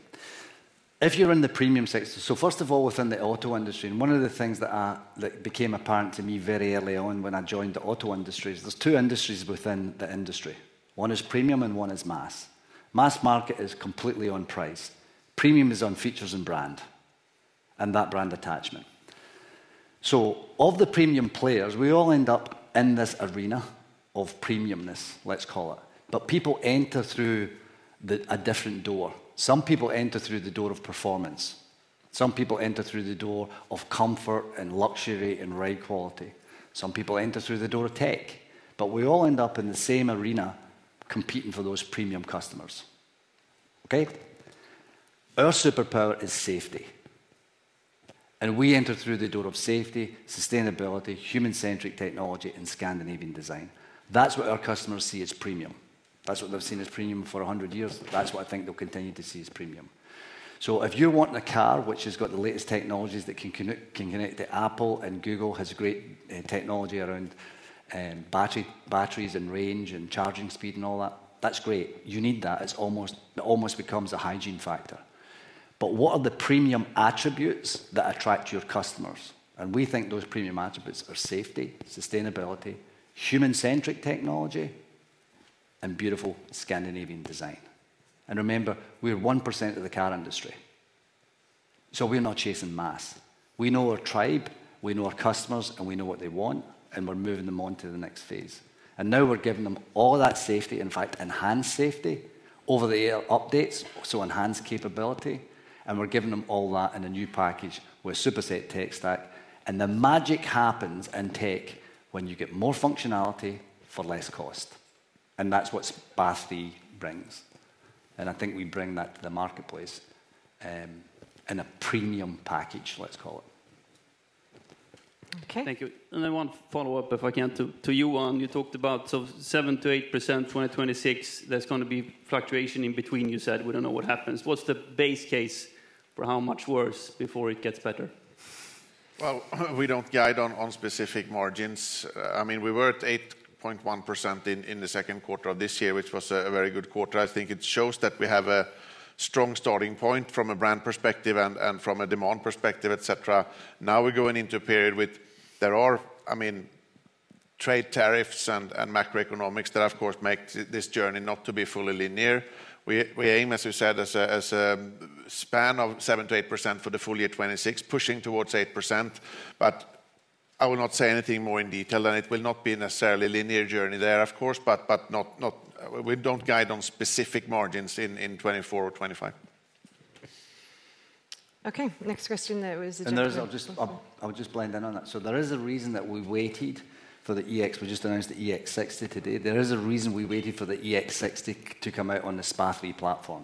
If you're in the premium sector. So first of all, within the auto industry, and one of the things that, that became apparent to me very early on when I joined the auto industry is there's two industries within the industry. One is premium, and one is mass. Mass market is completely on price. Premium is on features and brand, and that brand attachment. So of the premium players, we all end up in this arena of premiumness, let's call it. But people enter through the, a different door. Some people enter through the door of performance. Some people enter through the door of comfort and luxury and ride quality. Some people enter through the door of tech. But we all end up in the same arena competing for those premium customers, okay? Our superpower is safety, and we enter through the door of Safety, Sustainability, Human-Centric technology, and Scandinavian Design. That's what our customers see as premium. That's what they've seen as premium for a hundred years. That's what I think they'll continue to see as premium. So if you want a car which has got the latest technologies that can connect to Apple and Google, has great technology around battery, batteries and range and charging speed and all that, that's great. You need that. It's almost a hygiene factor. But what are the premium attributes that attract your customers? And we think those premium attributes are safety, sustainability, human-centric technology, and beautiful Scandinavian design. And remember, we're 1% of the car industry, so we're not chasing mass. We know our tribe, we know our customers, and we know what they want, and we're moving them on to the next phase, and now we're giving them all that safety, in fact, enhanced safety, over-the-air updates, so enhanced capability, and we're giving them all that in a new package with Superset tech stack, and the magic happens in tech when you get more functionality for less cost, and that's what SPA3 brings, and I think we bring that to the marketplace in a premium package, let's call it. Okay. Thank you. I want to follow up, if I can, to you, Johan. You talked about so 7%-8%, 2026, there's gonna be fluctuation in between, you said. We don't know what happens. What's the base case for how much worse before it gets better? We don't guide on specific margins. I mean, we were at 8.1% in the second quarter of this year, which was a very good quarter. I think it shows that we have a strong starting point from a brand perspective and from a demand perspective, et cetera. Now, we're going into a period with... There are, I mean, trade tariffs and macroeconomics that of course make this journey not to be fully linear. We aim, as we said, as a span of 7%-8% for the full year 2026, pushing towards 8%. But I will not say anything more in detail, and it will not be necessarily a linear journey there, of course, but not... We don't guide on specific margins in 2024 or 2025. Okay, next question there was the gentleman- I'll just blend in on that. So there is a reason that we waited for the EX. We just announced the EX60 today. There is a reason we waited for the EX60 to come out on the SPA2 platform.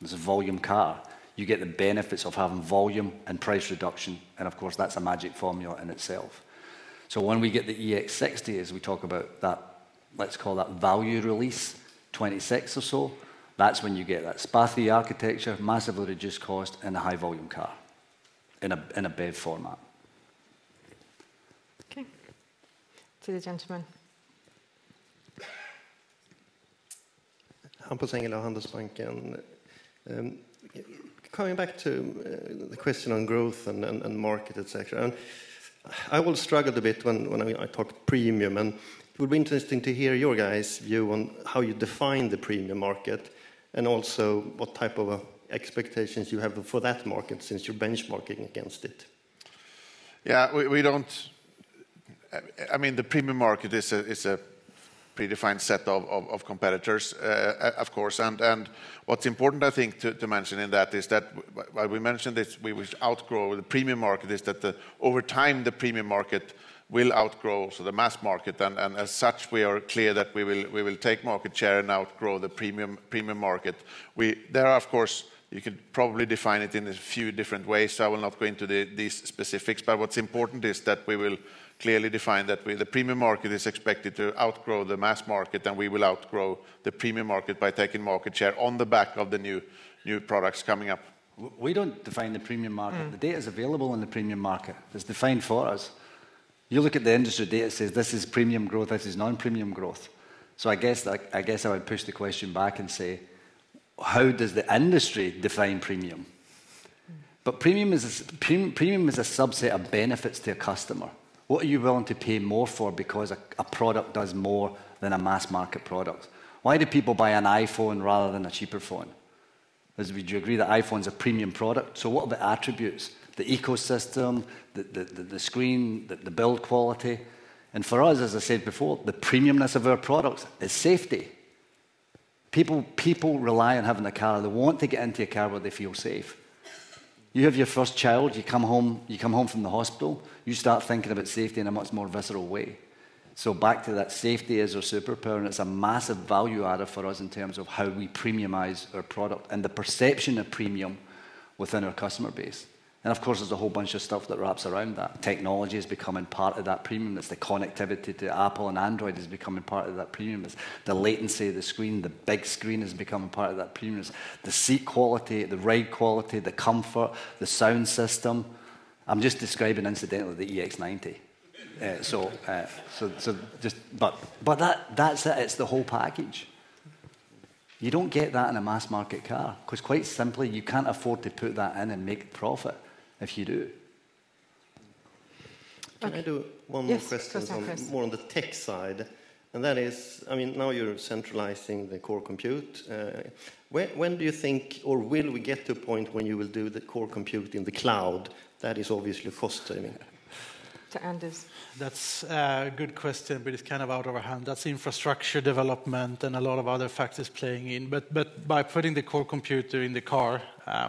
It's a volume car. You get the benefits of having volume and price reduction, and of course, that's a magic formula in itself. So when we get the EX60, as we talk about that, let's call that value release 2026 or so, that's when you get that SPA2 architecture, massively reduced cost, and a high-volume car in a BEV format. Okay, to the gentleman. Hampus Engellau, Handelsbanken. Coming back to the question on growth and market, et cetera, and I always struggled a bit when I talked premium, and it would be interesting to hear your guys' view on how you define the premium market and also what type of expectations you have for that market since you're benchmarking against it. Yeah, we don't... I mean, the premium market is a predefined set of competitors, of course. And what's important, I think, to mention in that is that while we mentioned this, we will outgrow the premium market, is that over time, the premium market will outgrow the mass market. And as such, we are clear that we will take market share and outgrow the premium market. We... There are, of course, you could probably define it in a few different ways, so I will not go into these specifics. But what's important is that we will clearly define that we, the premium market is expected to outgrow the mass market, and we will outgrow the premium market by taking market share on the back of the new products coming up. We don't define the premium market. Mm. The data is available in the premium market. It's defined for us. You look at the industry data; it says, "This is premium growth, this is non-premium growth." So I guess I would push the question back and say how does the industry define premium? But premium is a subset of benefits to a customer. What are you willing to pay more for because a product does more than a mass market product? Why do people buy an iPhone rather than a cheaper phone? Would you agree that iPhone's a premium product? So what are the attributes? The ecosystem, the screen, the build quality. And for us, as I said before, the premium-ness of our product is safety. People rely on having a car. They want to get into a car where they feel safe. You have your first child, you come home, you come home from the hospital, you start thinking about safety in a much more visceral way, so back to that, safety is our superpower, and it's a massive value adder for us in terms of how we premiumize our product and the perception of premium within our customer base, and of course, there's a whole bunch of stuff that wraps around that. Technology is becoming part of that premium. It's the connectivity to Apple and Android is becoming part of that premium. It's the latency of the screen, the big screen is becoming part of that premium. It's the seat quality, the ride quality, the comfort, the sound system. I'm just describing, incidentally, the EX90, but that, that's it, it's the whole package. You don't get that in a mass market car, 'cause quite simply, you can't afford to put that in and make a profit if you do. Okay. Can I do one more question? Yes, of course.... more on the tech side, and that is, I mean, now you're centralizing the core compute, when do you think, or will we get to a point when you will do the core compute in the cloud? That is obviously fostering. To Anders. That's a good question, but it's kind of out of our hands. That's infrastructure development and a lot of other factors playing in, but by putting the core computer in the car,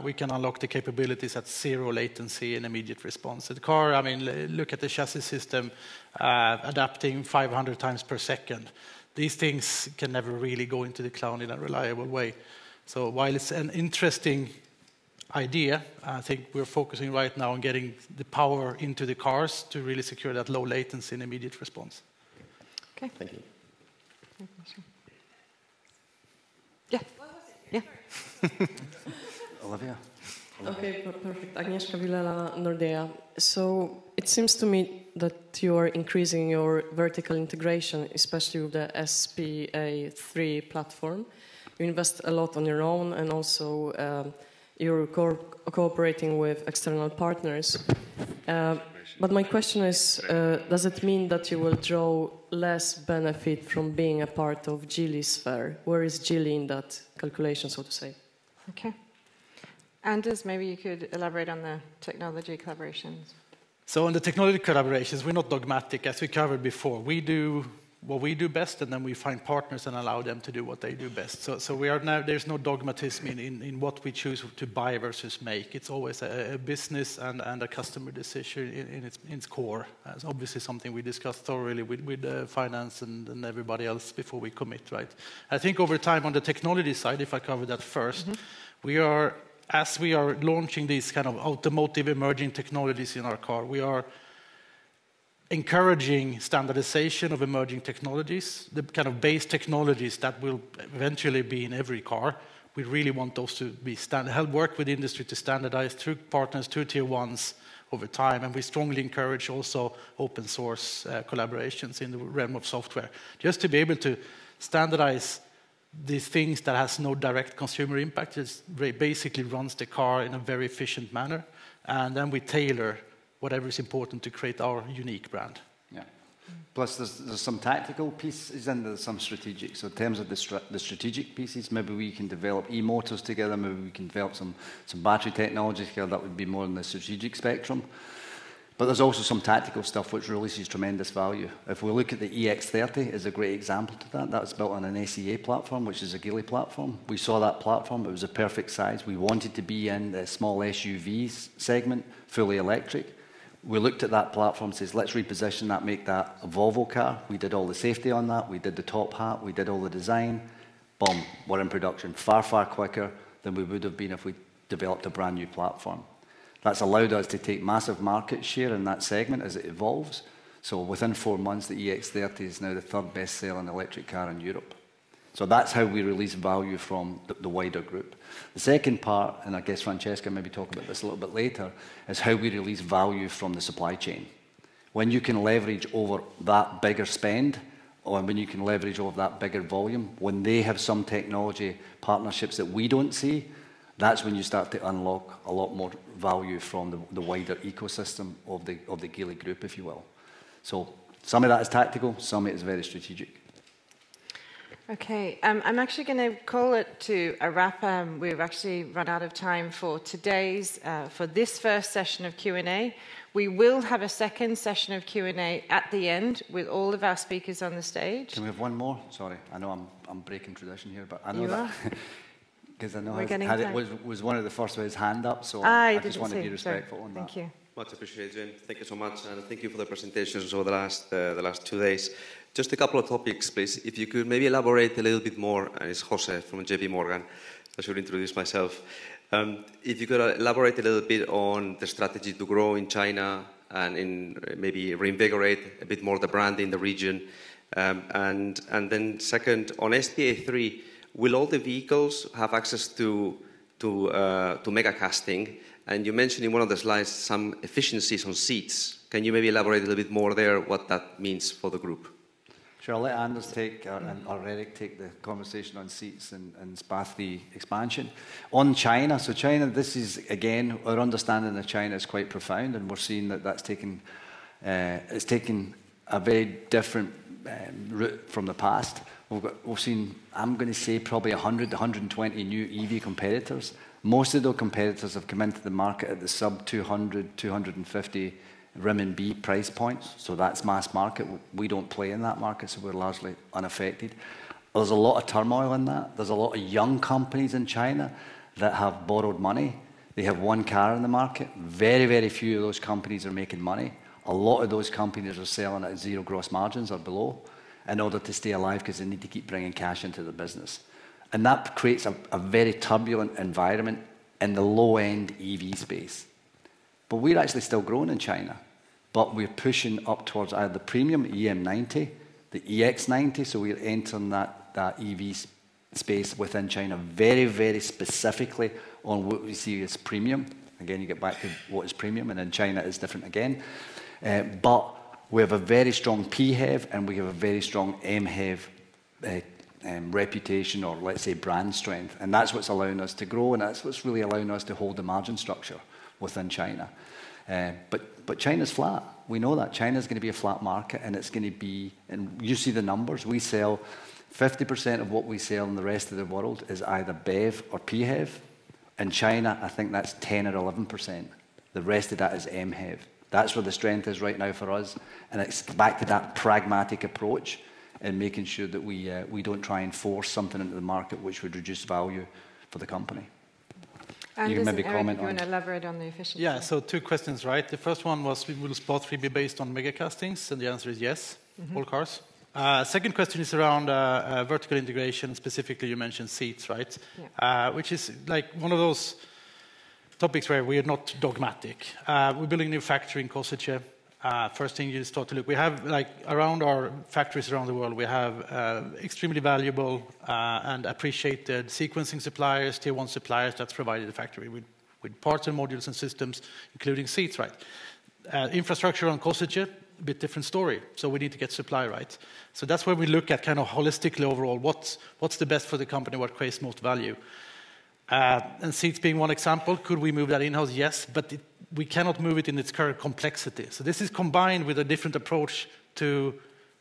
we can unlock the capabilities at zero latency and immediate response, so the car, I mean, look at the chassis system, adapting 500 times per second. These things can never really go into the cloud in a reliable way, so while it's an interesting idea, I think we're focusing right now on getting the power into the cars to really secure that low latency and immediate response. Okay. Thank you. Next question. Yeah. Well, was it? Sorry. Olivia. Okay, perfect. Agnieszka Vilela, Nordea. So it seems to me that you are increasing your vertical integration, especially with the SPA3 platform. You invest a lot on your own, and also, you're cooperating with external partners. But my question is, does it mean that you will draw less benefit from being a part of Geely sphere? Where is Geely in that calculation, so to say? Okay. Anders, maybe you could elaborate on the technology collaborations. So on the technology collaborations, we're not dogmatic, as we covered before. We do what we do best, and then we find partners and allow them to do what they do best. So we are now. There's no dogmatism in what we choose to buy versus make. It's always a business and a customer decision in its core. It's obviously something we discussed already with finance and everybody else before we commit, right? I think over time, on the technology side, if I cover that first- Mm-hmm... we are, as we are launching these kind of automotive emerging technologies in our car, we are encouraging standardization of emerging technologies, the kind of base technologies that will eventually be in every car. We really want those to be standardized. We help, work with the industry to standardize through partners, through Tier 1s over time, and we strongly encourage also open source collaborations in the realm of software. Just to be able to standardize these things that has no direct consumer impact, it basically runs the car in a very efficient manner, and then we tailor whatever is important to create our unique brand. Yeah. Plus, there's some tactical pieces and there's some strategic. So in terms of the strategic pieces, maybe we can develop e-motors together, maybe we can develop some battery technology together. That would be more in the strategic spectrum. But there's also some tactical stuff which really sees tremendous value. If we look at the EX30, is a great example to that. That was built on an SEA platform, which is a Geely platform. We saw that platform, it was a perfect size. We wanted to be in the small SUV segment, fully electric. We looked at that platform, says: Let's reposition that, make that a Volvo car. We did all the safety on that. We did the top hat, we did all the design. Boom! We're in production far, far quicker than we would have been if we developed a brand-new platform. That's allowed us to take massive market share in that segment as it evolves. So within four months, the EX30 is now the third best-selling electric car in Europe. So that's how we release value from the, the wider group. The second part, and I guess Francesca may be talking about this a little bit later, is how we release value from the supply chain. When you can leverage over that bigger spend, or when you can leverage over that bigger volume, when they have some technology partnerships that we don't see, that's when you start to unlock a lot more value from the, the wider ecosystem of the, of the Geely Group, if you will. So some of that is tactical, some is very strategic. Okay, I'm actually gonna call it to a wrap. We've actually run out of time for today's for this first session of Q&A. We will have a second session of Q&A at the end with all of our speakers on the stage. Can we have one more? Sorry, I know I'm, I'm breaking tradition here, but I know that- You are... 'cause I know how- We're getting time. It was one of the first way his hand up, so- I did the same.... I just want to be respectful on that. Thank you. Much appreciated. Thank you so much, and thank you for the presentations over the last two days. Just a couple of topics, please. If you could maybe elaborate a little bit more. It's José from JP Morgan. I should introduce myself. If you could elaborate a little bit on the strategy to grow in China and maybe reinvigorate a bit more the brand in the region. And then second, on SPA3, will all the vehicles have access to megacasting? And you mentioned in one of the slides some efficiencies on seats. Can you maybe elaborate a little bit more there, what that means for the group?... Sure, I'll let Anders take, or Erik take the conversation on seats and SPA3 expansion. On China, so China, this is, again, our understanding of China is quite profound, and we're seeing that that's taking a very different route from the past. We've seen, I'm gonna say, probably 100-120 new EV competitors. Most of those competitors have come into the market at the sub 200,000-250,000 RMB price points, so that's mass market. We don't play in that market, so we're largely unaffected. There's a lot of turmoil in that. There's a lot of young companies in China that have borrowed money. They have one car in the market. Very, very few of those companies are making money. A lot of those companies are selling at zero gross margins or below in order to stay alive 'cause they need to keep bringing cash into the business, and that creates a very turbulent environment in the low-end EV space. But we're actually still growing in China, but we're pushing up towards either the premium EM90, the EX90, so we're entering that EV space within China very, very specifically on what we see as premium. Again, you get back to what is premium, and in China, it's different again. But we have a very strong PHEV, and we have a very strong MHEV reputation, or let's say brand strength, and that's what's allowing us to grow, and that's what's really allowing us to hold the margin structure within China. But China's flat. We know that. China's gonna be a flat market, and it's gonna be. You see the numbers. We sell 50% of what we sell in the rest of the world is either BEV or PHEV. In China, I think that's 10 or 11%. The rest of that is MHEV. That's where the strength is right now for us, and it's back to that pragmatic approach in making sure that we don't try and force something into the market which would reduce value for the company. Anders- You can maybe comment on- Do you want to elaborate on the efficiency? Yeah, so two questions, right? The first one was, will SPA3 be based on megacastings, and the answer is yes- Mm-hmm... all cars. Second question is around vertical integration. Specifically, you mentioned seats, right? Yeah. Which is, like, one of those topics where we are not dogmatic. We're building a new factory in Košice. First thing you start to look, we have, like, around our factories around the world, extremely valuable and appreciated sequencing suppliers, Tier 1 suppliers, that provide the factory with parts and modules and systems, including seats, right? Infrastructure on Košice, a bit different story, so we need to get supply right. So that's where we look at kind of holistically overall, what's the best for the company? What creates most value? And seats being one example, could we move that in-house? Yes, but it, we cannot move it in its current complexity. So this is combined with a different approach to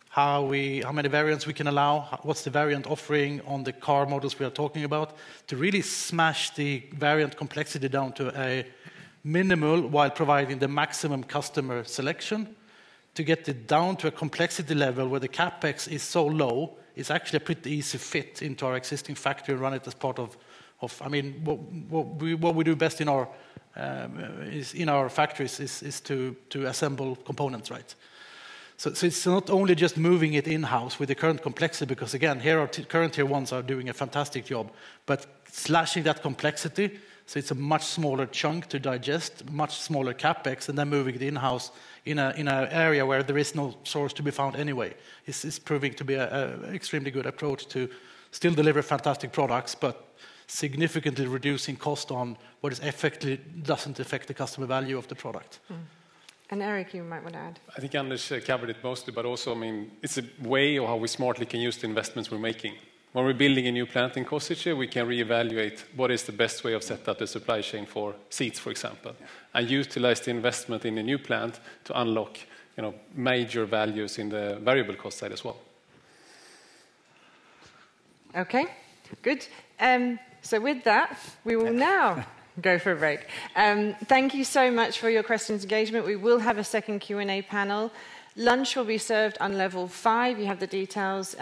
how many variants we can allow, what's the variant offering on the car models we are talking about, to really smash the variant complexity down to a minimal, while providing the maximum customer selection, to get it down to a complexity level where the CapEx is so low, it's actually a pretty easy fit into our existing factory and run it as part of. I mean, what we do best in our factories is to assemble components, right? So it's not only just moving it in-house with the current complexity, because, again, here our current Tier 1s are doing a fantastic job, but slashing that complexity, so it's a much smaller chunk to digest, much smaller CapEx, and then moving it in-house in an area where there is no source to be found anyway. This is proving to be an extremely good approach to still deliver fantastic products, but significantly reducing cost on what doesn't affect the customer value of the product. Mm-hmm, and Erik, you might want to add. I think Anders covered it mostly, but also, I mean, it's a way of how we smartly can use the investments we're making. When we're building a new plant in Košice, we can reevaluate what is the best way of set up the supply chain for seats, for example, and utilize the investment in the new plant to unlock, you know, major values in the variable cost side as well. Okay, good. So with that, we will now go for a break. Thank you so much for your questions and engagement. We will have a second Q&A panel. Lunch will be served on level five. You have the details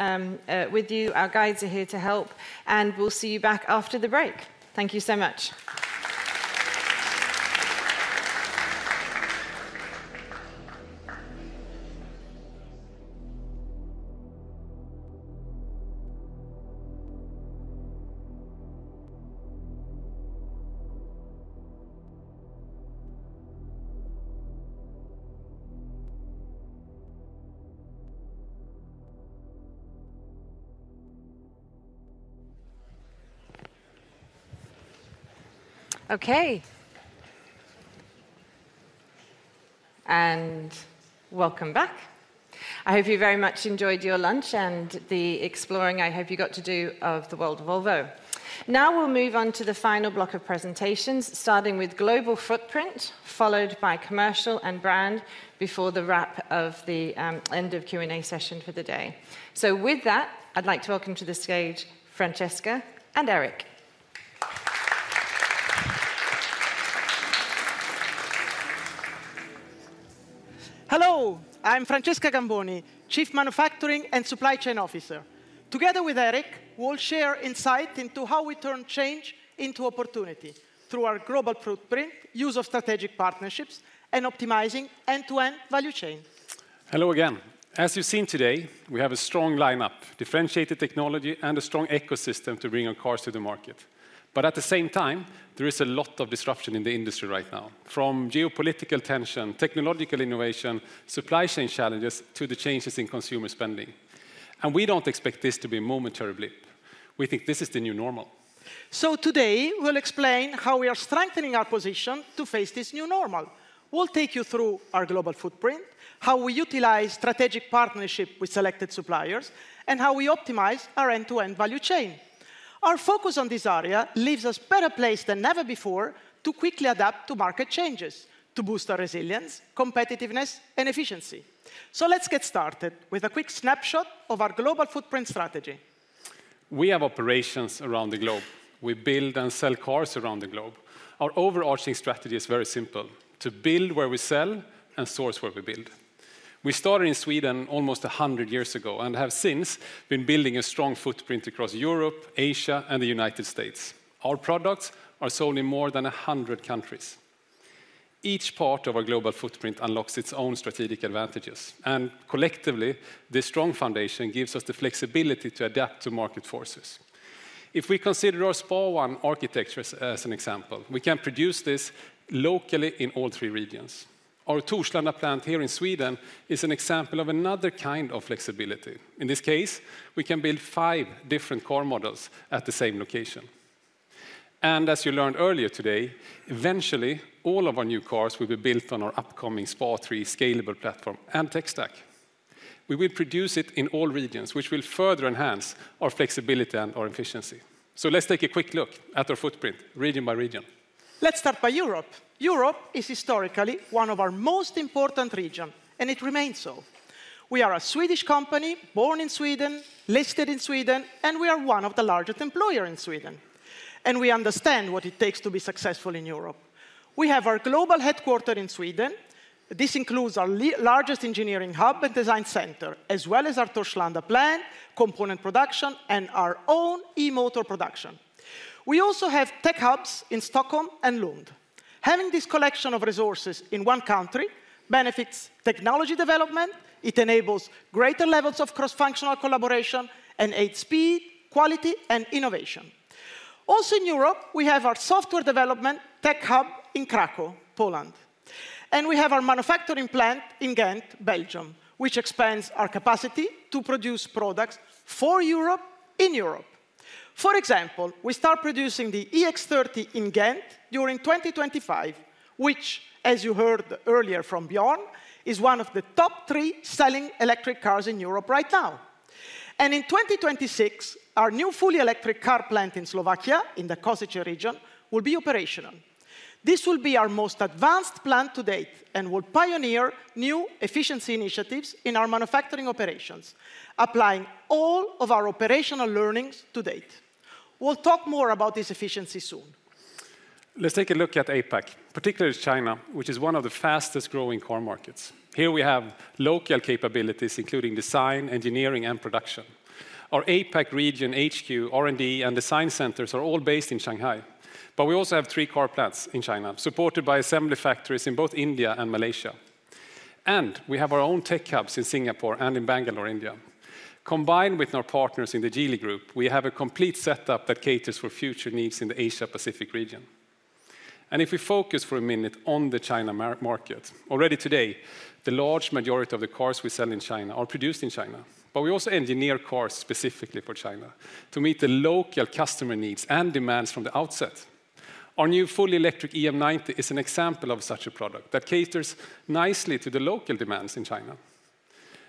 with you. Our guides are here to help, and we'll see you back after the break. Thank you so much. Okay. And welcome back. I hope you very much enjoyed your lunch and the exploring I hope you got to do of the world of Volvo. Now, we'll move on to the final block of presentations, starting with global footprint, followed by commercial and brand, before the wrap of the end of Q&A session for the day. So with that, I'd like to welcome to the stage Francesca and Erik. Hello, I'm Francesca Gamboni, Chief Manufacturing and Supply Chain Officer. Together with Erik, we'll share insight into how we turn change into opportunity through our global footprint, use of strategic partnerships, and optimizing end-to-end value chain. Hello again. As you've seen today, we have a strong lineup, differentiated technology, and a strong ecosystem to bring our cars to the market. But at the same time, there is a lot of disruption in the industry right now, from geopolitical tension, technological innovation, supply chain challenges, to the changes in consumer spending, and we don't expect this to be a momentary blip. We think this is the new normal.... So today, we'll explain how we are strengthening our position to face this new normal. We'll take you through our global footprint, how we utilize strategic partnership with selected suppliers, and how we optimize our end-to-end value chain. Our focus on this area leaves us better placed than ever before to quickly adapt to market changes, to boost our resilience, competitiveness, and efficiency. So let's get started with a quick snapshot of our global footprint strategy. We have operations around the globe. We build and sell cars around the globe. Our overarching strategy is very simple: to build where we sell and source where we build. We started in Sweden almost a hundred years ago, and have since been building a strong footprint across Europe, Asia, and the United States. Our products are sold in more than a hundred countries. Each part of our global footprint unlocks its own strategic advantages, and collectively, this strong foundation gives us the flexibility to adapt to market forces. If we consider our SPA1 architecture as, as an example, we can produce this locally in all three regions. Our Torslanda plant here in Sweden is an example of another kind of flexibility. In this case, we can build five different car models at the same location. And as you learned earlier today, eventually, all of our new cars will be built on our upcoming SPA3 scalable platform and tech stack. We will produce it in all regions, which will further enhance our flexibility and our efficiency. So let's take a quick look at our footprint, region by region. Let's start by Europe. Europe is historically one of our most important regions, and it remains so. We are a Swedish company, born in Sweden, listed in Sweden, and we are one of the largest employers in Sweden, and we understand what it takes to be successful in Europe. We have our global headquarters in Sweden. This includes our largest engineering hub and design center, as well as our Torslanda plant, component production, and our own e-motor production. We also have tech hubs in Stockholm and Lund. Having this collection of resources in one country benefits technology development, it enables greater levels of cross-functional collaboration, and aids speed, quality, and innovation. Also in Europe, we have our software development tech hub in Kraków, Poland, and we have our manufacturing plant in Ghent, Belgium, which expands our capacity to produce products for Europe, in Europe. For example, we start producing the EX30 in Ghent during 2025, which, as you heard earlier from Björn, is one of the top three selling electric cars in Europe right now. In 2026, our new fully electric car plant in Slovakia, in the Košice region, will be operational. This will be our most advanced plant to date and will pioneer new efficiency initiatives in our manufacturing operations, applying all of our operational learnings to date. We'll talk more about this efficiency soon. Let's take a look at APAC, particularly China, which is one of the fastest-growing car markets. Here we have local capabilities, including design, engineering, and production. Our APAC region HQ, R&D, and design centers are all based in Shanghai, but we also have three car plants in China, supported by assembly factories in both India and Malaysia. And we have our own tech hubs in Singapore and in Bangalore, India. Combined with our partners in the Geely group, we have a complete setup that caters for future needs in the Asia-Pacific region. And if we focus for a minute on the China market, already today, the large majority of the cars we sell in China are produced in China. But we also engineer cars specifically for China to meet the local customer needs and demands from the outset. Our new fully electric EM90 is an example of such a product that caters nicely to the local demands in China.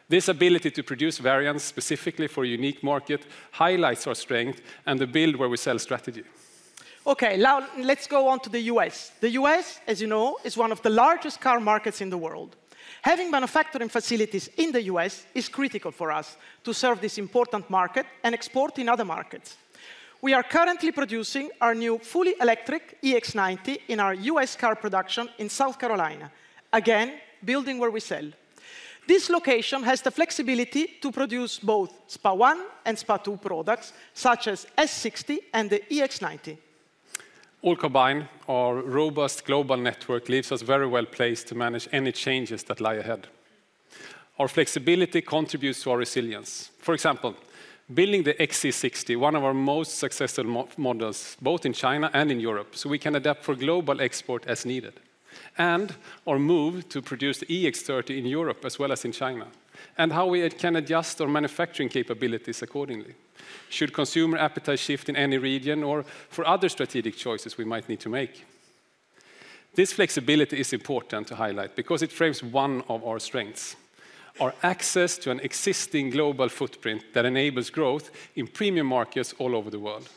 This ability to produce variants specifically for a unique market highlights our strength and the build where we sell strategy. Okay, now let's go on to the U.S. The U.S., as you know, is one of the largest car markets in the world. Having manufacturing facilities in the U.S. is critical for us to serve this important market and export in other markets. We are currently producing our new fully electric EX90 in our U.S. car production in South Carolina. Again, building where we sell. This location has the flexibility to produce both SPA1 and SPA2 products, such as S60 and the EX90. All combined, our robust global network leaves us very well-placed to manage any changes that lie ahead. Our flexibility contributes to our resilience. For example, building the XC60, one of our most successful models, both in China and in Europe, so we can adapt for global export as needed, and our move to produce the EX30 in Europe as well as in China, and how we can adjust our manufacturing capabilities accordingly should consumer appetite shift in any region or for other strategic choices we might need to make. This flexibility is important to highlight because it frames one of our strengths, our access to an existing global footprint that enables growth in premium markets all over the world.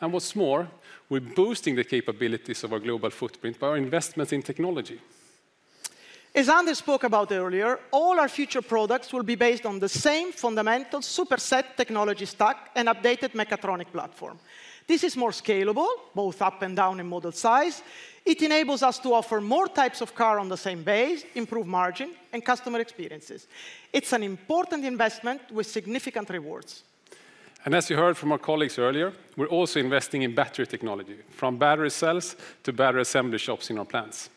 And what's more, we're boosting the capabilities of our global footprint by our investments in technology. As Anders spoke about earlier, all our future products will be based on the same fundamental Superset technology stack and updated mechatronic platform. This is more scalable, both up and down in model size. It enables us to offer more types of car on the same base, improve margin, and customer experiences. It's an important investment with significant rewards. As you heard from our colleagues earlier, we're also investing in battery technology, from battery cells to battery assembly shops in our plants.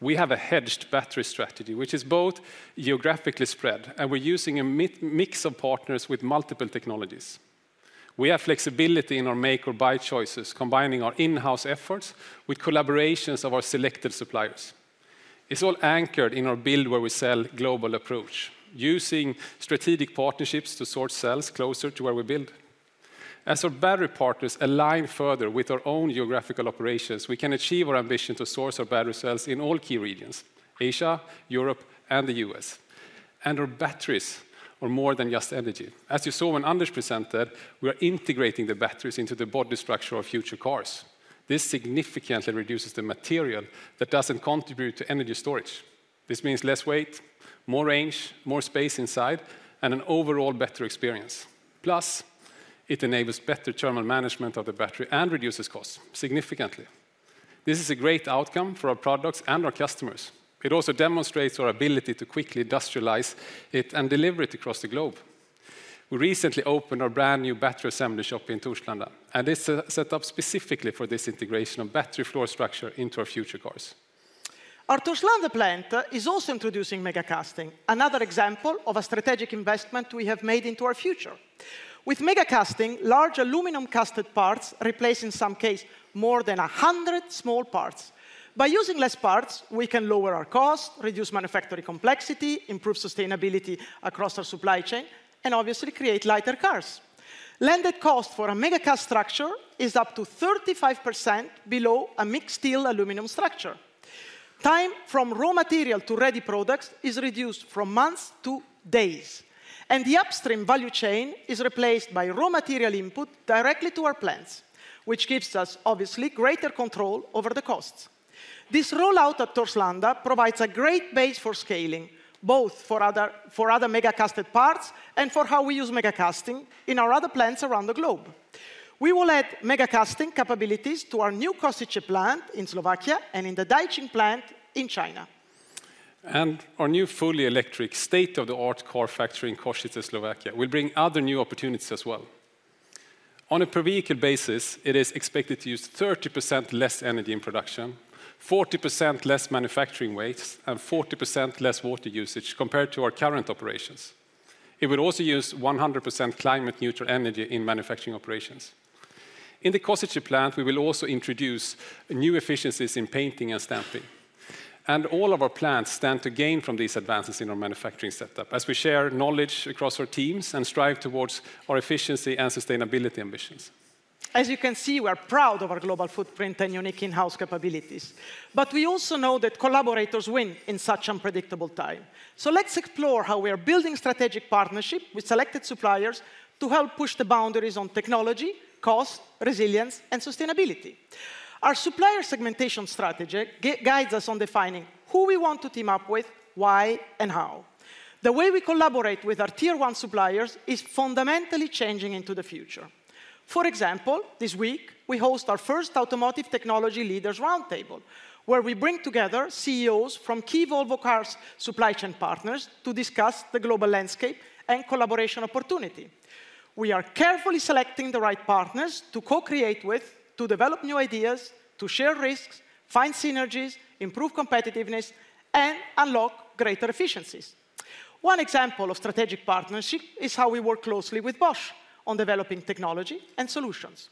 We have a hedged battery strategy, which is both geographically spread, and we're using a mix of partners with multiple technologies. We have flexibility in our make or buy choices, combining our in-house efforts with collaborations of our selected suppliers. It's all anchored in our build where we sell global approach, using strategic partnerships to source sales closer to where we build. As our battery partners align further with our own geographical operations, we can achieve our ambition to source our battery cells in all key regions: Asia, Europe, and the U.S. Our batteries are more than just energy. As you saw when Anders presented, we are integrating the batteries into the body structure of future cars. This significantly reduces the material that doesn't contribute to energy storage. This means less weight, more range, more space inside, and an overall better experience. Plus, it enables better terminal management of the battery and reduces costs significantly. This is a great outcome for our products and our customers. It also demonstrates our ability to quickly industrialize it and deliver it across the globe. We recently opened our brand-new battery assembly shop in Torslanda, and it's set up specifically for this integration of battery floor structure into our future cars. Our Torslanda plant is also introducing megacasting, another example of a strategic investment we have made into our future. With megacasting, large aluminum casted parts replace, in some cases, more than a hundred small parts. By using less parts, we can lower our cost, reduce manufacturing complexity, improve sustainability across our supply chain, and obviously create lighter cars. Landed cost for a megacast structure is up to 35% below a mixed steel aluminum structure. Time from raw material to ready products is reduced from months to days, and the upstream value chain is replaced by raw material input directly to our plants, which gives us, obviously, greater control over the costs. This rollout at Torslanda provides a great base for scaling, both for other megacasted parts and for how we use megacasting in our other plants around the globe. We will add megacasting capabilities to our new Košice plant in Slovakia and in the Daqing plant in China. Our new fully electric state-of-the-art car factory in Košice, Slovakia, will bring other new opportunities as well. On a per-vehicle basis, it is expected to use 30% less energy in production, 40% less manufacturing waste, and 40% less water usage compared to our current operations. It will also use 100% climate-neutral energy in manufacturing operations. In the Košice plant, we will also introduce new efficiencies in painting and stamping, and all of our plants stand to gain from these advances in our manufacturing setup as we share knowledge across our teams and strive towards our efficiency and sustainability ambitions. As you can see, we are proud of our global footprint and unique in-house capabilities, but we also know that collaborators win in such unpredictable time. So let's explore how we are building strategic partnership with selected suppliers to help push the boundaries on technology, cost, resilience, and sustainability. Our supplier segmentation strategy guides us on defining who we want to team up with, why, and how. The way we collaborate with our Tier 1 suppliers is fundamentally changing into the future. For example, this week, we host our first Automotive Technology Leaders Roundtable, where we bring together CEOs from key Volvo Cars supply chain partners to discuss the global landscape and collaboration opportunity. We are carefully selecting the right partners to co-create with, to develop new ideas, to share risks, find synergies, improve competitiveness, and unlock greater efficiencies. One example of strategic partnership is how we work closely with Bosch on developing technology and solutions.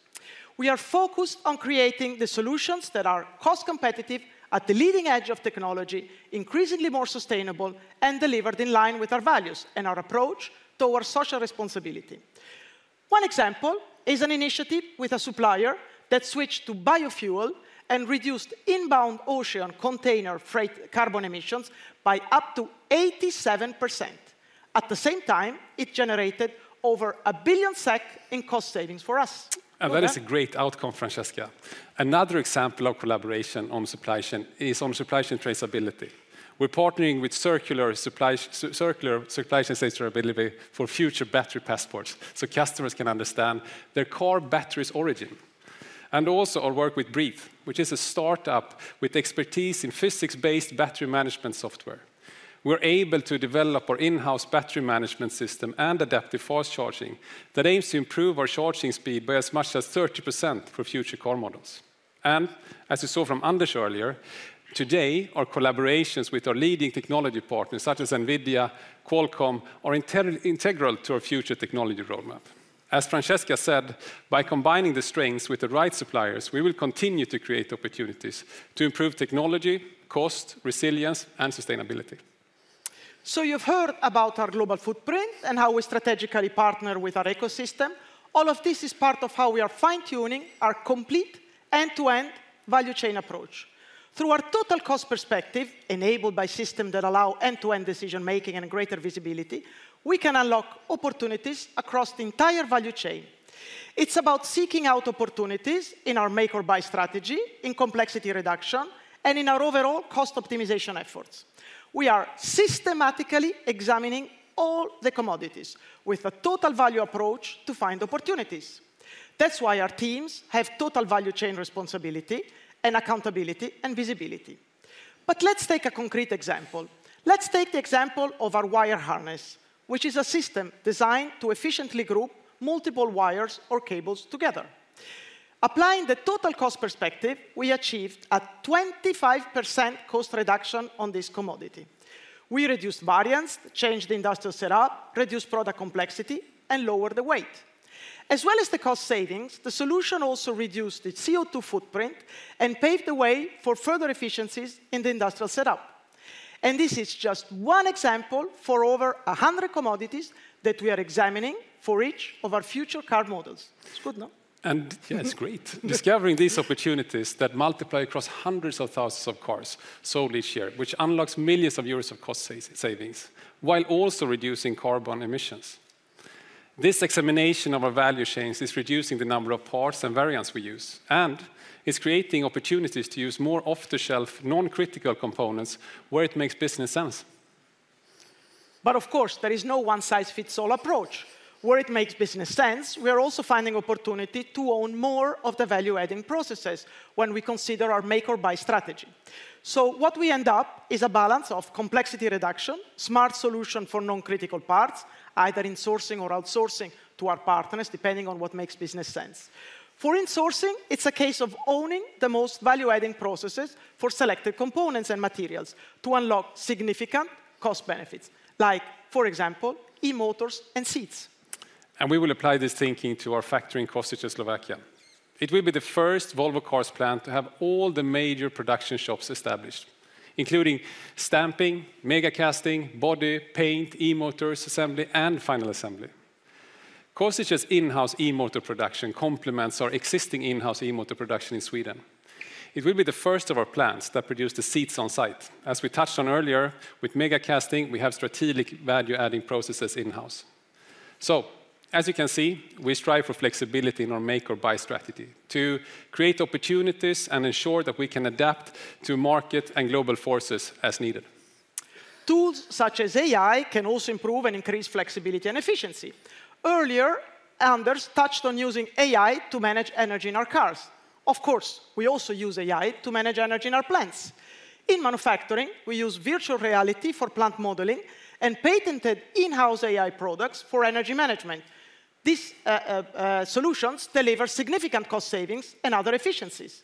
We are focused on creating the solutions that are cost competitive at the leading edge of technology, increasingly more sustainable, and delivered in line with our values and our approach towards social responsibility. One example is an initiative with a supplier that switched to biofuel and reduced inbound ocean container freight carbon emissions by up to 87%. At the same time, it generated over 1 billion SEK in cost savings for us. That is a great outcome, Francesca. Another example of collaboration on supply chain is on supply chain traceability. We're partnering with circular supply chain traceability for future battery passports, so customers can understand their car's battery's origin. Also our work with Breathe, which is a startup with expertise in physics-based battery management software. We're able to develop our in-house battery management system and adaptive fast charging that aims to improve our charging speed by as much as 30% for future car models. As you saw from Anders earlier, today, our collaborations with our leading technology partners, such as NVIDIA, Qualcomm, are integral to our future technology roadmap. As Francesca said, by combining the strengths with the right suppliers, we will continue to create opportunities to improve technology, cost, resilience, and sustainability. So you've heard about our global footprint and how we strategically partner with our ecosystem. All of this is part of how we are fine-tuning our complete end-to-end value chain approach. Through our total cost perspective, enabled by system that allow end-to-end decision-making and greater visibility, we can unlock opportunities across the entire value chain. It's about seeking out opportunities in our make-or-buy strategy, in complexity reduction, and in our overall cost optimization efforts. We are systematically examining all the commodities with a total value approach to find opportunities. That's why our teams have total value chain responsibility and accountability and visibility. But let's take a concrete example. Let's take the example of our wire harness, which is a system designed to efficiently group multiple wires or cables together. Applying the total cost perspective, we achieved a 25% cost reduction on this commodity. We reduced variance, changed the industrial setup, reduced product complexity, and lowered the weight.... As well as the cost savings, the solution also reduced its CO2 footprint and paved the way for further efficiencies in the industrial setup, and this is just one example for over 100 commodities that we are examining for each of our future car models. It's good, no? Yeah, it's great. Discovering these opportunities that multiply across hundreds of thousands of cars sold each year, which unlocks millions of EUR of cost savings, while also reducing carbon emissions. This examination of our value chains is reducing the number of parts and variants we use, and it's creating opportunities to use more off-the-shelf, non-critical components where it makes business sense. But of course, there is no one-size-fits-all approach. Where it makes business sense, we are also finding opportunity to own more of the value-adding processes when we consider our make or buy strategy. So what we end up is a balance of complexity reduction, smart solution for non-critical parts, either insourcing or outsourcing to our partners, depending on what makes business sense. For insourcing, it's a case of owning the most value-adding processes for selected components and materials to unlock significant cost benefits, like, for example, e-motors and seats. And we will apply this thinking to our factory in Košice, Slovakia. It will be the first Volvo Cars plant to have all the major production shops established, including stamping, megacasting, body, paint, e-motors assembly, and final assembly. Košice's in-house e-motor production complements our existing in-house e-motor production in Sweden. It will be the first of our plants that produce the seats on site. As we touched on earlier, with megacasting, we have strategic value-adding processes in-house. So as you can see, we strive for flexibility in our make or buy strategy to create opportunities and ensure that we can adapt to market and global forces as needed. Tools such as AI can also improve and increase flexibility and efficiency. Earlier, Anders touched on using AI to manage energy in our cars. Of course, we also use AI to manage energy in our plants. In manufacturing, we use virtual reality for plant modeling and patented in-house AI products for energy management. This solutions deliver significant cost savings and other efficiencies.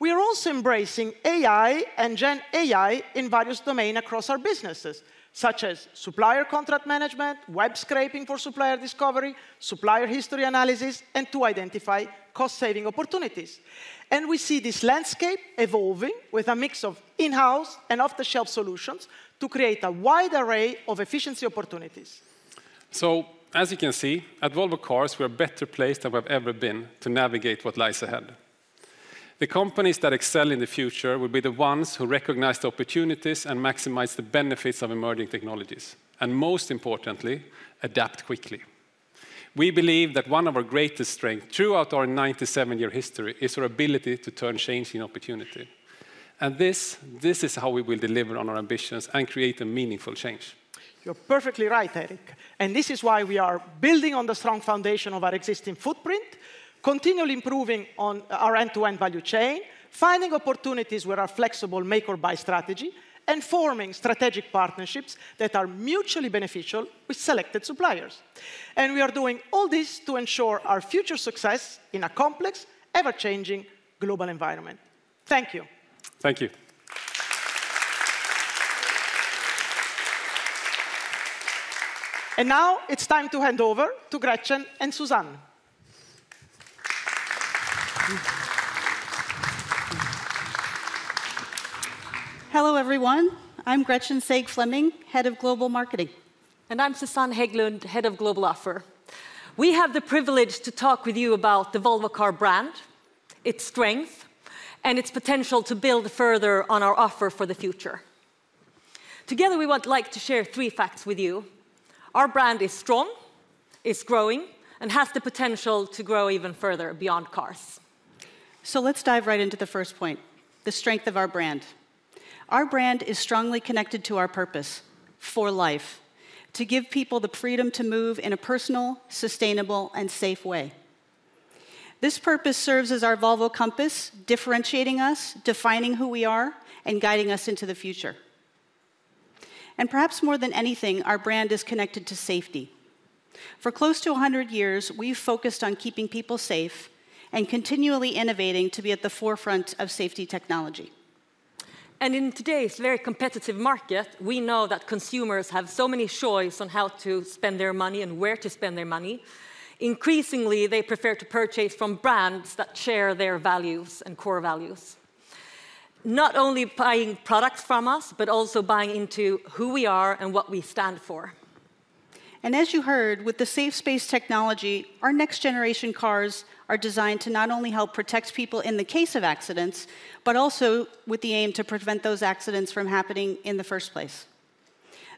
We are also embracing AI and GenAI in various domain across our businesses, such as supplier contract management, web scraping for supplier discovery, supplier history analysis, and to identify cost-saving opportunities. And we see this landscape evolving with a mix of in-house and off-the-shelf solutions to create a wide array of efficiency opportunities. So as you can see, at Volvo Cars, we are better placed than we've ever been to navigate what lies ahead. The companies that excel in the future will be the ones who recognize the opportunities and maximize the benefits of emerging technologies, and most importantly, adapt quickly. We believe that one of our greatest strength throughout our 97-year history is our ability to turn change into opportunity, and this, this is how we will deliver on our ambitions and create a meaningful change. You're perfectly right, Erik, and this is why we are building on the strong foundation of our existing footprint, continually improving on our end-to-end value chain, finding opportunities with our flexible make or buy strategy, and forming strategic partnerships that are mutually beneficial with selected suppliers. And we are doing all this to ensure our future success in a complex, ever-changing global environment. Thank you. Thank you. Now it's time to hand over to Gretchen and Susanne. Hello, everyone. I'm Gretchen Saegh-Fleming, Head of Global Marketing. I'm Susanne Hägglund, Head of Global Offer. We have the privilege to talk with you about the Volvo Cars brand, its strength, and its potential to build further on our offer for the future. Together, we would like to share three facts with you. Our brand is strong, it's growing, and has the potential to grow even further beyond cars. Let's dive right into the first point, the strength of our brand. Our brand is strongly connected to our purpose, for life, to give people the freedom to move in a personal, sustainable, and safe way. This purpose serves as our Volvo compass, differentiating us, defining who we are, and guiding us into the future. Perhaps more than anything, our brand is connected to safety. For close to 100 years, we've focused on keeping people safe and continually innovating to be at the forefront of safety technology. In today's very competitive market, we know that consumers have so many choices on how to spend their money and where to spend their money. Increasingly, they prefer to purchase from brands that share their values and core values, not only buying products from us, but also buying into who we are and what we stand for. As you heard, with the Safe Space Technology, our next-generation cars are designed to not only help protect people in the case of accidents, but also with the aim to prevent those accidents from happening in the first place.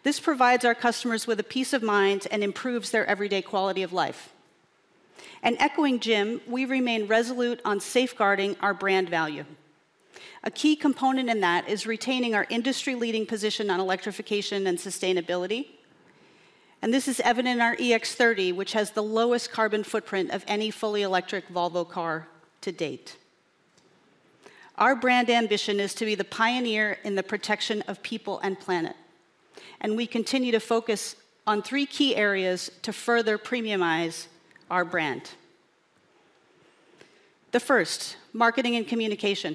This provides our customers with a peace of mind and improves their everyday quality of life. Echoing Jim, we remain resolute on safeguarding our brand value. A key component in that is retaining our industry-leading position on electrification and sustainability, and this is evident in our EX30, which has the lowest carbon footprint of any fully electric Volvo car to date. Our brand ambition is to be the pioneer in the protection of people and planet, and we continue to focus on three key areas to further premiumize our brand.... The first, marketing and communication.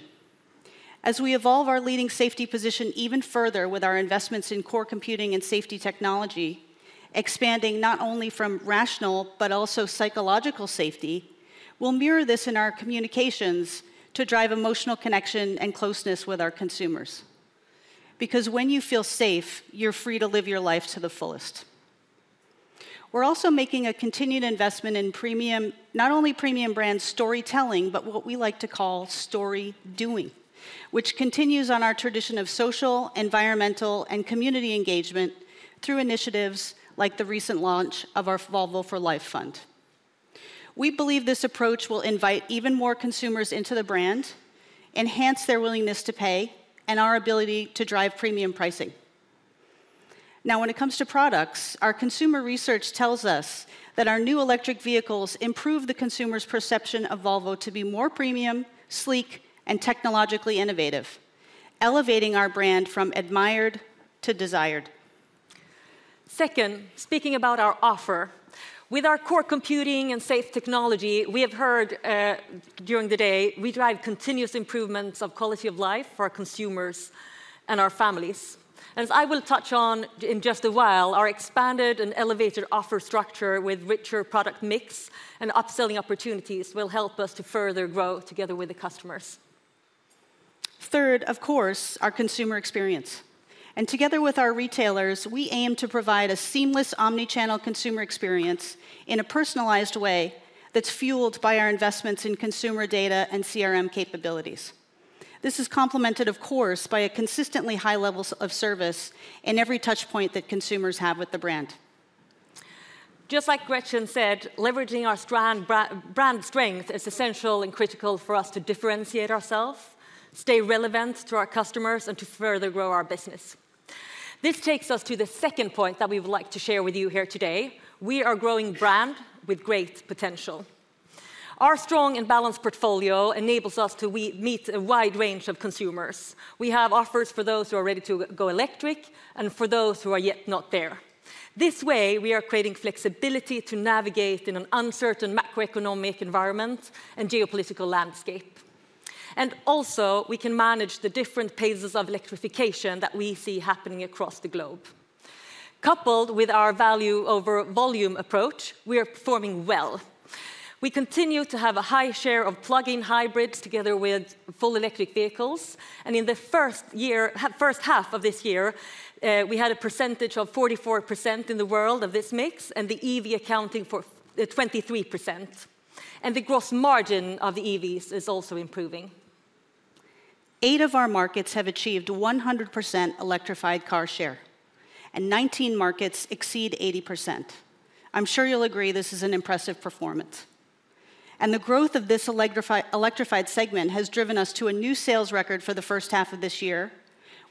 As we evolve our leading safety position even further with our investments in core computing and safety technology, expanding not only from rational but also psychological safety, we'll mirror this in our communications to drive emotional connection and closeness with our consumers. Because when you feel safe, you're free to live your life to the fullest. We're also making a continued investment in premium, not only premium brand storytelling, but what we like to call story doing, which continues on our tradition of social, environmental, and community engagement through initiatives like the recent launch of our Volvo For Life Fund. We believe this approach will invite even more consumers into the brand, enhance their willingness to pay, and our ability to drive premium pricing. Now, when it comes to products, our consumer research tells us that our new electric vehicles improve the consumer's perception of Volvo to be more premium, sleek, and technologically innovative, elevating our brand from admired to desired. Second, speaking about our offer. With our core computing and safe technology, we have heard during the day, we drive continuous improvements of quality of life for our consumers and our families. And as I will touch on in just a while, our expanded and elevated offer structure with richer product mix and upselling opportunities will help us to further grow together with the customers. Third, of course, our consumer experience. And together with our retailers, we aim to provide a seamless omni-channel consumer experience in a personalized way that's fueled by our investments in consumer data and CRM capabilities. This is complemented, of course, by a consistently high level of service in every touch point that consumers have with the brand. Just like Gretchen said, leveraging our strong brand, brand strength is essential and critical for us to differentiate ourselves, stay relevant to our customers, and to further grow our business. This takes us to the second point that we would like to share with you here today: we are a growing brand with great potential. Our strong and balanced portfolio enables us to meet a wide range of consumers. We have offers for those who are ready to go electric and for those who are yet not there. This way, we are creating flexibility to navigate in an uncertain macroeconomic environment and geopolitical landscape. And also, we can manage the different paces of electrification that we see happening across the globe. Coupled with our value over volume approach, we are performing well. We continue to have a high share of plug-in hybrids together with full electric vehicles, and in the first half of this year, we had a percentage of 44% in the world of this mix, and the EV accounting for 23%, and the gross margin of the EVs is also improving. Eight of our markets have achieved 100% electrified car share, and 19 markets exceed 80%. I'm sure you'll agree, this is an impressive performance. And the growth of this electrified segment has driven us to a new sales record for the first half of this year,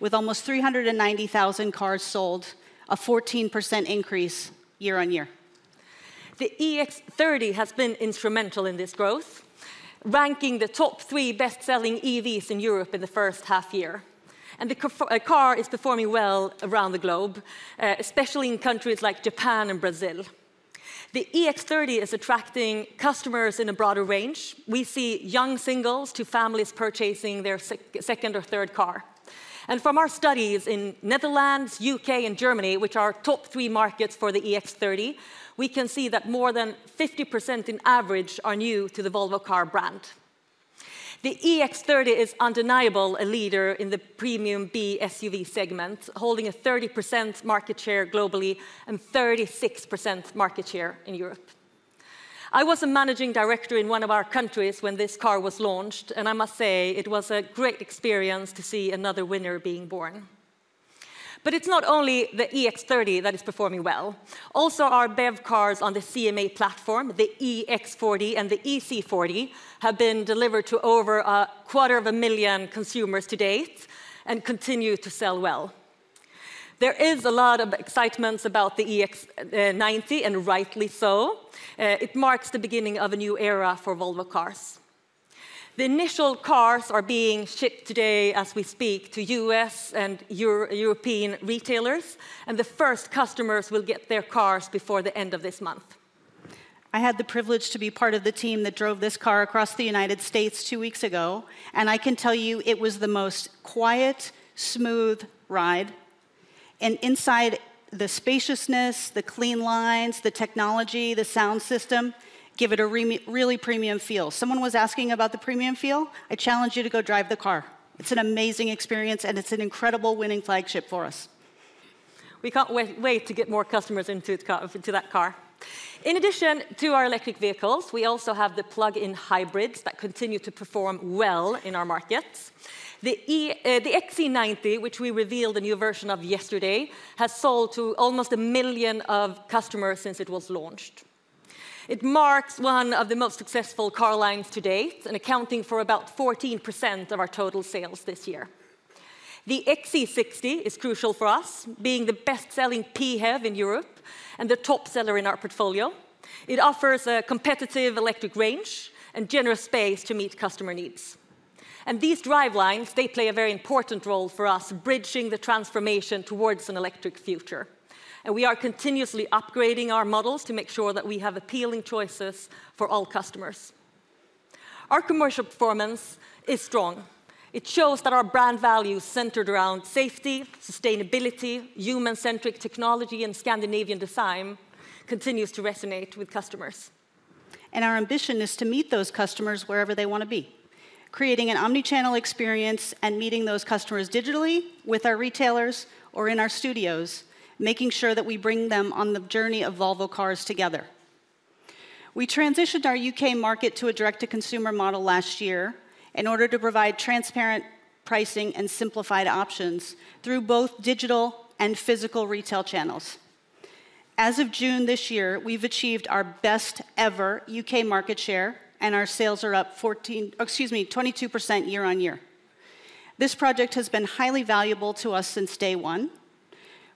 with almost 390,000 cars sold, a 14% increase year-on-year. The EX30 has been instrumental in this growth, ranking the top three best-selling EVs in Europe in the first half year, and the car is performing well around the globe, especially in countries like Japan and Brazil. The EX30 is attracting customers in a broader range. We see young singles to families purchasing their second or third car. From our studies in Netherlands, UK, and Germany, which are top three markets for the EX30, we can see that more than 50% in average are new to the Volvo car brand. The EX30 is undeniably a leader in the premium B-SUV segment, holding a 30% market share globally and 36% market share in Europe. I was a managing director in one of our countries when this car was launched, and I must say, it was a great experience to see another winner being born. But it's not only the EX30 that is performing well, also our BEV cars on the CMA platform, the EX40 and the EC40, have been delivered to over a quarter of a million consumers to date and continue to sell well. There is a lot of excitement about the EX90, and rightly so. It marks the beginning of a new era for Volvo Cars. The initial cars are being shipped today as we speak to U.S. and European retailers, and the first customers will get their cars before the end of this month. I had the privilege to be part of the team that drove this car across the United States two weeks ago, and I can tell you, it was the most quiet, smooth ride, and inside, the spaciousness, the clean lines, the technology, the sound system, give it a really premium feel. Someone was asking about the premium feel? I challenge you to go drive the car. It's an amazing experience, and it's an incredible winning flagship for us. We can't wait to get more customers into that car. In addition to our electric vehicles, we also have the plug-in hybrids that continue to perform well in our markets. The XC90, which we revealed a new version of yesterday, has sold to almost a million of customers since it was launched. It marks one of the most successful car lines to date and accounting for about 14% of our total sales this year. The XC60 is crucial for us, being the best-selling PHEV in Europe and the top seller in our portfolio. It offers a competitive electric range and generous space to meet customer needs. These drivelines play a very important role for us, bridging the transformation towards an electric future, and we are continuously upgrading our models to make sure that we have appealing choices for all customers. Our commercial performance is strong. It shows that our brand values centered around safety, sustainability, human-centric technology, and Scandinavian design continues to resonate with customers. And our ambition is to meet those customers wherever they wanna be, creating an omni-channel experience and meeting those customers digitally with our retailers or in our studios, making sure that we bring them on the journey of Volvo Cars together. We transitioned our UK market to a direct-to-consumer model last year in order to provide transparent pricing and simplified options through both digital and physical retail channels. As of June this year, we've achieved our best ever UK market share, and our sales are up excuse me, 22% year on year. This project has been highly valuable to us since day one.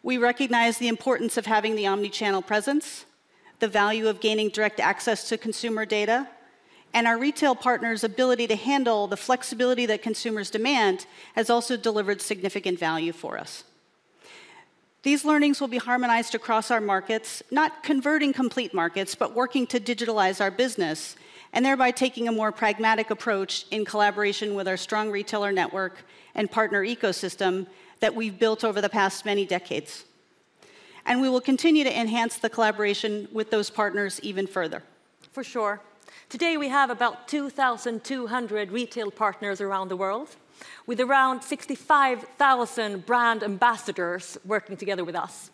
We recognize the importance of having the omni-channel presence, the value of gaining direct access to consumer data, and our retail partners' ability to handle the flexibility that consumers demand has also delivered significant value for us. These learnings will be harmonized across our markets, not converting complete markets, but working to digitalize our business, and thereby taking a more pragmatic approach in collaboration with our strong retailer network and partner ecosystem that we've built over the past many decades, and we will continue to enhance the collaboration with those partners even further. For sure. Today, we have about 2,200 retail partners around the world, with around 65,000 brand ambassadors working together with us,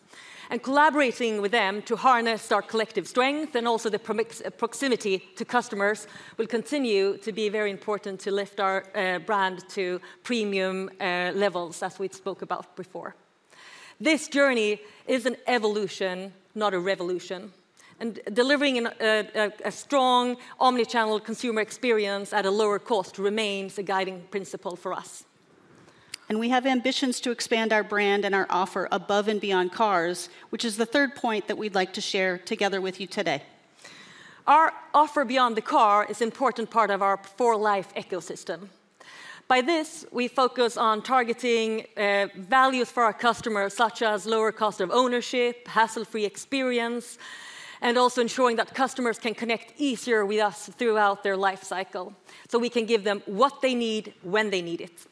and collaborating with them to harness our collective strength and also the proximity to customers will continue to be very important to lift our brand to premium levels, as we'd spoke about before. This journey is an evolution, not a revolution, and delivering a strong omni-channel consumer experience at a lower cost remains a guiding principle for us. We have ambitions to expand our brand and our offer above and beyond cars, which is the third point that we'd like to share together with you today. Our offer beyond the car is important part of our For Life ecosystem. By this, we focus on targeting values for our customers, such as lower cost of ownership, hassle-free experience, and also ensuring that customers can connect easier with us throughout their life cycle, so we can give them what they need when they need it.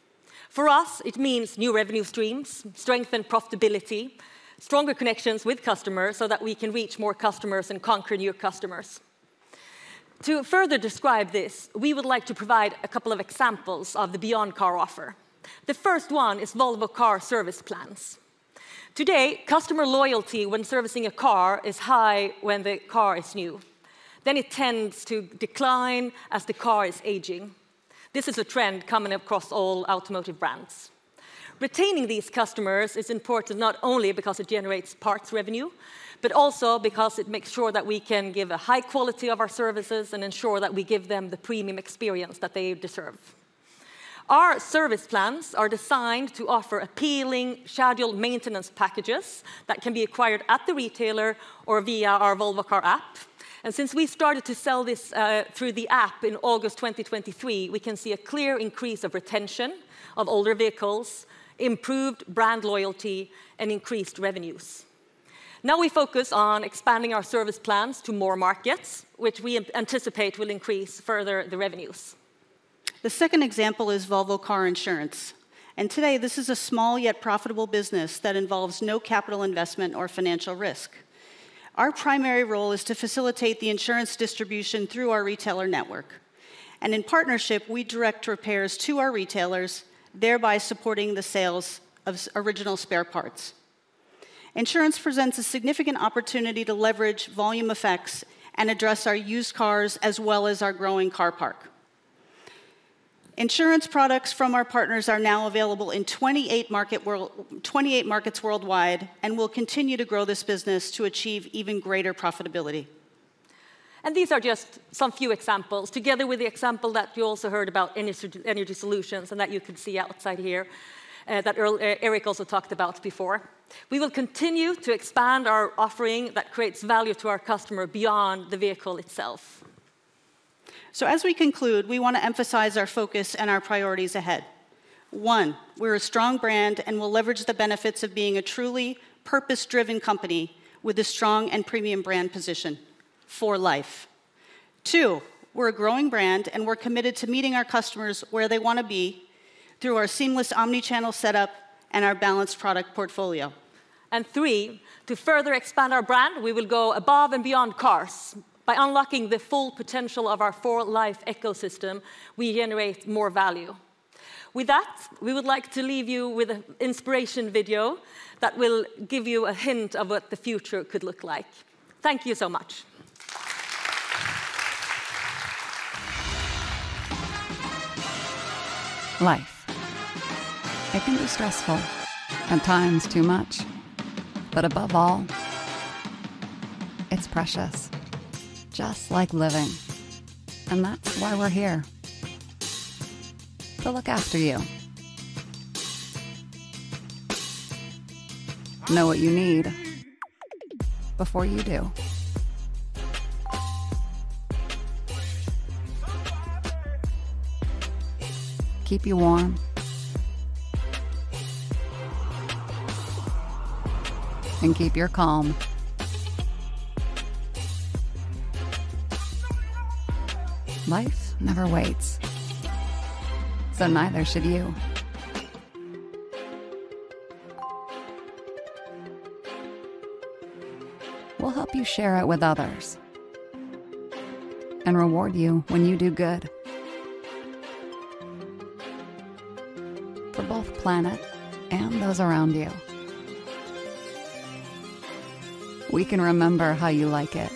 For us, it means new revenue streams, strengthened profitability, stronger connections with customers, so that we can reach more customers and conquer new customers. To further describe this, we would like to provide a couple of examples of the beyond car offer. The first one is Volvo Car Service Plans. Today, customer loyalty when servicing a car is high when the car is new, then it tends to decline as the car is aging. This is a trend coming across all automotive brands. Retaining these customers is important, not only because it generates parts revenue, but also because it makes sure that we can give a high quality of our services and ensure that we give them the premium experience that they deserve. Our service plans are designed to offer appealing scheduled maintenance packages that can be acquired at the retailer or via our Volvo Cars app, and since we started to sell this through the app in August 2023, we can see a clear increase of retention of older vehicles, improved brand loyalty, and increased revenues. Now we focus on expanding our service plans to more markets, which we anticipate will increase further the revenues. The second example is Volvo Car Insurance, and today this is a small, yet profitable business that involves no capital investment or financial risk. Our primary role is to facilitate the insurance distribution through our retailer network, and in partnership, we direct repairs to our retailers, thereby supporting the sales of original spare parts. Insurance presents a significant opportunity to leverage volume effects and address our used cars, as well as our growing car park. Insurance products from our partners are now available in 28 markets worldwide, and we'll continue to grow this business to achieve even greater profitability. These are just some few examples, together with the example that you also heard about energy solutions and that you can see outside here, that Erik also talked about before. We will continue to expand our offering that creates value to our customer beyond the vehicle itself. So as we conclude, we wanna emphasize our focus and our priorities ahead. One, we're a strong brand, and we'll leverage the benefits of being a truly purpose-driven company with a strong and premium brand position for life. Two, we're a growing brand, and we're committed to meeting our customers where they wanna be through our seamless omni-channel setup and our balanced product portfolio. And three, to further expand our brand, we will go above and beyond cars. By unlocking the full potential of our For Life ecosystem, we generate more value. With that, we would like to leave you with an inspiration video that will give you a hint of what the future could look like. Thank you so much. Life, it can be stressful, at times too much, but above all, it's precious, just like living, and that's why we're here, to look after you. Know what you need before you do. Keep you warm, and keep your calm. Life never waits, so neither should you. We'll help you share it with others, and reward you when you do good, for both planet and those around you. We can remember how you like it.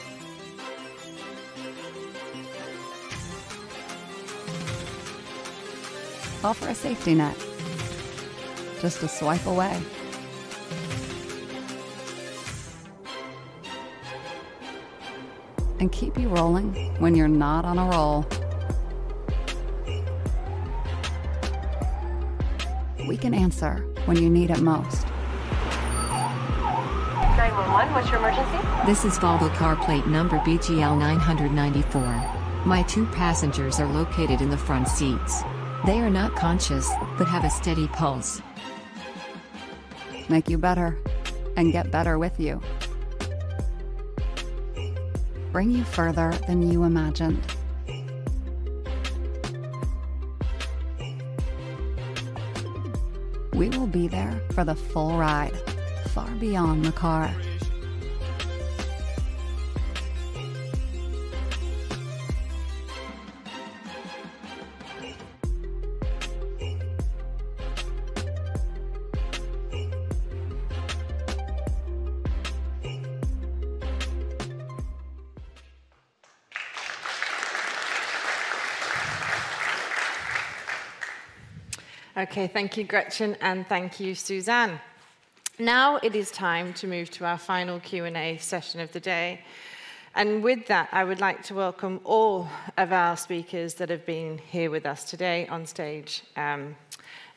Offer a safety net just a swipe away and keep you rolling when you're not on a roll. We can answer when you need it most. 911, what's your emergency? This is Volvo car plate number BGL994. My two passengers are located in the front seats. They are not conscious, but have a steady pulse. Make you better, and get better with you. Bring you further than you imagined. We will be there for the full ride, far beyond the car. Okay, thank you, Gretchen, and thank you, Susanne. Now it is time to move to our final Q&A session of the day, and with that, I would like to welcome all of our speakers that have been here with us today on stage,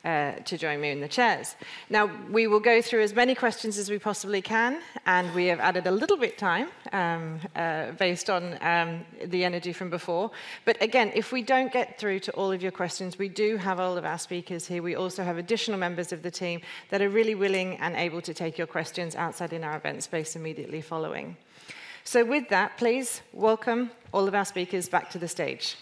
to join me in the chairs. Now, we will go through as many questions as we possibly can, and we have added a little bit time, based on, the energy from before, but again, if we don't get through to all of your questions, we do have all of our speakers here. We also have additional members of the team that are really willing and able to take your questions outside in our event space immediately following, so with that, please welcome all of our speakers back to the stage.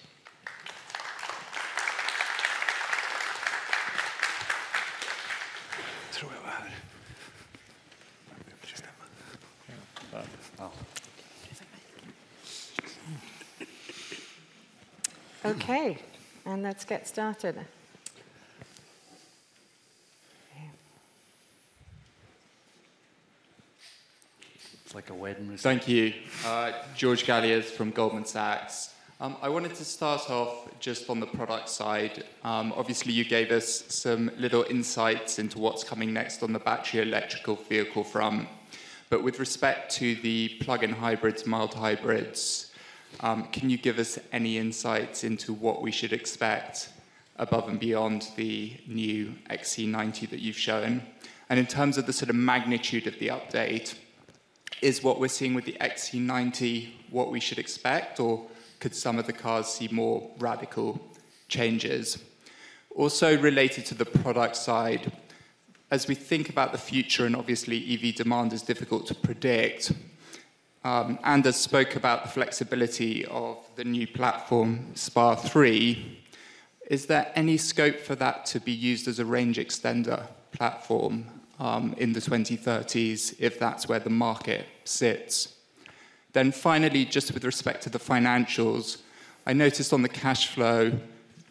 Throw it out. Okay, and let's get started. It's like a wedding reception. Thank you. George Galliers from Goldman Sachs. I wanted to start off just on the product side. Obviously, you gave us some little insights into what's coming next on the battery electric vehicle front. But with respect to the plug-in hybrids, mild hybrids, can you give us any insights into what we should expect above and beyond the new XC90 that you've shown? And in terms of the sort of magnitude of the update, is what we're seeing with the XC90 what we should expect, or could some of the cars see more radical changes? Also, related to the product side, as we think about the future, and obviously, EV demand is difficult to predict, Anders spoke about the flexibility of the new platform, SPA3. Is there any scope for that to be used as a range extender platform, in the 20-30s, if that's where the market sits? Then finally, just with respect to the financials, I noticed on the cash flow,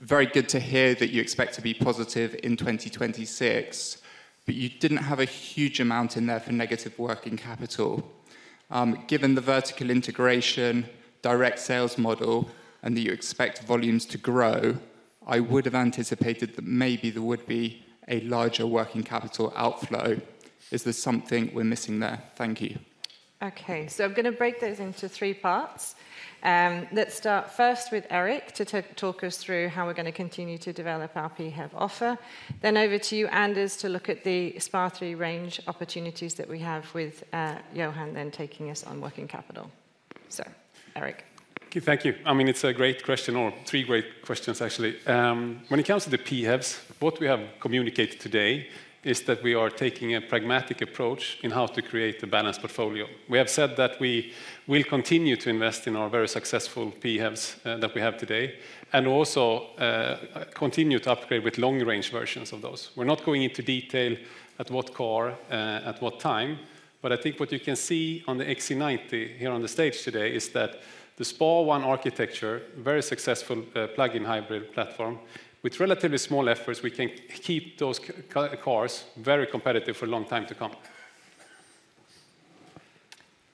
very good to hear that you expect to be positive in 2026, but you didn't have a huge amount in there for negative working capital. Given the vertical integration, direct sales model, and that you expect volumes to grow, I would have anticipated that maybe there would be a larger working capital outflow. Is there something we're missing there? Thank you. Okay, so I'm going to break those into three parts. Let's start first with Erik to talk us through how we're going to continue to develop our PHEV offer. Then over to you, Anders, to look at the SPA3 range opportunities that we have with, Johan then taking us on working capital. So, Erik. Thank you. Thank you. I mean, it's a great question or three great questions, actually. When it comes to the PHEVs, what we have communicated today is that we are taking a pragmatic approach in how to create a balanced portfolio. We have said that we will continue to invest in our very successful PHEVs that we have today, and also continue to upgrade with long-range versions of those. We're not going into detail at what car at what time, but I think what you can see on the XC90 here on the stage today is that the SPA1 architecture, very successful plug-in hybrid platform, with relatively small efforts, we can keep those cars very competitive for a long time to come.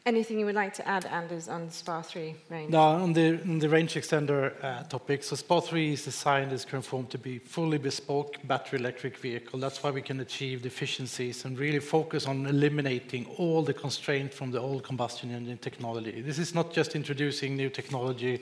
Anything you would like to add, Anders, on the SPA3 range? No, on the range extender topic, so SPA3 is designed, is conformed to be fully bespoke battery electric vehicle. That's why we can achieve the efficiencies and really focus on eliminating all the constraint from the old combustion engine technology. This is not just introducing new technology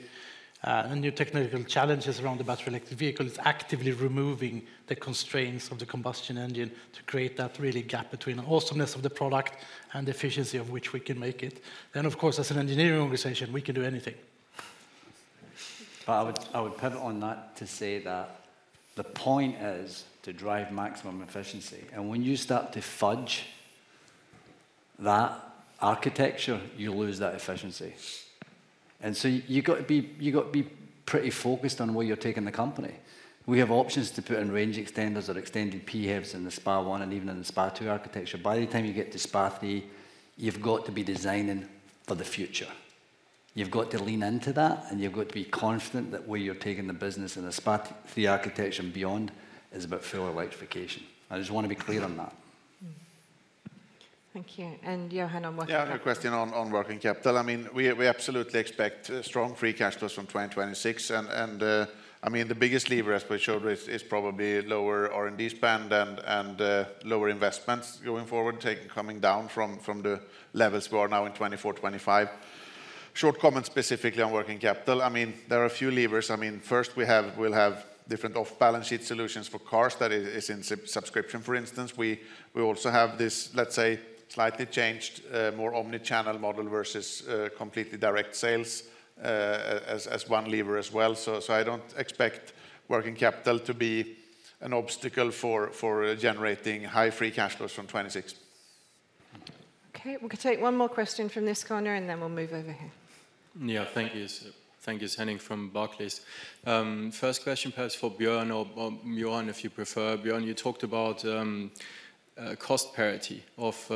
and new technical challenges around the battery electric vehicle. It's actively removing the constraints of the combustion engine to create that really gap between the awesomeness of the product and the efficiency of which we can make it. Then, of course, as an engineering organization, we can do anything.... But I would, I would pivot on that to say that the point is to drive maximum efficiency, and when you start to fudge that architecture, you lose that efficiency. And so you've got to be, you've got to be pretty focused on where you're taking the company. We have options to put in range extenders or extended PHEVs in the SPA1 and even in the SPA2 architecture. By the time you get to SPA3, you've got to be designing for the future. You've got to lean into that, and you've got to be confident that where you're taking the business in the SPA3 architecture and beyond is about fuller electrification. I just want to be clear on that. Mm. Thank you, and Johan on working capital. Yeah, a question on working capital. I mean, we absolutely expect strong free cash flows from 2026, and I mean, the biggest lever, as we showed, is probably lower R&D spend and lower investments going forward, coming down from the levels we are now in 2024, 2025. Short comment specifically on working capital. I mean, there are a few levers. I mean, first, we'll have different off-balance sheet solutions for cars that is in subscription, for instance. We also have this, let's say, slightly changed, more omni-channel model versus completely direct sales, as one lever as well. So I don't expect working capital to be an obstacle for generating high free cash flows from 2026. Okay, we can take one more question from this corner, and then we'll move over here. Yeah. Thank you. Thank you. Henning from Barclays. First question perhaps for Björn or Johan, if you prefer. Björn, you talked about cost parity of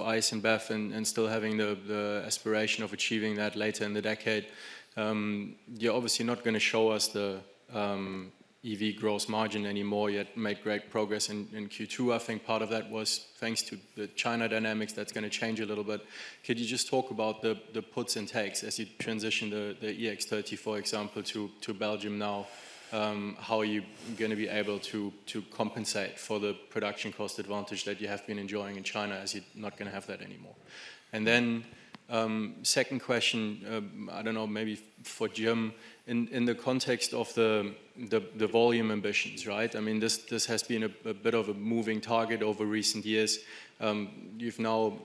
ICE and BEV and still having the aspiration of achieving that later in the decade. You're obviously not gonna show us the EV gross margin anymore, yet made great progress in Q2. I think part of that was thanks to the China dynamics. That's gonna change a little bit. Could you just talk about the puts and takes as you transition the EX30, for example, to Belgium now? How are you gonna be able to compensate for the production cost advantage that you have been enjoying in China, as you're not gonna have that anymore? And then, second question, I don't know, maybe for Jim, in the context of the volume ambitions, right? I mean, this has been a bit of a moving target over recent years. You've now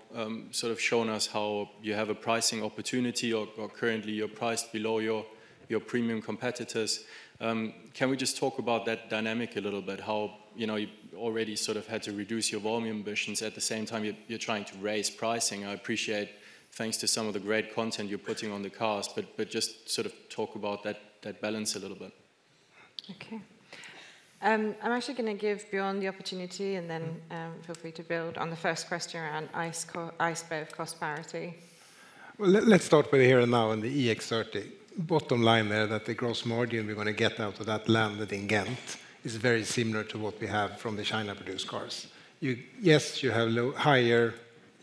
sort of shown us how you have a pricing opportunity or currently you're priced below your premium competitors. Can we just talk about that dynamic a little bit, how you know, you've already sort of had to reduce your volume ambitions. At the same time, you're trying to raise pricing. I appreciate, thanks to some of the great content you're putting on the cars, but just sort of talk about that balance a little bit. Okay. I'm actually gonna give Björn the opportunity, and then, feel free to build on the first question around ICE/BEV cost parity. Let's start with the here and now in the EX30. Bottom line there, that the gross margin we're gonna get out of that landed in Ghent is very similar to what we have from the China-produced cars. You have higher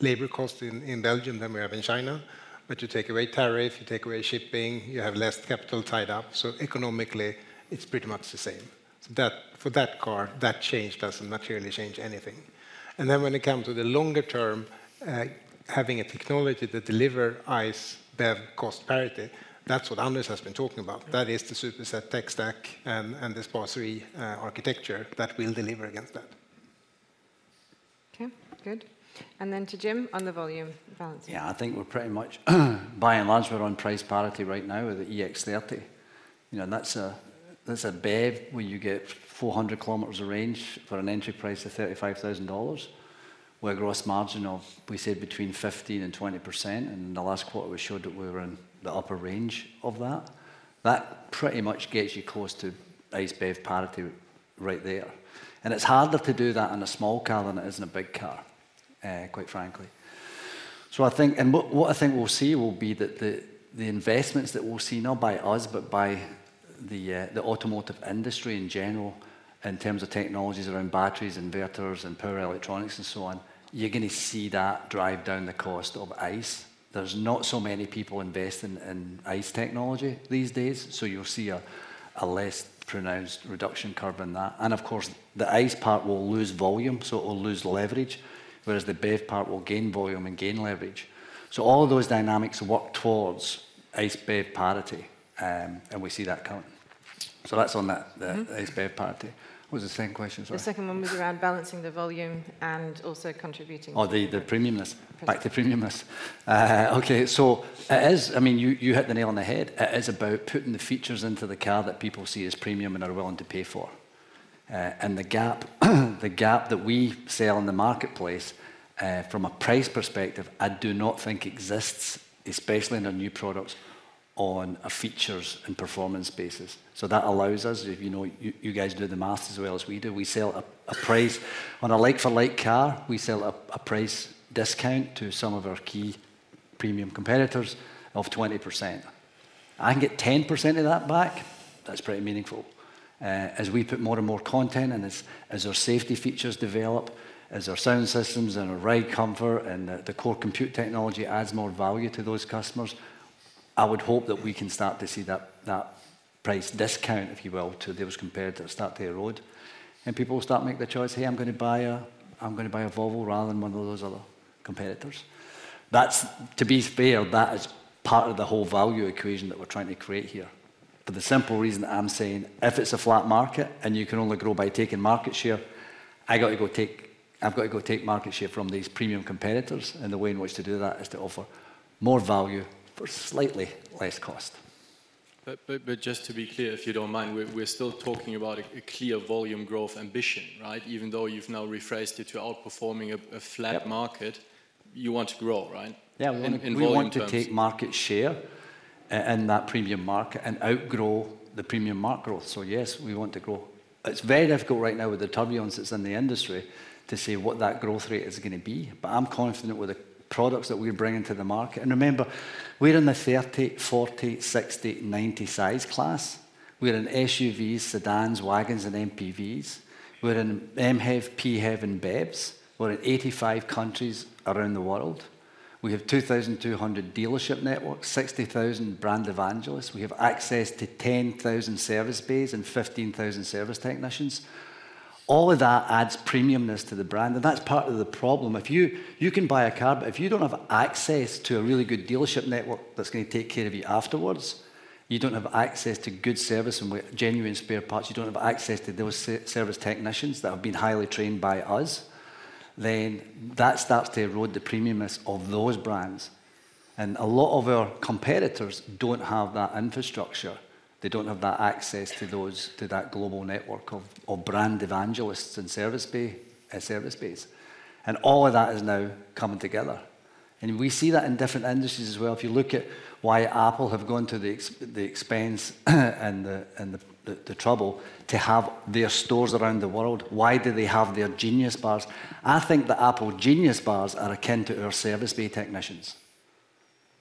labor costs in Belgium than we have in China, but you take away tariff, you take away shipping, you have less capital tied up, so economically, it's pretty much the same. So that, for that car, that change doesn't materially change anything. And then when it comes to the longer term, having a technology that deliver ICE/BEV cost parity, that's what Anders has been talking about. That is the Superset tech stack and the SPA3 architecture that will deliver against that. Okay, good. And then to Jim on the volume balance. Yeah, I think we're pretty much, by and large, we're on price parity right now with the EX30. You know, and that's a, that's a BEV where you get 400 km of range for an entry price of $35,000, with a gross margin of, we said, between 15%-20%, and in the last quarter, we showed that we were in the upper range of that. That pretty much gets you close to ICE/BEV parity right there, and it's harder to do that in a small car than it is in a big car, quite frankly. So I think... And what I think we'll see will be that the investments that we'll see, not by us, but by the automotive industry in general, in terms of technologies around batteries, inverters, and power electronics and so on, you're gonna see that drive down the cost of ICE. There's not so many people investing in ICE technology these days, so you'll see a less pronounced reduction curve in that. And of course, the ICE part will lose volume, so it will lose leverage, whereas the BEV part will gain volume and gain leverage. So all those dynamics work towards ICE/BEV parity, and we see that coming. So that's on that, the- Mm-hmm... ICE/BEV parity. What was the second question, sorry? The second one was around balancing the volume and also contributing- Oh, the premiumness. Okay. Back to premiumness. Okay, so it is, I mean, you, you hit the nail on the head. It is about putting the features into the car that people see as premium and are willing to pay for, and the gap, the gap that we sell in the marketplace, from a price perspective, I do not think exists, especially in our new products, on a features and performance basis. So that allows us, if you know, you, you guys do the Maths as well as we do, we sell a, a price... On a like-for-like car, we sell a, a price discount to some of our key premium competitors of 20%. I can get 10% of that back, that's pretty meaningful. As we put more and more content, and as our safety features develop, as our sound systems and our ride comfort and the core computing technology adds more value to those customers, I would hope that we can start to see that price discount, if you will, to those competitors start to erode. And people will start to make the choice, "Hey, I'm gonna buy a, I'm gonna buy a Volvo rather than one of those other competitors." That's, to be fair, that is part of the whole value equation that we're trying to create here. For the simple reason that I'm saying, if it's a flat market and you can only grow by taking market share-... I've got to go take market share from these premium competitors, and the way in which to do that is to offer more value for slightly less cost. But just to be clear, if you don't mind, we're still talking about a clear volume growth ambition, right? Even though you've now rephrased it to outperforming a flat market- Yep. You want to grow, right? Yeah, we want- In volume terms. We want to take market share in that premium market and outgrow the premium market growth. So yes, we want to grow. It's very difficult right now with the turbulence that's in the industry to say what that growth rate is gonna be, but I'm confident with the products that we're bringing to the market. And remember, we're in the 30, 40, 60, 90 size class. We're in SUVs, sedans, wagons, and MPVs. We're in MHEV, PHEV, and BEVs. We're in 85 countries around the world. We have 2,200 dealership networks, 60,000 brand evangelists. We have access to 10,000 service bays and 15,000 service technicians. All of that adds premiumness to the brand, and that's part of the problem. If you... You can buy a car, but if you don't have access to a really good dealership network that's gonna take care of you afterwards, you don't have access to good service and genuine spare parts, you don't have access to those service technicians that have been highly trained by us, then that starts to erode the premiumness of those brands, and a lot of our competitors don't have that infrastructure. They don't have that access to those, to that global network of brand evangelists and service bays, and all of that is now coming together, and we see that in different industries as well. If you look at why Apple have gone to the expense and the trouble to have their stores around the world, why do they have their Genius Bars? I think the Apple Genius Bars are akin to our service bay technicians,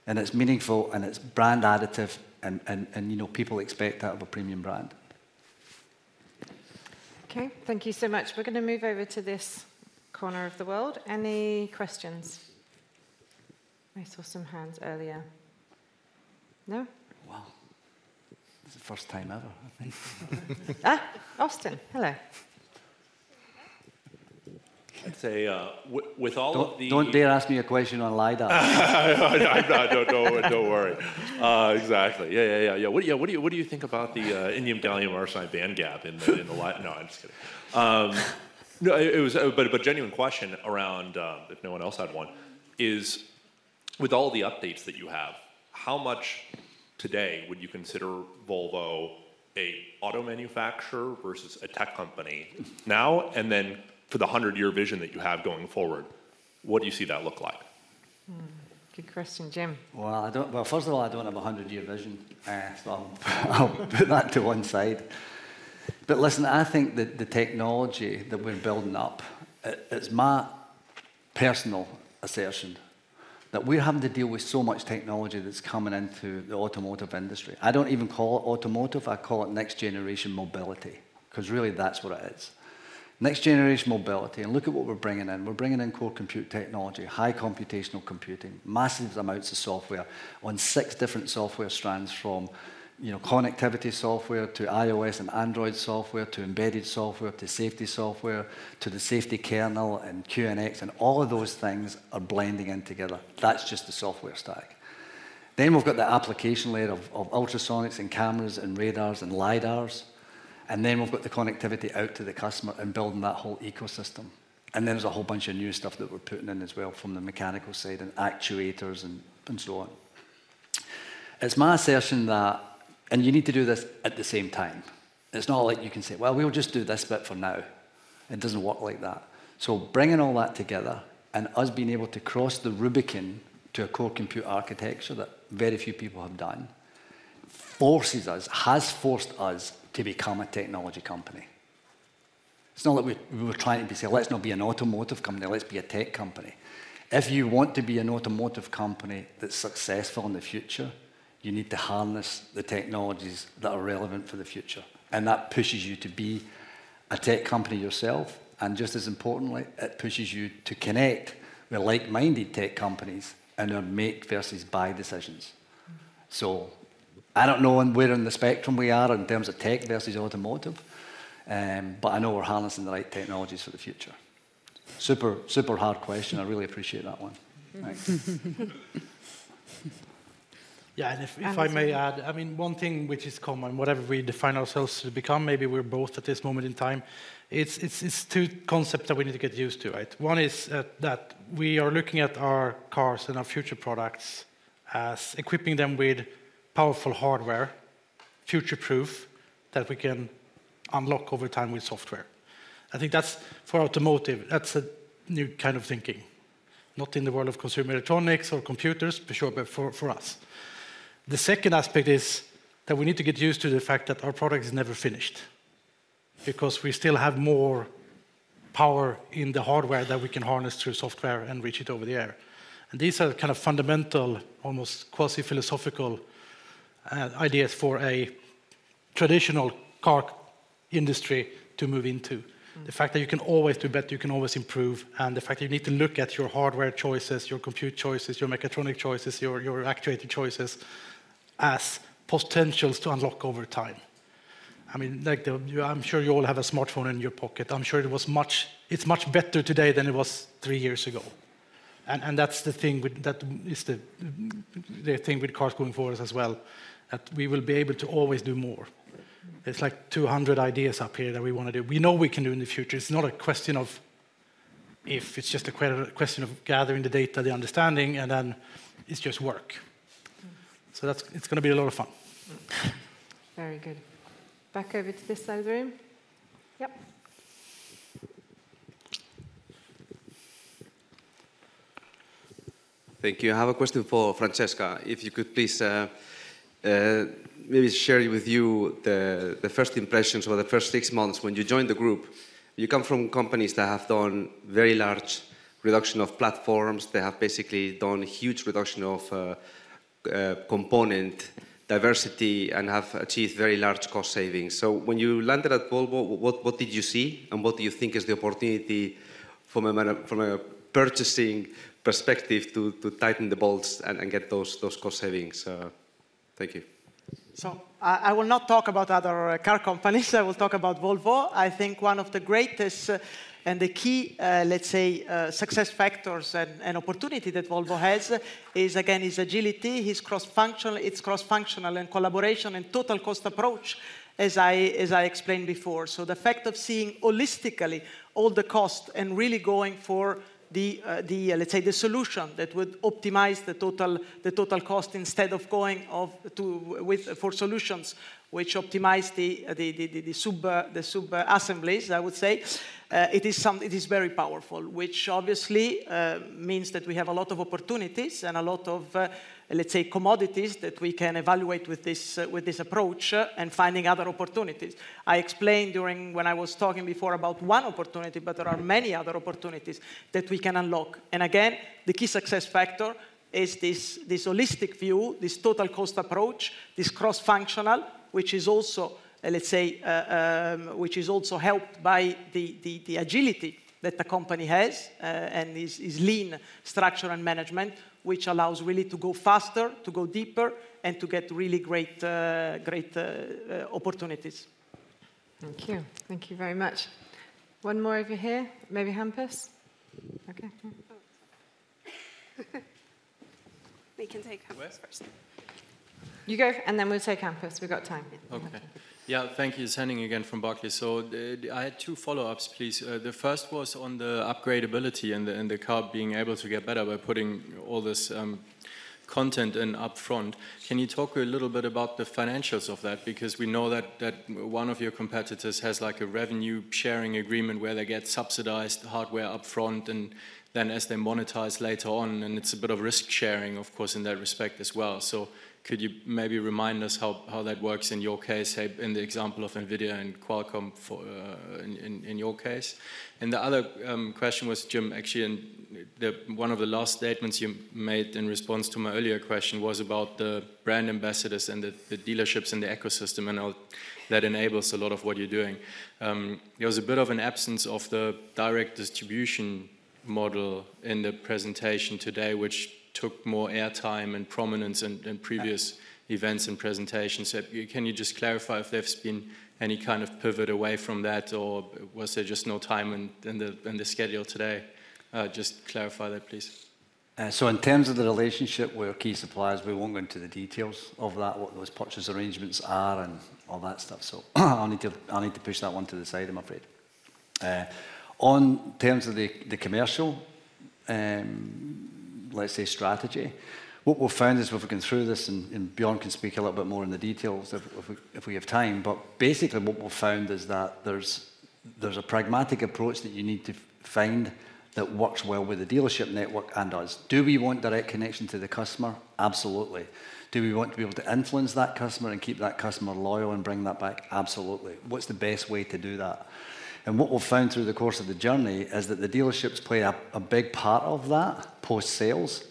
and it's meaningful, and it's brand additive, and you know, people expect that of a premium brand. Okay, thank you so much. We're gonna move over to this corner of the world. Any questions? I saw some hands earlier. No? Wow. It's the first time ever, I think. Ah, Austin, hello! I'd say, with all of the- Don't dare ask me a question on LiDAR. No, no, don't worry. Exactly. Yeah, yeah, yeah, yeah. What do you think about the indium gallium arsenide bandgap in the li- No, I'm just kidding. No, it was a genuine question around if no one else had one. With all the updates that you have, how much today would you consider Volvo a auto manufacturer versus a tech company now, and then for the hundred-year vision that you have going forward, what do you see that look like? Good question. Jim? First of all, I don't have a hundred-year vision, so I'll put that to one side. But listen, I think the technology that we're building up, it's my personal assertion that we're having to deal with so much technology that's coming into the automotive industry. I don't even call it automotive. I call it next-generation mobility, 'cause really, that's what it is. Next-generation mobility, and look at what we're bringing in. We're bringing in core compute technology, high computational computing, massive amounts of software on six different software strands, from, you know, connectivity software to iOS and Android software, to embedded software, to safety software, to the safety kernel and QNX, and all of those things are blending in together. That's just the software stack. Then we've got the application layer of ultrasonics and cameras and radars and LiDARs, and then we've got the connectivity out to the customer and building that whole ecosystem. And then there's a whole bunch of new stuff that we're putting in as well from the mechanical side and actuators and so on. It's my assertion that... And you need to do this at the same time. It's not like you can say, "Well, we'll just do this bit for now." It doesn't work like that. So bringing all that together and us being able to cross the Rubicon to a core compute architecture that very few people have done forces us, has forced us to become a technology company. It's not like we were trying to be, say, "Let's not be an automotive company. Let's be a tech company." If you want to be an automotive company that's successful in the future, you need to harness the technologies that are relevant for the future, and that pushes you to be a tech company yourself, and just as importantly, it pushes you to connect with like-minded tech companies in our make versus buy decisions. So I don't know on where in the spectrum we are in terms of tech versus automotive, but I know we're harnessing the right technologies for the future. Super, super hard question. I really appreciate that one. Thanks. Yeah, and if- Anders... if I may add, I mean, one thing which is common, whatever we define ourselves to become, maybe we're both at this moment in time, it's two concepts that we need to get used to, right? One is that we are looking at our cars and our future products as equipping them with powerful hardware, future-proof, that we can unlock over time with software. I think that's, for automotive, that's a new kind of thinking. Not in the world of consumer electronics or computers, for sure, but for us. The second aspect is that we need to get used to the fact that our product is never finished. Because we still have more power in the hardware that we can harness through software and reach it over the air. And these are the kind of fundamental, almost quasi-philosophical, ideas for a traditional car industry to move into. Mm. The fact that you can always do better, you can always improve, and the fact that you need to look at your hardware choices, your compute choices, your mechatronic choices, your actuator choices, as potentials to unlock over time. I mean, like, I'm sure you all have a smartphone in your pocket. I'm sure it was much-- it's much better today than it was three years ago.... That's the thing with cars going forward as well, that we will be able to always do more. There's like two hundred ideas up here that we wanna do. We know we can do in the future. It's not a question of if, it's just a question of gathering the data, the understanding, and then it's just work. So that's it. It's gonna be a lot of fun. Very good. Back over to this side of the room. Yep. Thank you. I have a question for Francesca. If you could please, maybe share with you the first impressions or the first six months when you joined the group. You come from companies that have done very large reduction of platforms, they have basically done huge reduction of component diversity and have achieved very large cost savings. So when you landed at Volvo, what did you see, and what do you think is the opportunity from a purchasing perspective to tighten the bolts and get those cost savings? Thank you. I will not talk about other car companies. I will talk about Volvo. I think one of the greatest and the key, let's say, success factors and opportunity that Volvo has is, again, its agility, its cross-functional and collaboration and total cost approach, as I explained before. The fact of seeing holistically all the cost and really going for the, let's say, the solution that would optimize the total cost instead of going for solutions which optimize the super assemblies, I would say. It is very powerful, which obviously means that we have a lot of opportunities and a lot of, let's say, commodities that we can evaluate with this approach, and finding other opportunities. I explained during when I was talking before about one opportunity, but there are many other opportunities that we can unlock. And again, the key success factor is this holistic view, this total cost approach, this cross-functional, which is also, let's say, which is also helped by the agility that the company has, and its lean structure and management, which allows really to go faster, to go deeper, and to get really great opportunities. Thank you. Thank you very much. One more over here. Maybe Hampus? Okay. We can take Hampus first. You go, and then we'll take Hampus. We've got time, yeah. Okay. Yeah, thank you. It's Henning again from Barclays. So, I had two follow-ups, please. The first was on the upgradeability and the car being able to get better by putting all this content in upfront. Can you talk a little bit about the financials of that? Because we know that one of your competitors has, like, a revenue sharing agreement, where they get subsidized hardware upfront, and then as they monetize later on, and it's a bit of risk sharing, of course, in that respect as well. So could you maybe remind us how that works in your case, say, in the example of NVIDIA and Qualcomm in your case? The other question was, Jim, actually, in one of the last statements you made in response to my earlier question, was about the brand ambassadors and the dealerships and the ecosystem, and how that enables a lot of what you're doing. There was a bit of an absence of the direct distribution model in the presentation today, which took more airtime and prominence in previous events and presentations. So can you just clarify if there's been any kind of pivot away from that, or was there just no time in the schedule today? Just clarify that, please. So in terms of the relationship with our key suppliers, we won't go into the details of that, what those purchase arrangements are and all that stuff. I'll need to push that one to the side, I'm afraid. On terms of the commercial, let's say, strategy, what we've found is, we've gone through this, and Björn can speak a little bit more in the details if we have time. But basically, what we've found is that there's a pragmatic approach that you need to find that works well with the dealership network and us. Do we want direct connection to the customer? Absolutely. Do we want to be able to influence that customer and keep that customer loyal and bring that back? Absolutely. What's the best way to do that? What we've found through the course of the journey is that the dealerships play a big part of that post-sales,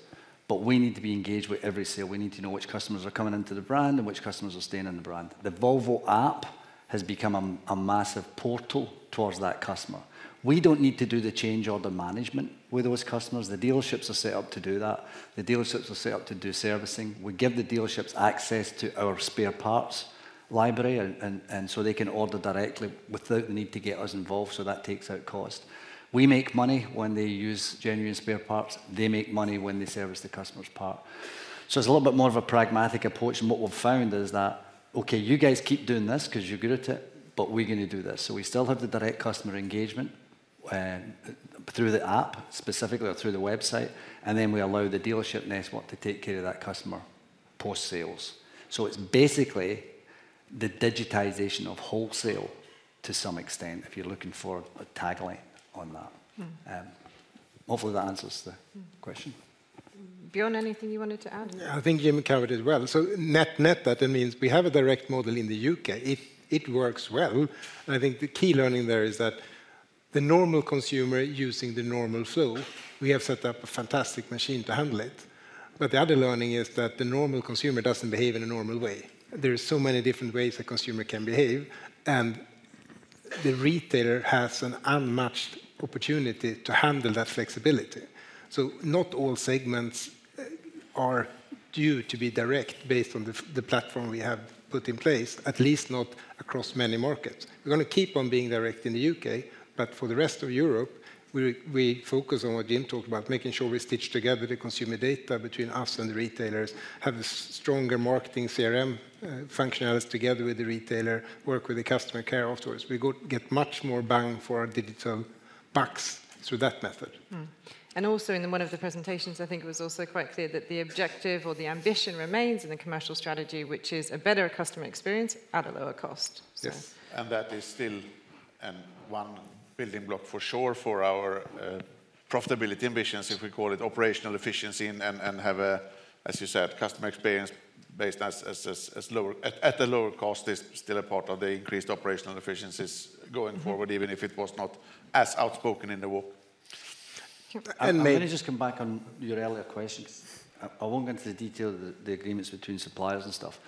but we need to be engaged with every sale. We need to know which customers are coming into the brand and which customers are staying in the brand. The Volvo app has become a massive portal towards that customer. We don't need to do the change or the management with those customers. The dealerships are set up to do that. The dealerships are set up to do servicing. We give the dealerships access to our spare parts library, and so they can order directly without the need to get us involved, so that takes out cost. We make money when they use genuine spare parts. They make money when they service the customer's part. So it's a little bit more of a pragmatic approach, and what we've found is that, "Okay, you guys keep doing this 'cause you're good at it, but we're gonna do this." So we still have the direct customer engagement through the app, specifically, or through the website, and then we allow the dealership network to take care of that customer post-sales. So it's basically the digitization of wholesale to some extent, if you're looking for a tagline on that. Mm. Hopefully that answers the- Mm... question. Björn, anything you wanted to add? Yeah, I think Jim covered it well, so net-net, that means we have a direct model in the U.K. It works well, and I think the key learning there is that the normal consumer using the normal flow, we have set up a fantastic machine to handle it, but the other learning is that the normal consumer doesn't behave in a normal way. There are so many different ways a consumer can behave, and the retailer has an unmatched opportunity to handle that flexibility, so not all segments.... are due to be direct, based on the platform we have put in place, at least not across many markets. We're gonna keep on being direct in the UK, but for the rest of Europe, we focus on what Jim talked about, making sure we stitch together the consumer data between us and the retailers, have stronger marketing CRM functionalities together with the retailer, work with the customer care afterwards. We go get much more bang for our digital bucks through that method. And also in one of the presentations, I think it was also quite clear that the objective or the ambition remains in the commercial strategy, which is a better customer experience at a lower cost, so. Yes, and that is still one building block for sure for our profitability ambitions, if we call it operational efficiency and have a, as you said, customer experience based as lower at a lower cost is still a part of the increased operational efficiencies going forward, even if it was not as outspoken in the walk. And may- Can I just come back on your earlier question? 'Cause I won't go into the detail of the agreements between suppliers and stuff,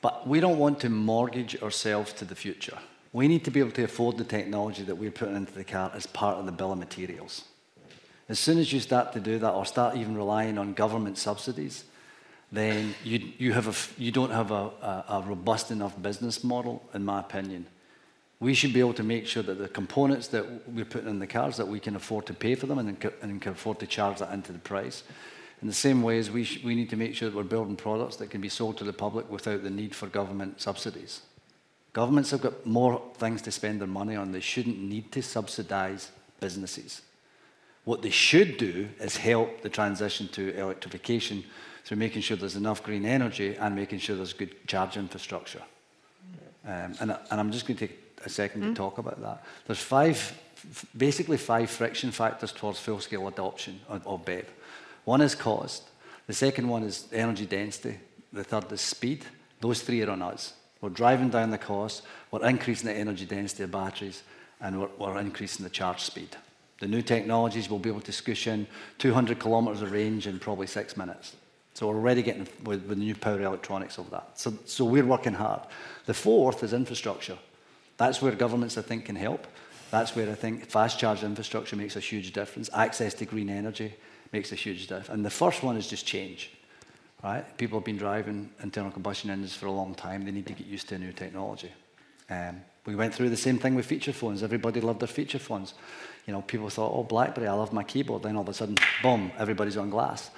but we don't want to mortgage ourselves to the future. We need to be able to afford the technology that we're putting into the car as part of the bill of materials. As soon as you start to do that or start even relying on government subsidies, then you don't have a robust enough business model, in my opinion. We should be able to make sure that the components that we're putting in the cars, that we can afford to pay for them and then and can afford to charge that into the price. In the same way, as we need to make sure that we're building products that can be sold to the public without the need for government subsidies. Governments have got more things to spend their money on, they shouldn't need to subsidize businesses. What they should do is help the transition to electrification through making sure there's enough green energy and making sure there's good charge infrastructure. And I'm just gonna take a second to talk about that. Mm. There's five, basically five friction factors towards full-scale adoption of BEV. One is cost, the second one is energy density, the third is speed. Those three are on us. We're driving down the cost, we're increasing the energy density of batteries, and we're increasing the charge speed. The new technologies will be able to squish in 200 km of range in probably six minutes. So we're already getting with the new power electronics over that. So we're working hard. The fourth is infrastructure. That's where governments, I think, can help. That's where I think fast charge infrastructure makes a huge difference. Access to green energy makes a huge difference. And the first one is just change. Right? People have been driving internal combustion engines for a long time. They need to get used to a new technology. We went through the same thing with feature phones. Everybody loved their feature phones. You know, people thought, "Oh, BlackBerry, I love my keyboard." Then all of a sudden, boom! Everybody's on glass.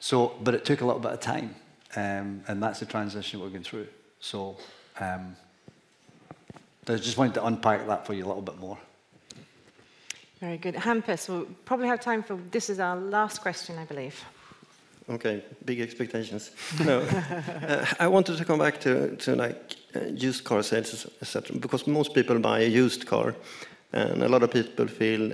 So, but it took a little bit of time, and that's the transition we're going through. So, I just wanted to unpack that for you a little bit more. Very good. Hampus, we'll probably have time for... This is our last question, I believe. Okay, big expectations. No, I wanted to come back to, like, used car sales, et cetera, because most people buy a used car, and a lot of people feel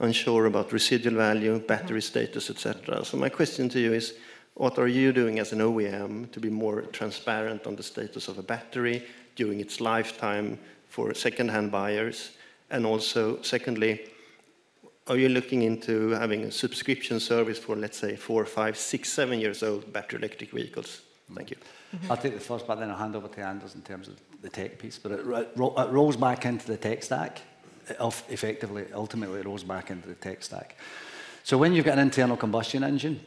unsure about residual value, battery status, et cetera. So my question to you is, what are you doing as an OEM to be more transparent on the status of a battery during its lifetime for second-hand buyers? And also, secondly, are you looking into having a subscription service for, let's say, four, five, six, seven years old battery electric vehicles? Thank you. Mm. I'll take the first part, then I'll hand over to Anders in terms of the tech piece, but it rolls back into the tech stack. Effectively, ultimately, it rolls back into the tech stack. So when you've got an internal combustion engine,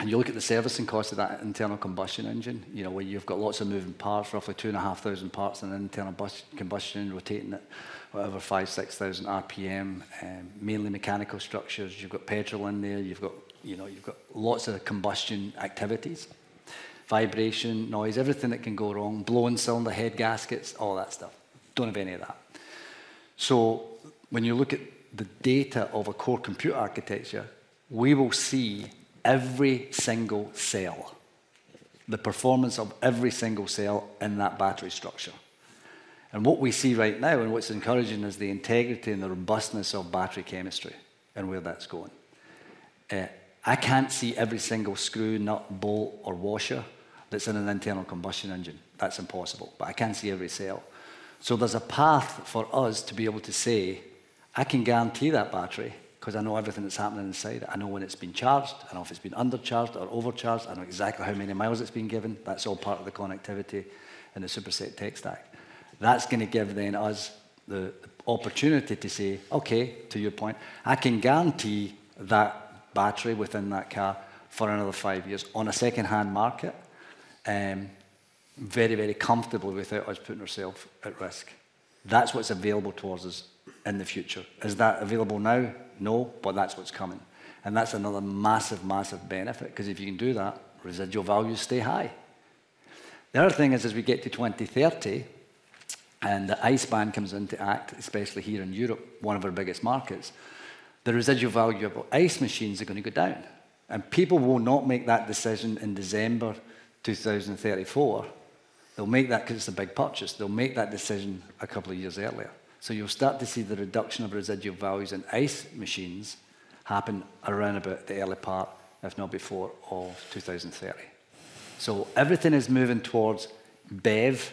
and you look at the servicing cost of that internal combustion engine, you know, where you've got lots of moving parts, roughly 2500 parts in an internal combustion engine, rotating at over, 5000-6000 RPM, mainly mechanical structures. You've got petrol in there, you've got, you know, you've got lots of combustion activities, vibration, noise, everything that can go wrong, blown cylinder head gaskets, all that stuff. Don't have any of that. So when you look at the data of a core computer architecture, we will see every single cell, the performance of every single cell in that battery structure. And what we see right now, and what's encouraging, is the integrity and the robustness of battery chemistry and where that's going. I can't see every single screw, nut, bolt, or washer that's in an internal combustion engine. That's impossible, but I can see every cell. So there's a path for us to be able to say, "I can guarantee that battery, 'cause I know everything that's happening inside it. I know when it's been charged, I know if it's been undercharged or overcharged, I know exactly how many miles it's been given." That's all part of the connectivity and the Superset tech stack. That's gonna give us the opportunity to say, "Okay," to your point, "I can guarantee that battery within that car for another five years on a second-hand market, very, very comfortably, without us putting ourselves at risk." That's what's available towards us in the future. Is that available now? No, but that's what's coming. And that's another massive, massive benefit, 'cause if you can do that, residual values stay high. The other thing is, as we get to 2030, and the ICE ban comes into effect, especially here in Europe, one of our biggest markets, the residual value of ICE machines are gonna go down. And people will not make that decision in December 2034. They'll make that... 'cause it's a big purchase, they'll make that decision a couple of years earlier. So you'll start to see the reduction of residual values in ICE machines happen around about the early part, if not before, of 2030. So everything is moving towards BEV,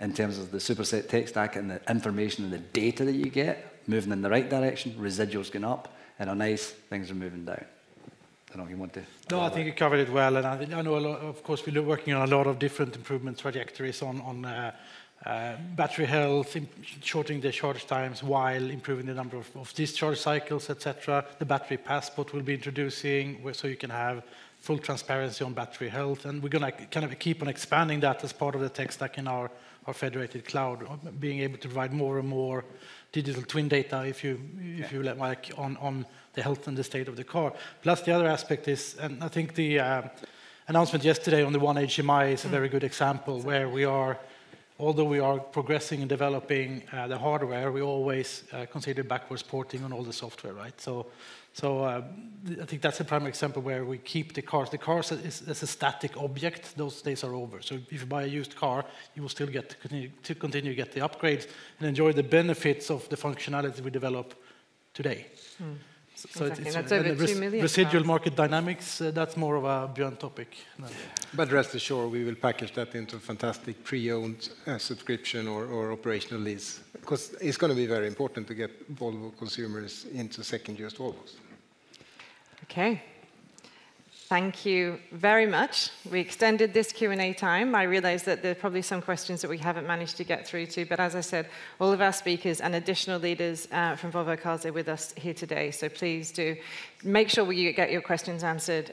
in terms of the Superset tech stack and the information and the data that you get, moving in the right direction, residuals going up, and on ICE, things are moving down. ... No, I think you covered it well, and I think I know a lot, of course, we've been working on a lot of different improvement trajectories on, on, battery health, shortening the charge times while improving the number of, of discharge cycles, et cetera. The Battery Passport we'll be introducing, where so you can have full transparency on battery health, and we're gonna kind of keep on expanding that as part of the tech stack in our, our federated cloud, of being able to provide more and more digital twin data, if you- Yeah... if you like, on the health and the state of the car. Plus, the other aspect is, and I think the announcement yesterday on the one HMI is a very good example, where we are, although we are progressing and developing the hardware, we always consider backwards porting on all the software, right? So, I think that's a prime example where we keep the cars. The car is a static object. Those days are over. So if you buy a used car, you will still get to continue, to continue to get the upgrades and enjoy the benefits of the functionality we develop today. Exactly, that's over two million cars- Residual market dynamics, that's more of a Björn topic. But rest assured, we will package that into a fantastic pre-owned subscription or operational lease. 'Cause it's gonna be very important to get Volvo consumers into second-year Volvos. Okay. Thank you very much. We extended this Q&A time. I realize that there are probably some questions that we haven't managed to get through to, but as I said, all of our speakers and additional leaders from Volvo Cars are with us here today. So please do make sure you get your questions answered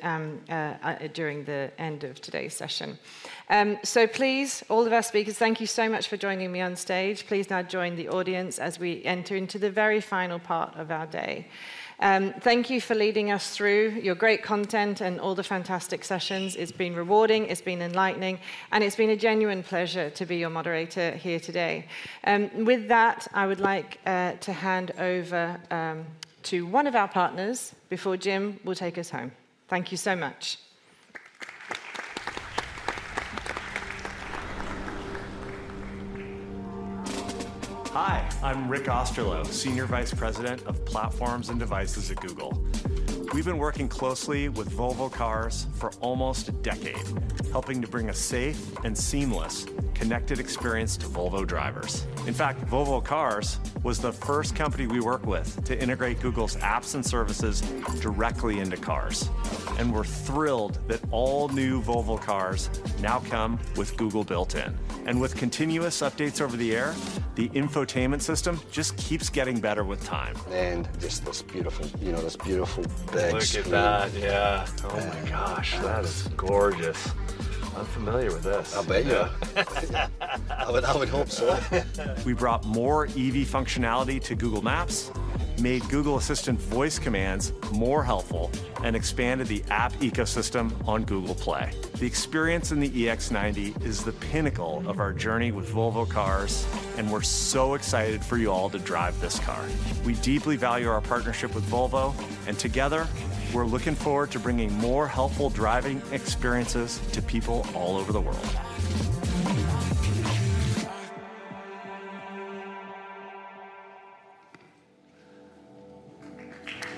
during the end of today's session. So please, all of our speakers, thank you so much for joining me on stage. Please now join the audience as we enter into the very final part of our day. Thank you for leading us through your great content and all the fantastic sessions. It's been rewarding, it's been enlightening, and it's been a genuine pleasure to be your moderator here today. With that, I would like to hand over to one of our partners before Jim will take us home. Thank you so much. Hi, I'm Rick Osterloh, Senior Vice President of Platforms and Devices at Google. We've been working closely with Volvo Cars for almost a decade, helping to bring a safe and seamless connected experience to Volvo drivers. In fact, Volvo Cars was the first company we worked with to integrate Google's apps and services directly into cars, and we're thrilled that all new Volvo cars now come with Google built-in, and with continuous updates over the air, the infotainment system just keeps getting better with time. Just this beautiful, you know, this beautiful big screen. Look at that, yeah. Oh, my gosh, that is gorgeous. I'm familiar with this. I bet you are. I would hope so. We brought more EV functionality to Google Maps, made Google Assistant voice commands more helpful, and expanded the app ecosystem on Google Play. The experience in the EX90 is the pinnacle of our journey with Volvo Cars, and we're so excited for you all to drive this car. We deeply value our partnership with Volvo, and together, we're looking forward to bringing more helpful driving experiences to people all over the world.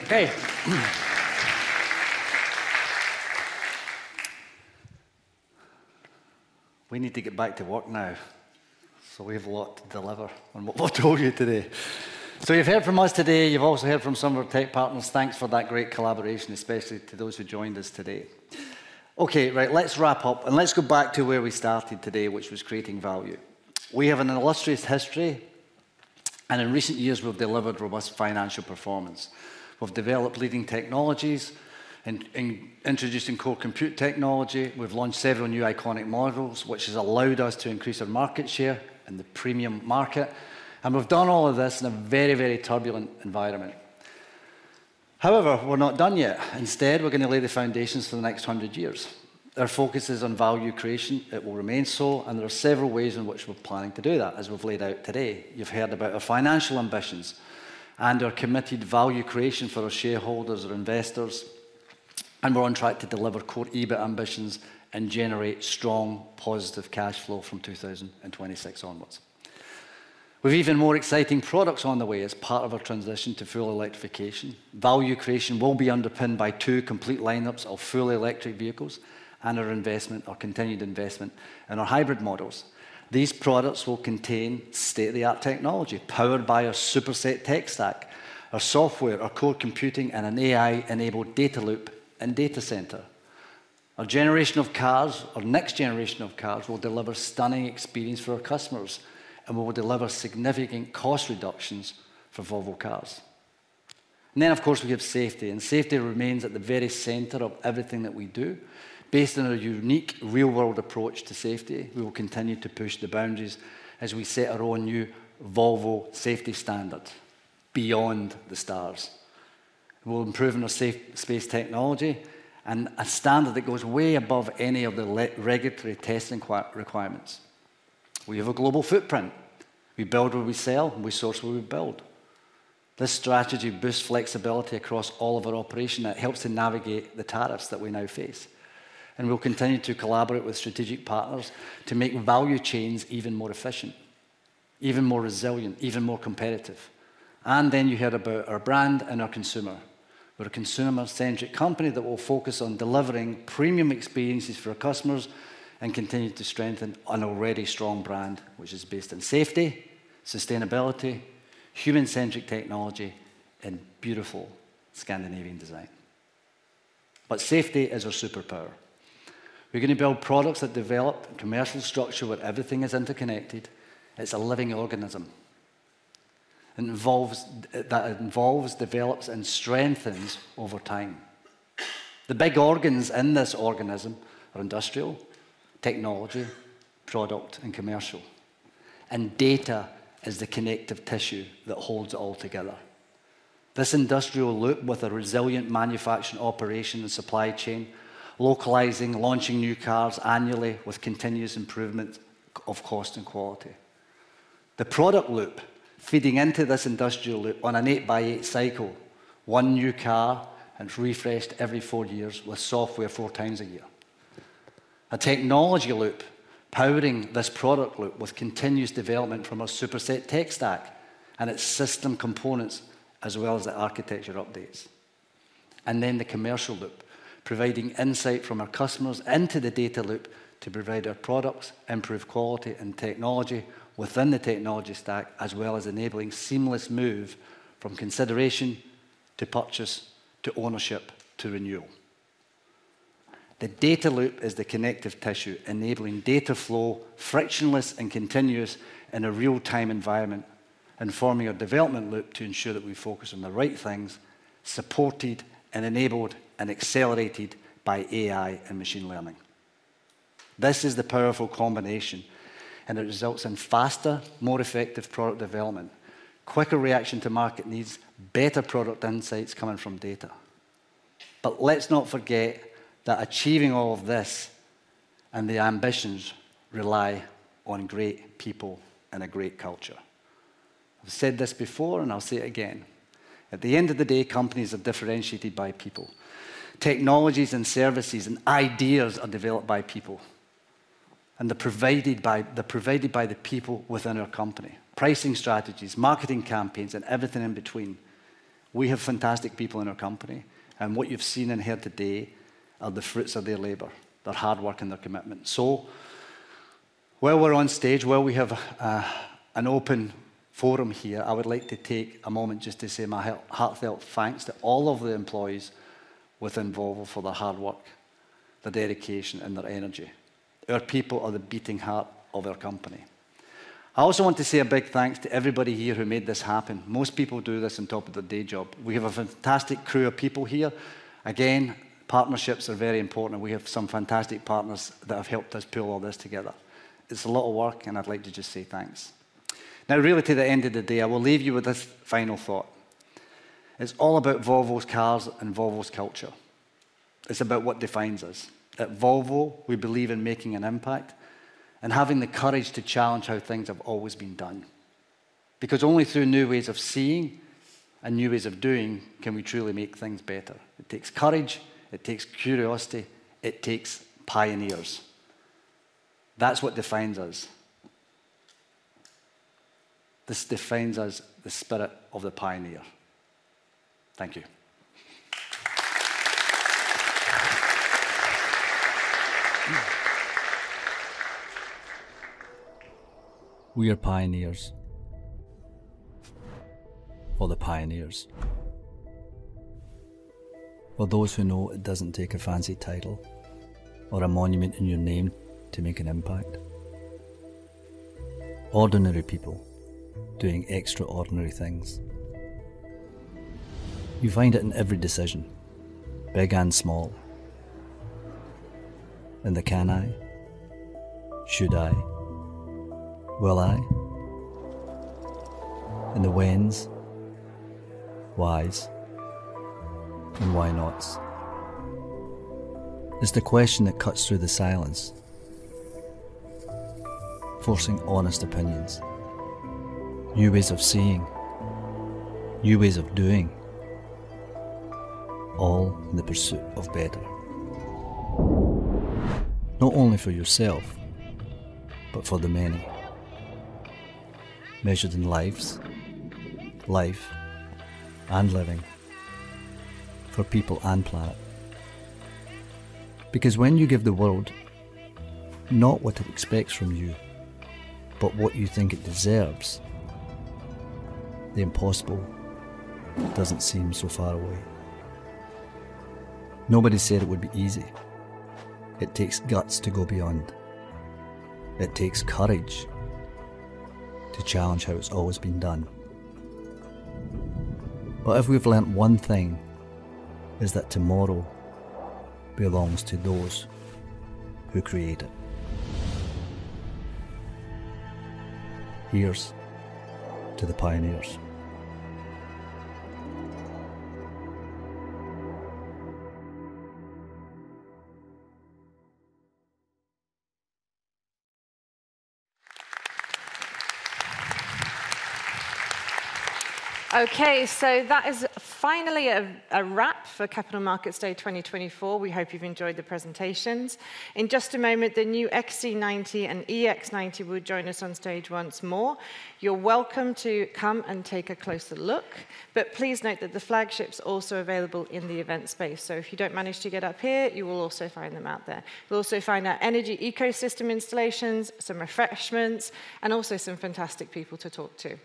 Okay. We need to get back to work now, so we have a lot to deliver on what we've told you today. So you've heard from us today, you've also heard from some of our tech partners. Thanks for that great collaboration, especially to those who joined us today. Okay, right, let's wrap up, and let's go back to where we started today, which was creating value. We have an illustrious history, and in recent years, we've delivered robust financial performance. We've developed leading technologies and in introducing core computing technology, we've launched several new iconic models, which has allowed us to increase our market share in the premium market, and we've done all of this in a very, very turbulent environment. However, we're not done yet. Instead, we're gonna lay the foundations for the next hundred years. Our focus is on value creation. It will remain so, and there are several ways in which we're planning to do that, as we've laid out today. You've heard about our financial ambitions and our committed value creation for our shareholders or investors, and we're on track to deliver core EBIT ambitions and generate strong positive cash flow from 2026 onward. We've even more exciting products on the way as part of our transition to full electrification. Value creation will be underpinned by two complete lineups of fully electric vehicles and our investment, our continued investment in our hybrid models. These products will contain state-of-the-art technology, powered by a Superset tech stack, a software, a core computing, and an AI-enabled data loop and data center. Our generation of cars or next generation of cars will deliver stunning experience for our customers, and we will deliver significant cost reductions for Volvo Cars. And then, of course, we have safety, and safety remains at the very center of everything that we do. Based on our unique real-world approach to safety, we will continue to push the boundaries as we set our own new Volvo safety standard: Beyond the Stars. We're improving our Safe Space Technology and a standard that goes way above any of the regulatory testing requirements. We have a global footprint. We build where we sell, and we source where we build. This strategy boosts flexibility across all of our operation. That helps to navigate the tariffs that we now face. And we'll continue to collaborate with strategic partners to make value chains even more efficient, even more resilient, even more competitive. And then you heard about our brand and our consumer. We're a consumer-centric company that will focus on delivering premium experiences for our customers and continue to strengthen an already strong brand, which is based on safety, sustainability, human-centric technology and beautiful Scandinavian design. But safety is our superpower. We're gonna build products that develop a commercial structure where everything is interconnected. It's a living organism that involves, develops, and strengthens over time. The big organs in this organism are industrial, technology, product, and commercial, and data is the connective tissue that holds it all together. This industrial loop, with a resilient manufacturing operation and supply chain, localizing, launching new cars annually with continuous improvement of cost and quality. The product loop feeding into this industrial loop on an eight-by-eight cycle, one new car and refreshed every four years with software four times a year. A technology loop powering this product loop with continuous development from our Superset tech stack and its system components, as well as the architecture updates, and then the commercial loop, providing insight from our customers into the data loop to provide our products, improve quality and technology within the technology stack, as well as enabling seamless move from consideration to purchase, to ownership, to renewal. The data loop is the connective tissue, enabling data flow, frictionless and continuous, in a real-time environment, and forming a development loop to ensure that we focus on the right things, supported and enabled and accelerated by AI and machine learning. This is the powerful combination, and it results in faster, more effective product development, quicker reaction to market needs, better product insights coming from data. But let's not forget that achieving all of this and the ambitions rely on great people and a great culture. I've said this before, and I'll say it again: at the end of the day, companies are differentiated by people. Technologies and services and ideas are developed by people, and they're provided by, they're provided by the people within our company. Pricing strategies, marketing campaigns, and everything in between. We have fantastic people in our company, and what you've seen in here today are the fruits of their labor, their hard work, and their commitment. So while we're on stage, while we have an open forum here, I would like to take a moment just to say my heartfelt thanks to all of the employees within Volvo for their hard work, their dedication, and their energy. Our people are the beating heart of our company. I also want to say a big thanks to everybody here who made this happen. Most people do this on top of their day job. We have a fantastic crew of people here. Again, partnerships are very important. We have some fantastic partners that have helped us pull all this together. It's a lot of work, and I'd like to just say thanks. Now, really to the end of the day, I will leave you with this final thought: It's all about Volvo's cars and Volvo's culture. It's about what defines us. At Volvo, we believe in making an impact and having the courage to challenge how things have always been done, because only through new ways of seeing and new ways of doing can we truly make things better. It takes courage, it takes curiosity, it takes pioneers. That's what defines us. This defines us, the spirit of the pioneer. Thank you. We are pioneers for the pioneers. For those who know it doesn't take a fancy title or a monument in your name to make an impact. Ordinary people doing extraordinary things. You find it in every decision, big and small. In the can I? Should I? Will I? In the whens, whys, and why nots. It's the question that cuts through the silence, forcing honest opinions, new ways of seeing, new ways of doing, all in the pursuit of better. Not only for yourself, but for the many. Measured in lives, life, and living, for people and planet. Because when you give the world not what it expects from you, but what you think it deserves, the impossible doesn't seem so far away. Nobody said it would be easy. It takes guts to go beyond. It takes courage to challenge how it's always been done. But if we've learned one thing, it's that tomorrow belongs to those who create it. Here's to the pioneers. Okay, so that is finally a wrap for Capital Markets Day 2024. We hope you've enjoyed the presentations. In just a moment, the new XC90 and EX90 will join us on stage once more. You're welcome to come and take a closer look, but please note that the flagship's also available in the event space, so if you don't manage to get up here, you will also find them out there. You'll also find our energy ecosystem installations, some refreshments, and also some fantastic people to talk to.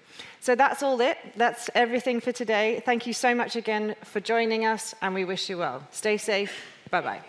So that's all it. That's everything for today. Thank you so much again for joining us, and we wish you well. Stay safe. Bye-bye.